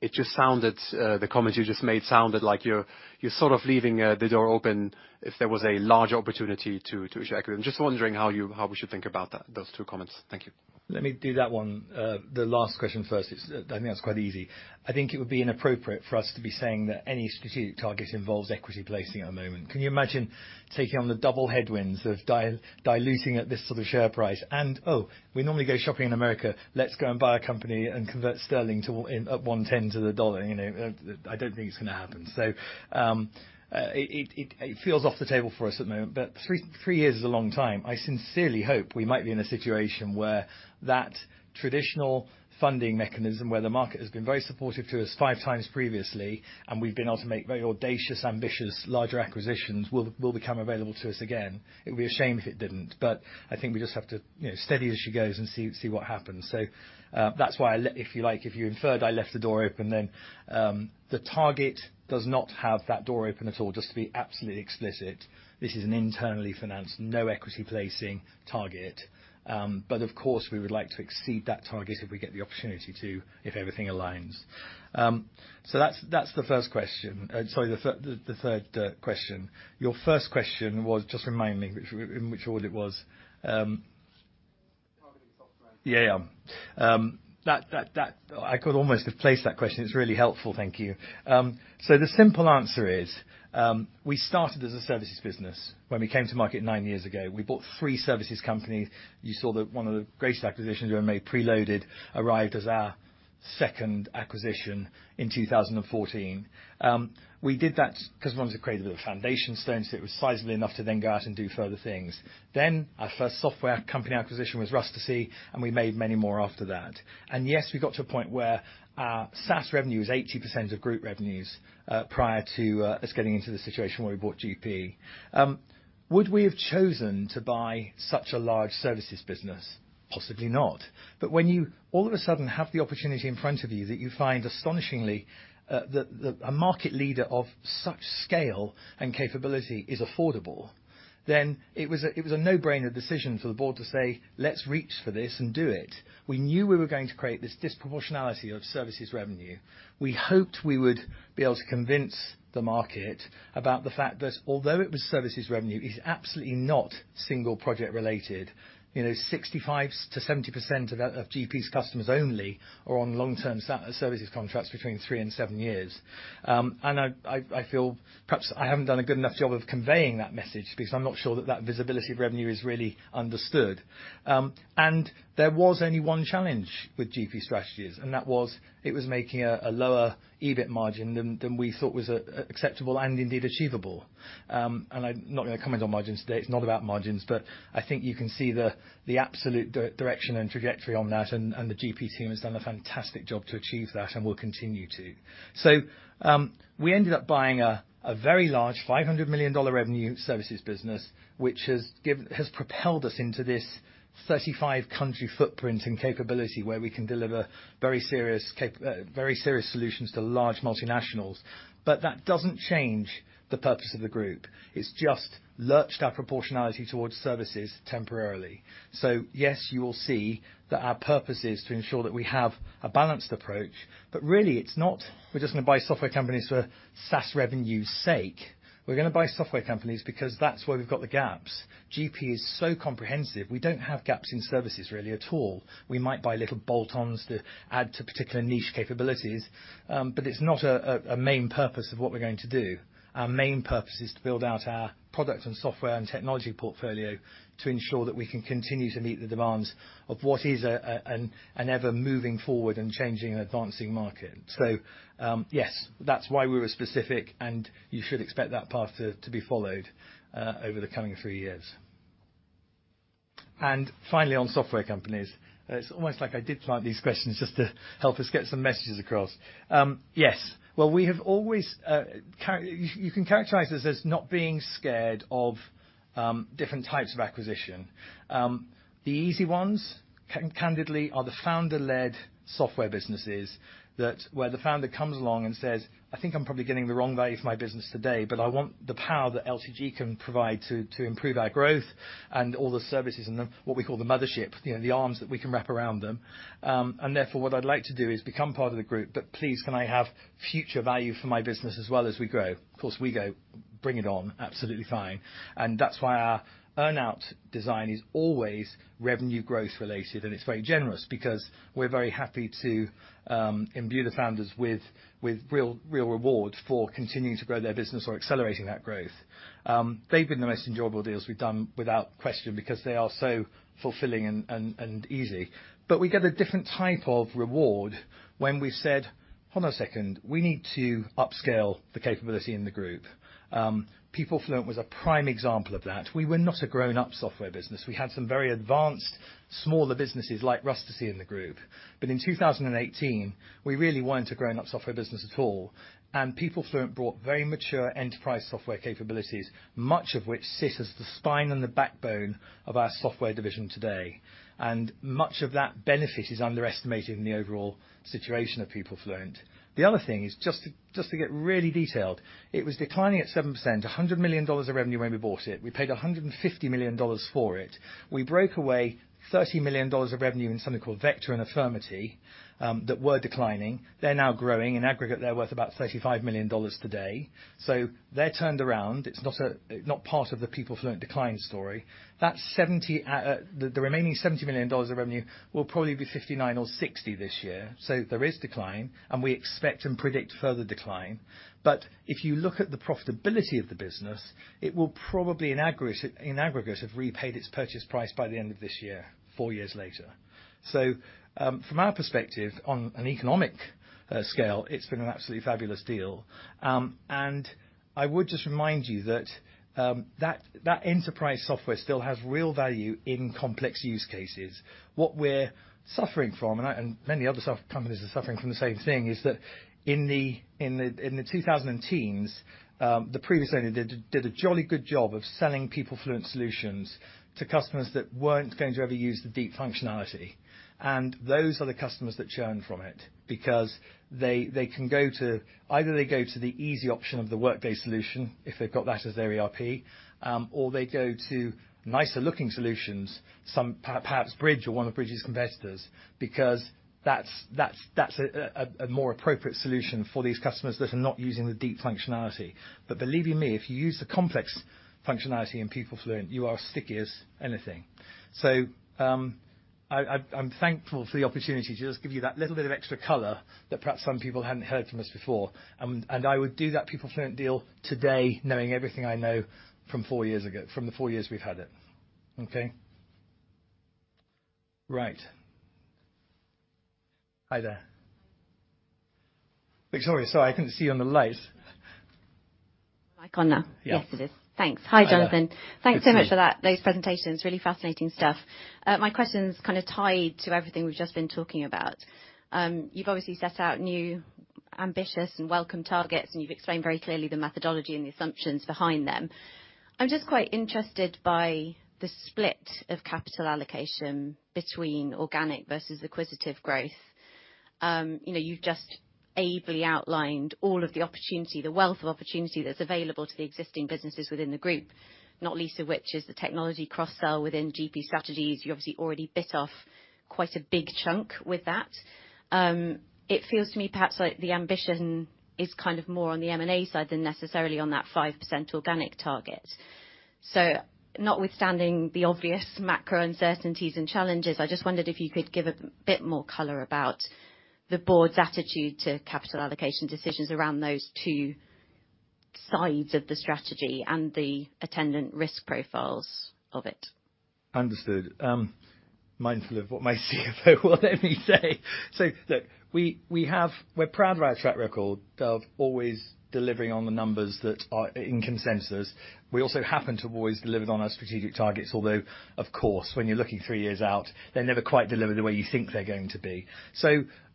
It just sounded like the comment you just made sounded like you're sort of leaving the door open if there was a large opportunity to share equity. I'm just wondering how we should think about that, those two comments. Thank you. Let me do that one. The last question first. I think that's quite easy. I think it would be inappropriate for us to be saying that any strategic target involves equity placing at the moment. Can you imagine taking on the double headwinds of diluting at this sort of share price? Oh, we normally go shopping in America, let's go and buy a company and convert sterling into 1.10 to the dollar, you know? I don't think it's gonna happen. It feels off the table for us at the moment, but three years is a long time. I sincerely hope we might be in a situation where that traditional funding mechanism, where the market has been very supportive to us five times previously, and we've been able to make very audacious, ambitious, larger acquisitions, will become available to us again. It would be a shame if it didn't, but I think we just have to, you know, steady as she goes and see what happens. That's why. If you like, if you inferred I left the door open, then the target does not have that door open at all, just to be absolutely explicit. This is an internally financed, no equity placing target, but of course we would like to exceed that target if we get the opportunity to, if everything aligns. That's the first question. Sorry, the Third question. Your first question was just remind me in which order it was. Targeting software. Yeah. I could almost have placed that question. It's really helpful. Thank you. The simple answer is, we started as a services business when we came to market 9 years ago. We bought three services company. You saw that one of the greatest acquisitions we ever made, Preloaded, arrived as our second acquisition in 2014. We did that 'cause we wanted to create a little foundation stone, so it was sizable enough to then go out and do further things. Our first software company acquisition was Rustici, and we made many more after that. Yes, we got to a point where our SaaS revenue was 80% of group revenues, prior to us getting into the situation where we bought GP. Would we have chosen to buy such a large services business? Possibly not. When you all of a sudden have the opportunity in front of you that you find astonishingly, a market leader of such scale and capability is affordable, then it was a no-brainer decision for the board to say, "Let's reach for this and do it." We knew we were going to create this disproportionality of services revenue. We hoped we would be able to convince the market about the fact that although it was services revenue, it's absolutely not single project related. You know, 65%-70% of that, of GP's customers only are on long-term services contracts between three and seven years. I feel perhaps I haven't done a good enough job of conveying that message because I'm not sure that visibility of revenue is really understood. There was only one challenge with GP Strategies, and that was it was making a lower EBIT margin than we thought was acceptable and indeed achievable. I'm not gonna comment on margins today, it's not about margins, but I think you can see the absolute direction and trajectory on that, and the GP team has done a fantastic job to achieve that and will continue to. We ended up buying a very large $500 million revenue services business, which has propelled us into this 35-country footprint and capability where we can deliver very serious solutions to large multinationals. That doesn't change the purpose of the group. It's just lurched our proportionality towards services temporarily. Yes, you will see that our purpose is to ensure that we have a balanced approach. But really it's not we're just gonna buy software companies for SaaS revenue's sake. We're gonna buy software companies because that's where we've got the gaps. GP is so comprehensive, we don't have gaps in services really at all. We might buy little bolt-ons to add to particular niche capabilities, but it's not a main purpose of what we're going to do. Our main purpose is to build out our product and software and technology portfolio to ensure that we can continue to meet the demands of what is an ever-moving forward and changing and advancing market. Yes, that's why we were specific, and you should expect that path to be followed over the coming three years. Finally, on software companies. It's almost like I did plant these questions just to help us get some messages across. Yes. Well, we have always, you can characterize us as not being scared of different types of acquisition. The easy ones, candidly, are the founder-led software businesses where the founder comes along and says, "I think I'm probably getting the wrong value for my business today, but I want the power that LTG can provide to improve our growth and all the services," and what we call the mothership, you know, the arms that we can wrap around them. Therefore, what I'd like to do is become part of the group, but please can I have future value for my business as well as we grow? Of course, we go, "Bring it on. Absolutely fine." That's why our earn-out design is always revenue growth related, and it's very generous because we're very happy to imbue the founders with real rewards for continuing to grow their business or accelerating that growth. They've been the most enjoyable deals we've done without question because they are so fulfilling and easy. We get a different type of reward when we've said, "Hold on a second. We need to upscale the capability in the group." PeopleFluent was a prime example of that. We were not a grown-up software business. We had some very advanced smaller businesses like Rustici in the group. In 2018, we really weren't a grown-up software business at all. PeopleFluent brought very mature enterprise software capabilities, much of which sits as the spine and the backbone of our software division today. Much of that benefit is underestimated in the overall situation of PeopleFluent. The other thing is just to get really detailed, it was declining at 7%, $100 million of revenue when we bought it. We paid $150 million for it. We broke away $30 million of revenue in something called VectorVMS and Affirmity, that were declining. They're now growing. In aggregate, they're worth about $35 million today. So they're turned around. It's not part of the PeopleFluent decline story. The remaining $70 million of revenue will probably be 59 or 60 this year. So there is decline, and we expect and predict further decline. If you look at the profitability of the business, it will probably in aggregate have repaid its purchase price by the end of this year, four years later. From our perspective on an economic scale, it's been an absolutely fabulous deal. I would just remind you that enterprise software still has real value in complex use cases. What we're suffering from, and many other software companies are suffering from the same thing, is that in the 2010s, the previous owner did a jolly good job of selling PeopleFluent solutions to customers that weren't going to ever use the deep functionality. Those are the customers that churn from it because they can go to Either they go to the easy option of the Workday solution if they've got that as their ERP, or they go to nicer-looking solutions, some perhaps Bridge or one of Bridge's competitors, because that's a more appropriate solution for these customers that are not using the deep functionality. Believe you me, if you use the complex functionality in PeopleFluent, you are sticky as anything. I'm thankful for the opportunity to just give you that little bit of extra color that perhaps some people hadn't heard from us before. I would do that PeopleFluent deal today knowing everything I know from four years ago, from the four years we've had it. Okay. Right. Hi there. Victoria, sorry, I couldn't see you on the lights. Am I on now? Yeah. Yes, it is. Thanks. Hi, Jonathan. Hi there. Thanks so much for that, those presentations. Really fascinating stuff. My question's kind of tied to everything we've just been talking about. You've obviously set out new, ambitious, and welcome targets, and you've explained very clearly the methodology and the assumptions behind them. I'm just quite interested by the split of capital allocation between organic versus acquisitive growth. You know, you've just ably outlined all of the opportunity, the wealth of opportunity that's available to the existing businesses within the group, not least of which is the technology cross-sell within GP Strategies. You obviously already bit off quite a big chunk with that. It feels to me perhaps like the ambition is kind of more on the M&A side than necessarily on that 5% organic target. Notwithstanding the obvious macro uncertainties and challenges, I just wondered if you could give a bit more color about the board's attitude to capital allocation decisions around those two sides of the strategy and the attendant risk profiles of it? Understood. Mindful of what my CFO will let me say. Look, we're proud of our track record of always delivering on the numbers that are in consensus. We also happen to have always delivered on our strategic targets, although of course, when you're looking three years out, they never quite deliver the way you think they're going to be.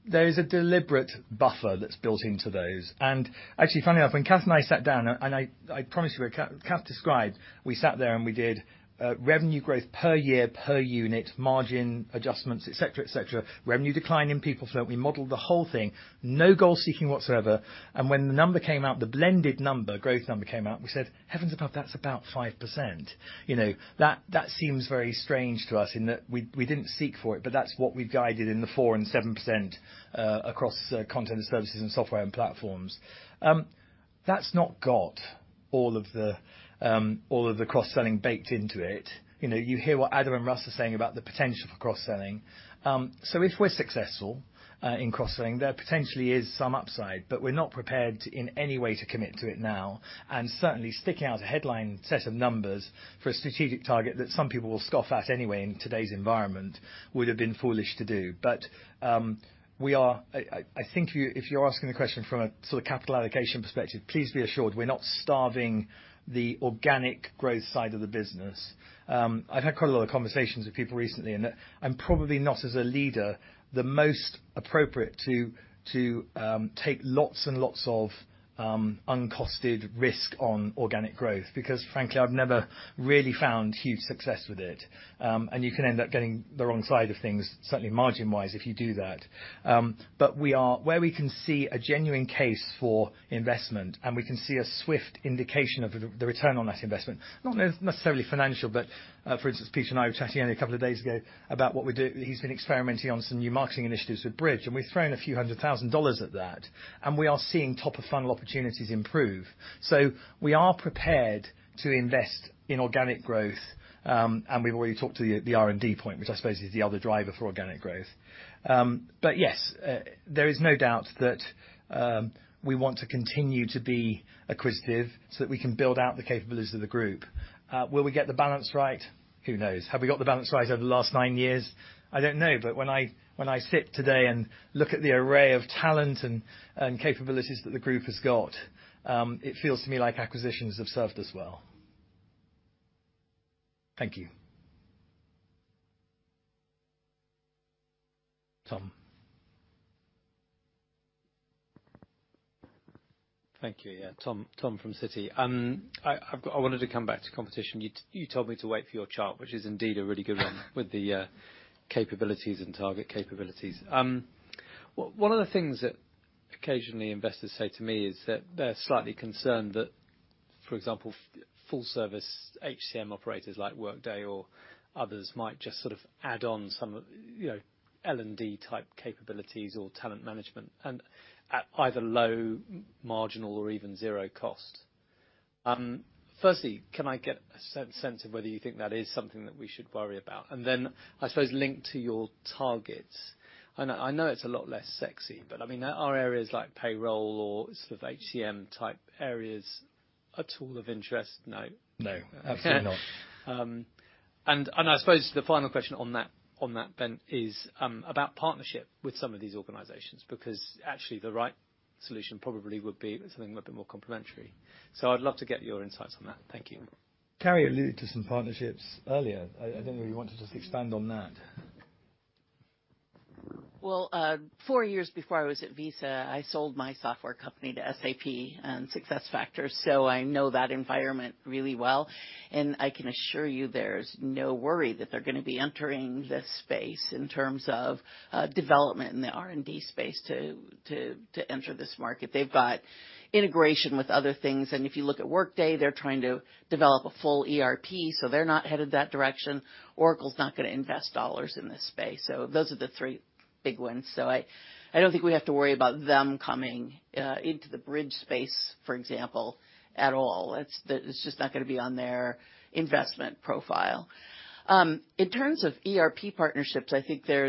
There is a deliberate buffer that's built into those. Actually, funnily enough, when Cath and I sat down, and I promise you, Cath describes, we sat there, and we did revenue growth per year, per unit, margin adjustments, et cetera, et cetera, revenue decline in PeopleFluent. We modeled the whole thing, no goal-seeking whatsoever, and when the number came out, the blended number, growth number came out, we said, "Heavens above, that's about 5%." You know, that seems very strange to us in that we didn't seek for it, but that's what we've guided in the 4%-7% across content and services and software and platforms. That's not got all of the cross-selling baked into it. You know, you hear what Adam and Russ are saying about the potential for cross-selling. If we're successful in cross-selling, there potentially is some upside, but we're not prepared in any way to commit to it now. Certainly sticking out a headline set of numbers for a strategic target that some people will scoff at anyway in today's environment would have been foolish to do. I think if you're asking the question from a sort of capital allocation perspective, please be assured we're not starving the organic growth side of the business. I've had quite a lot of conversations with people recently, and that I'm probably not, as a leader, the most appropriate to take lots and lots of uncosted risk on organic growth because, frankly, I've never really found huge success with it. You can end up getting the wrong side of things, certainly margin-wise, if you do that. We are where we can see a genuine case for investment, and we can see a swift indication of the return on that investment. Not necessarily financial, but for instance, Peter and I were chatting only a couple of days ago about what we're doing. He's been experimenting on some new marketing initiatives with Bridge, and we've thrown dollar a few hundred thousand at that, and we are seeing top-of-funnel opportunities improve. We are prepared to invest in organic growth, and we've already talked to you at the R&D point, which I suppose is the other driver for organic growth. There is no doubt that we want to continue to be acquisitive so that we can build out the capabilities of the group. Will we get the balance right? Who knows? Have we got the balance right over the last nine years? I don't know. When I sit today and look at the array of talent and capabilities that the group has got, it feels to me like acquisitions have served us well. Thank you. Tom. Thank you. Yeah. Tom Singlehurst from Citi. I wanted to come back to competition. You told me to wait for your chart, which is indeed a really good one with the capabilities and target capabilities. One of the things that occasionally investors say to me is that they're slightly concerned that, for example, full service HCM operators like Workday or others might just sort of add on some of, you know, L&D-type capabilities or talent management and at either low, marginal or even zero cost. Firstly, can I get a sense of whether you think that is something that we should worry about? I suppose link to your targets. I know it's a lot less sexy, but I mean, are areas like payroll or sort of HCM-type areas at all of interest? No. No, absolutely not. I suppose the final question on that, Ben, is about partnership with some of these organizations, because actually the right solution probably would be something a little bit more complementary. I'd love to get your insights on that. Thank you. Carrie alluded to some partnerships earlier. I don't know if you wanted to expand on that. Four years before I was at Visa, I sold my software company to SAP and SuccessFactors, so I know that environment really well, and I can assure you there's no worry that they're gonna be entering this space in terms of development in the R&D space to enter this market. They've got integration with other things, and if you look at Workday, they're trying to develop a full ERP, so they're not headed that direction. Oracle's not gonna invest dollars in this space. Those are the three big ones. I don't think we have to worry about them coming into the Bridge space, for example, at all. It's just not gonna be on their investment profile. In terms of ERP partnerships, I think there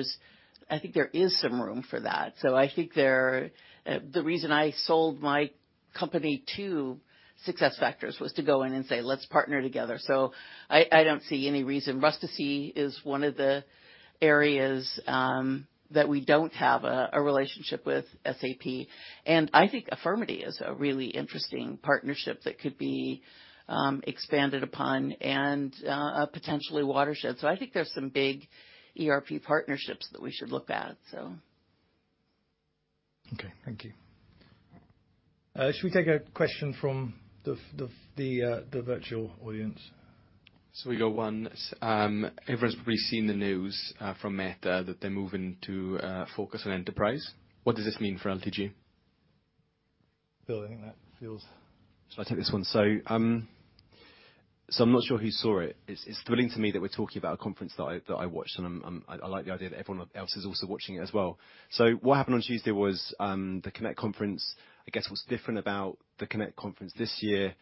is some room for that. I think there... The reason I sold my company to SuccessFactors was to go in and say, "Let's partner together." I don't see any reason. Rustici is one of the areas that we don't have a relationship with SAP, and I think Affirmity is a really interesting partnership that could be expanded upon and potentially Watershed. I think there's some big ERP partnerships that we should look at. Okay, thank you. Shall we take a question from the virtual audience? We got one. Everyone's probably seen the news from Meta that they're moving to focus on enterprise. What does this mean for LTG? Bill, I think that feels. Shall I take this one? I'm not sure who saw it. It's thrilling to me that we're talking about a conference that I watched, and I like the idea that everyone else is also watching it as well. What happened on Tuesday was the Meta Connect. I guess what's different about the Meta Connect this year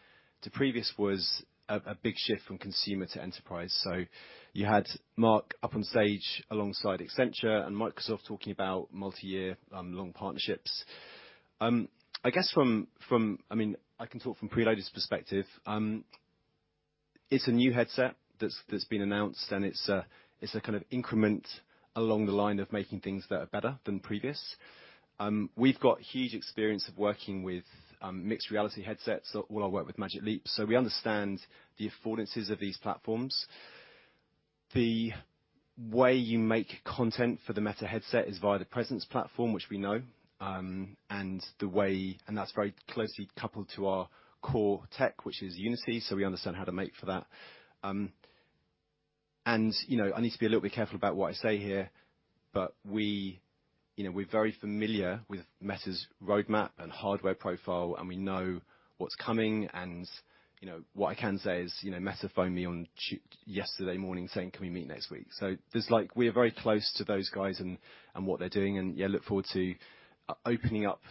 to previous was a big shift from consumer to enterprise. You had Mark up on stage alongside Accenture and Microsoft talking about multi-year long partnerships. I guess I mean, I can talk from PRELOADED's perspective. It's a new headset that's been announced, and it's a kind of increment along the line of making things that are better than previous. We've got huge experience of working with mixed reality headsets. All our work with Magic Leap, so we understand the affordances of these platforms. The way you make content for the Meta headset is via the Presence Platform, which we know. That's very closely coupled to our core tech, which is Unity, so we understand how to make for that. You know, I need to be a little bit careful about what I say here, but we, you know, we're very familiar with Meta's roadmap and hardware profile, and we know what's coming and, you know. What I can say is, you know, Meta phoned me yesterday morning saying, "Can we meet next week?" There's like, we're very close to those guys and what they're doing and yeah, look forward to opening up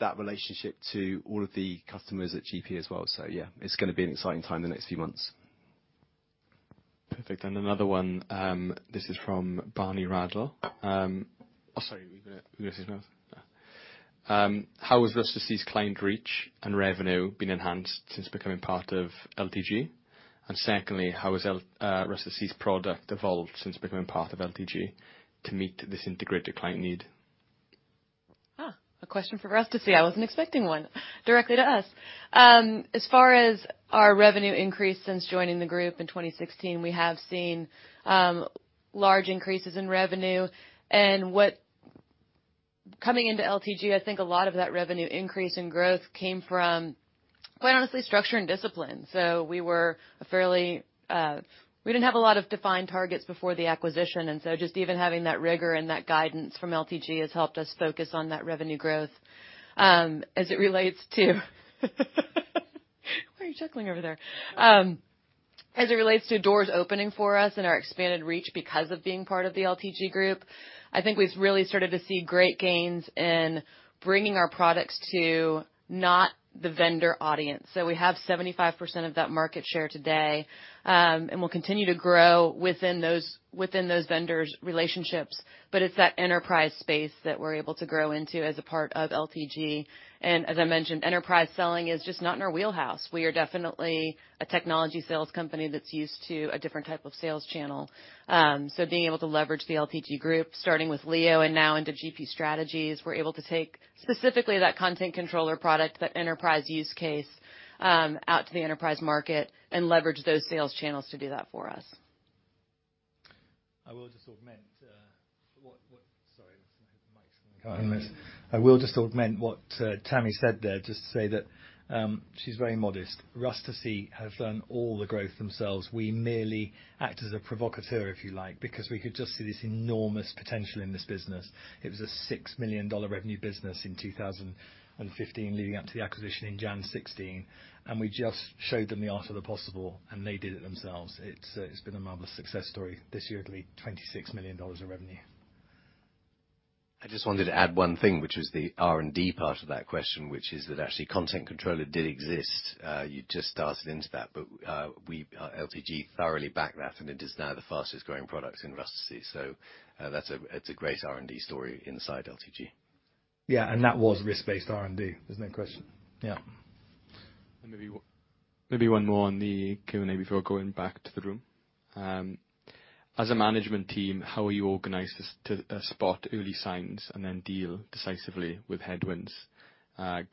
that relationship to all of the customers at GP as well. Yeah, it's gonna be an exciting time the next few months. Perfect. Another one. This is from Barney Sherwood. Sorry. We're gonna. No. How has Rustici's client reach and revenue been enhanced since becoming part of LTG? Secondly, how has Rustici's product evolved since becoming part of LTG to meet this integrated client need? A question for Rustici. I wasn't expecting one directly to us. As far as our revenue increase since joining the group in 2016, we have seen large increases in revenue. Coming into LTG, I think a lot of that revenue increase and growth came from, quite honestly, structure and discipline. We didn't have a lot of defined targets before the acquisition, and so just even having that rigor and that guidance from LTG has helped us focus on that revenue growth. As it relates to why are you chuckling over there? As it relates to doors opening for us and our expanded reach because of being part of the LTG group, I think we've really started to see great gains in bringing our products to, not the vendor audience. We have 75% of that market share today, and we'll continue to grow within those vendors' relationships, but it's that enterprise space that we're able to grow into as a part of LTG. As I mentioned, enterprise selling is just not in our wheelhouse. We are definitely a technology sales company that's used to a different type of sales channel. Being able to leverage the LTG group, starting with Leo and now into GP Strategies, we're able to take specifically that Content Controller product, that enterprise use case, out to the enterprise market and leverage those sales channels to do that for us. I will just augment what Tammy said there, just to say that, she's very modest. Rustici have done all the growth themselves. We merely act as a provocateur, if you like, because we could just see this enormous potential in this business. It was a $6 million revenue business in 2015, leading up to the acquisition in January 2016, and we just showed them the art of the possible, and they did it themselves. It's been a marvelous success story. This year, it'll be $26 million of revenue. I just wanted to add one thing, which is the R&D part of that question, which is that actually Content Controller did exist. You just started into that. But we LTG thoroughly back that, and it is now the fastest-growing product in Rustici. That's a great R&D story inside LTG. Yeah. That was risk-based R&D. There's no question. Yeah. Maybe one more on the Q&A before going back to the room. As a management team, how are you organized as to spot early signs and then deal decisively with headwinds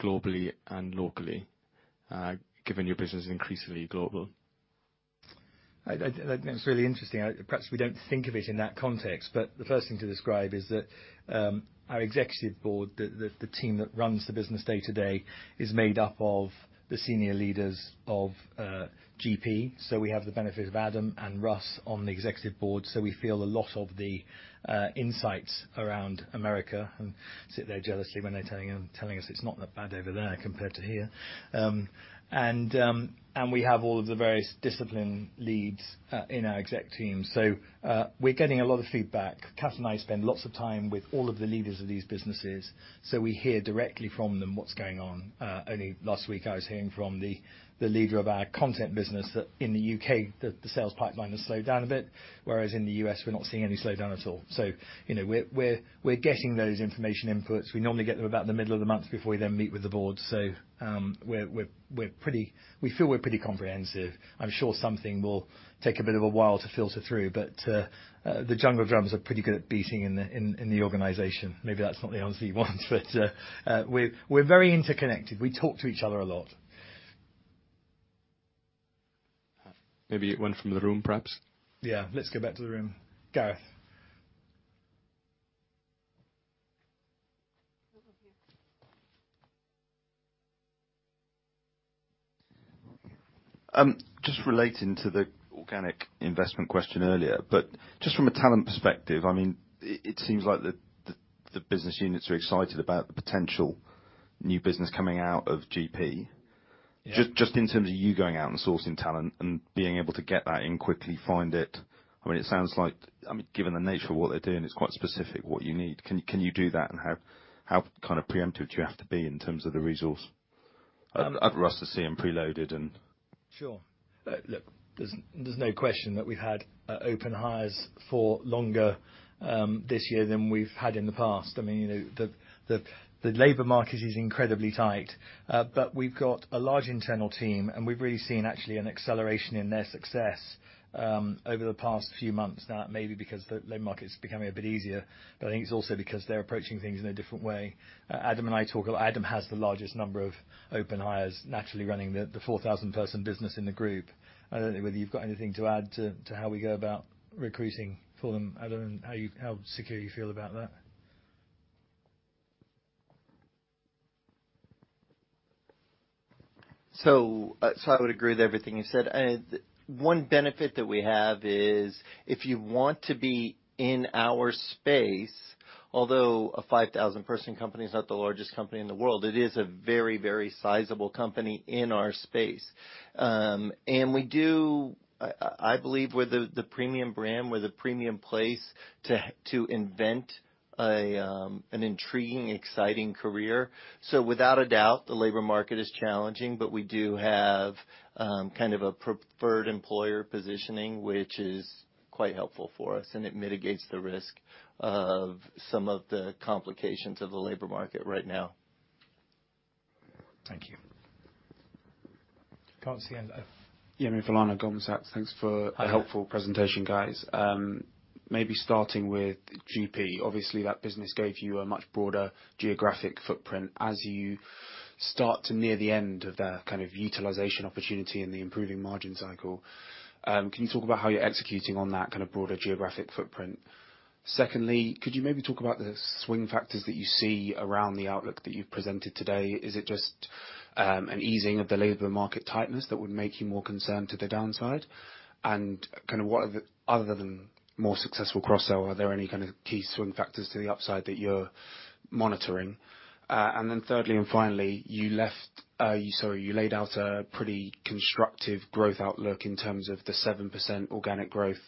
globally and locally, given your business is increasingly global? I think that's really interesting. Perhaps we don't think of it in that context, but the first thing to describe is that our executive board, the team that runs the business day-to-day, is made up of the senior leaders of GP. We have the benefit of Adam and Russ on the executive board, so we feel a lot of the insights around America, and sit there jealously when they're telling us it's not that bad over there compared to here. We have all of the various discipline leads in our exec team. We're getting a lot of feedback. Cath and I spend lots of time with all of the leaders of these businesses, so we hear directly from them what's going on. Only last week, I was hearing from the leader of our content business that in the U.K., the sales pipeline has slowed down a bit, whereas in the U.S., we're not seeing any slowdown at all. You know, we're getting those information inputs. We normally get them about the middle of the month before we then meet with the board. We feel we're pretty comprehensive. I'm sure something will take a bit of a while to filter through, but the jungle drums are pretty good at beating in the organization. Maybe that's not the answer you want, but we're very interconnected. We talk to each other a lot. Maybe one from the room, perhaps. Yeah. Let's go back to the room. Gareth. Just relating to the organic investment question earlier, but just from a talent perspective, I mean, it seems like the business units are excited about the potential new business coming out of GP. Yeah. Just in terms of you going out and sourcing talent and being able to get that in quickly, find it. I mean, it sounds like, given the nature of what they're doing, it's quite specific what you need. Can you do that? And how kind of preemptive do you have to be in terms of the resource at Rustici and PRELOADED. Sure. Look, there's no question that we've had open hires for longer this year than we've had in the past. I mean, you know, the labor market is incredibly tight, but we've got a large internal team, and we've really seen actually an acceleration in their success over the past few months. Now, that may be because the labor market is becoming a bit easier, but I think it's also because they're approaching things in a different way. Adam and I talk. Adam has the largest number of open hires, naturally running the 4,000-person business in the group. I don't know whether you've got anything to add to how we go about recruiting for them, Adam, how secure you feel about that. I would agree with everything you said. One benefit that we have is if you want to be in our space, although a 5,000-person company is not the largest company in the world, it is a very, very sizable company in our space. I believe we're the premium brand, we're the premium place to invent an intriguing, exciting career. Without a doubt, the labor market is challenging, but we do have kind of a preferred employer positioning, which is quite helpful for us, and it mitigates the risk of some of the complications of the labor market right now. Thank you. Can't see any other. Yeah, me for Lana, Goldman Sachs. Thanks for Hiya. Thank you for the helpful presentation, guys. Maybe starting with GP, obviously that business gave you a much broader geographic footprint. As you start to near the end of that kind of utilization opportunity and the improving margin cycle, can you talk about how you're executing on that kind of broader geographic footprint? Secondly, could you maybe talk about the swing factors that you see around the outlook that you've presented today? Is it just an easing of the labor market tightness that would make you more concerned to the downside? Kinda what are the other than more successful cross-sell, are there any kind of key swing factors to the upside that you're monitoring? And then thirdly and finally, you laid out a pretty constructive growth outlook in terms of the 7% organic growth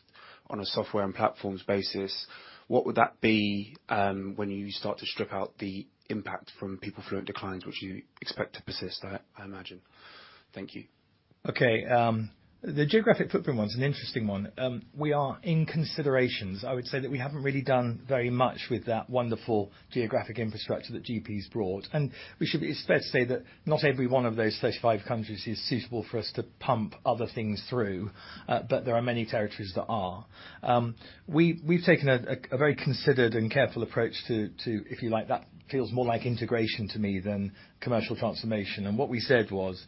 on a software and platforms basis. What would that be, when you start to strip out the impact from PeopleFluent declines, which you expect to persist, I imagine? Thank you. Okay. The geographic footprint one's an interesting one. We are in considerations. I would say that we haven't really done very much with that wonderful geographic infrastructure that GP's brought. We should be fair to say that not every one of those 35 countries is suitable for us to pump other things through, but there are many territories that are. We've taken a very considered and careful approach to, if you like, that feels more like integration to me than commercial transformation. What we said was,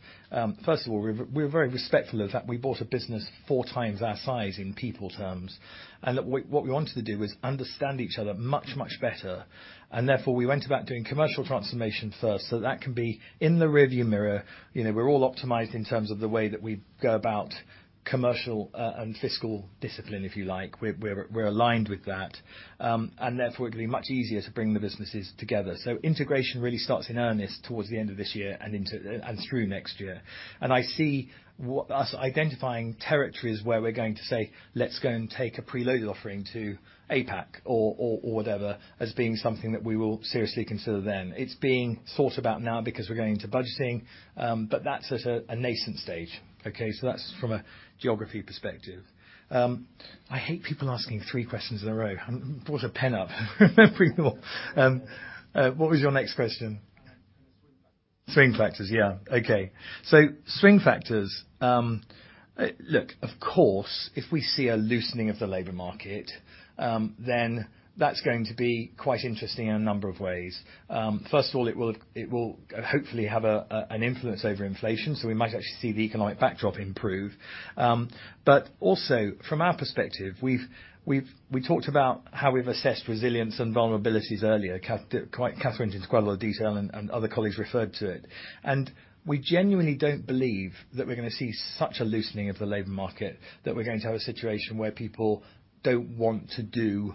first of all, we're very respectful of the fact we bought a business 4x our size in people terms, and that what we wanted to do was understand each other much better. Therefore, we went about doing commercial transformation first, so that can be in the rear view mirror. You know, we're all optimized in terms of the way that we go about commercial, and fiscal discipline, if you like. We're aligned with that. Therefore it can be much easier to bring the businesses together. Integration really starts in earnest towards the end of this year and into and through next year. I see us identifying territories where we're going to say, "Let's go and take a PRELOADED offering to APAC or whatever," as being something that we will seriously consider then. It's being thought about now because we're going into budgeting, but that's at a nascent stage. Okay, that's from a geography perspective. I hate people asking three questions in a row. I haven't brought a pen up before. What was your next question? Swing factors. Swing factors. Yeah. Okay. Swing factors. Look, of course, if we see a loosening of the labor market, that's going to be quite interesting in a number of ways. First of all, it will hopefully have an influence over inflation, so we might actually see the economic backdrop improve. Also from our perspective, we've talked about how we've assessed resilience and vulnerabilities earlier. Cath's in quite a lot of detail and other colleagues referred to it. We genuinely don't believe that we're gonna see such a loosening of the labor market that we're going to have a situation where people don't want to do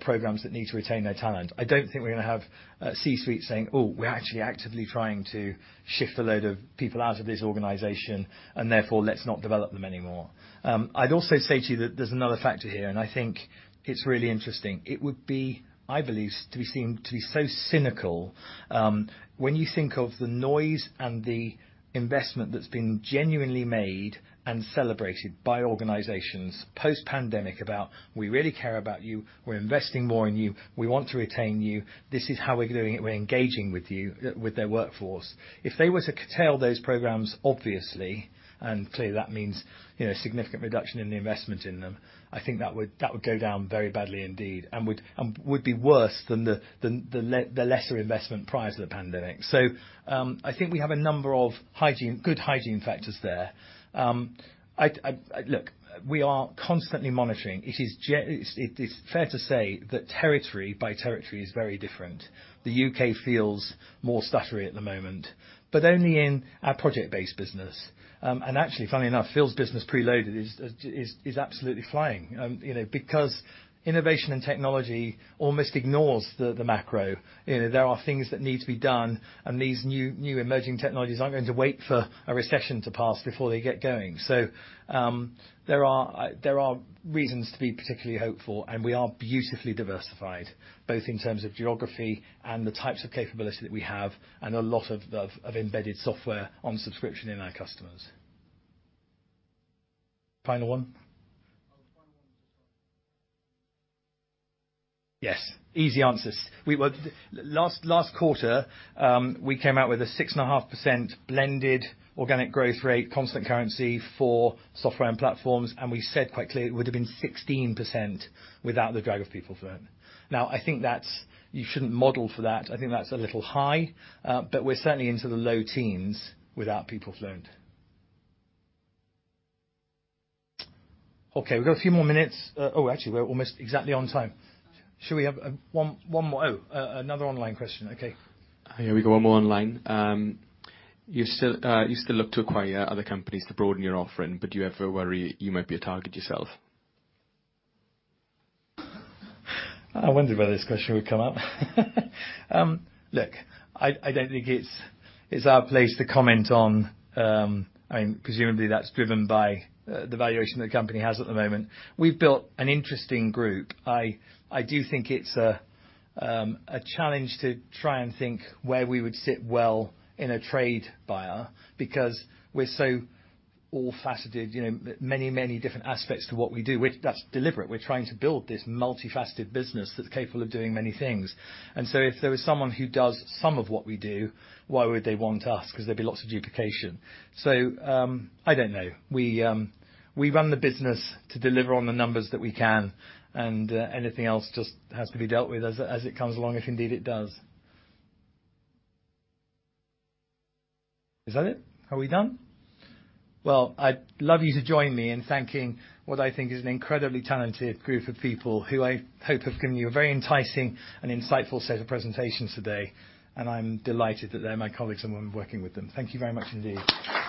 programs that need to retain their talent. I don't think we're gonna have a C-suite saying, "Oh, we're actually actively trying to shift a load of people out of this organization, and therefore, let's not develop them anymore." I'd also say to you that there's another factor here, and I think it's really interesting. It would be, I believe, to be seen to be so cynical, when you think of the noise and the investment that's been genuinely made and celebrated by organizations post-pandemic about, "We really care about you. We're investing more in you. We want to retain you. This is how we're doing it. We're engaging with you," with their workforce. If they were to curtail those programs, obviously, and clearly that means, you know, significant reduction in the investment in them, I think that would go down very badly indeed, and would be worse than the lesser investment price of the pandemic. I think we have a number of good hygiene factors there. I'd look. We are constantly monitoring. It's fair to say that territory by territory is very different. The U.K. feels more stuttery at the moment, but only in our project-based business. Actually, funny enough, Phil's business Preloaded is absolutely flying, you know, because innovation and technology almost ignores the macro. You know, there are things that need to be done, and these new emerging technologies aren't going to wait for a recession to pass before they get going. There are reasons to be particularly hopeful, and we are beautifully diversified, both in terms of geography and the types of capability that we have, and a lot of embedded software on subscription in our customers. Final one? Oh, final one is just on. Yes. Easy answers. Last quarter, we came out with a 6.5% blended organic growth rate, constant currency for software and platforms, and we said quite clearly it would have been 16% without the drag of PeopleFluent. Now, I think that's you shouldn't model for that. I think that's a little high, but we're certainly into the low teens without PeopleFluent. Okay, we've got a few more minutes. Actually, we're almost exactly on time. Should we have one more? Another online question. Okay. Yeah. We got one more online. You still look to acquire other companies to broaden your offering, but do you ever worry you might be a target yourself? I wondered whether this question would come up. Look, I don't think it's our place to comment on. I mean, presumably that's driven by the valuation that the company has at the moment. We've built an interesting group. I do think it's a challenge to try and think where we would sit well in a trade buyer because we're so multifaceted, you know, many different aspects to what we do. That's deliberate. We're trying to build this multifaceted business that's capable of doing many things. If there is someone who does some of what we do, why would they want us? 'Cause there'd be lots of duplication. I don't know. We run the business to deliver on the numbers that we can, and anything else just has to be dealt with as it comes along, if indeed it does. Is that it? Are we done? Well, I'd love you to join me in thanking what I think is an incredibly talented group of people who I hope have given you a very enticing and insightful set of presentations today, and I'm delighted that they're my colleagues and I'm working with them. Thank you very much indeed.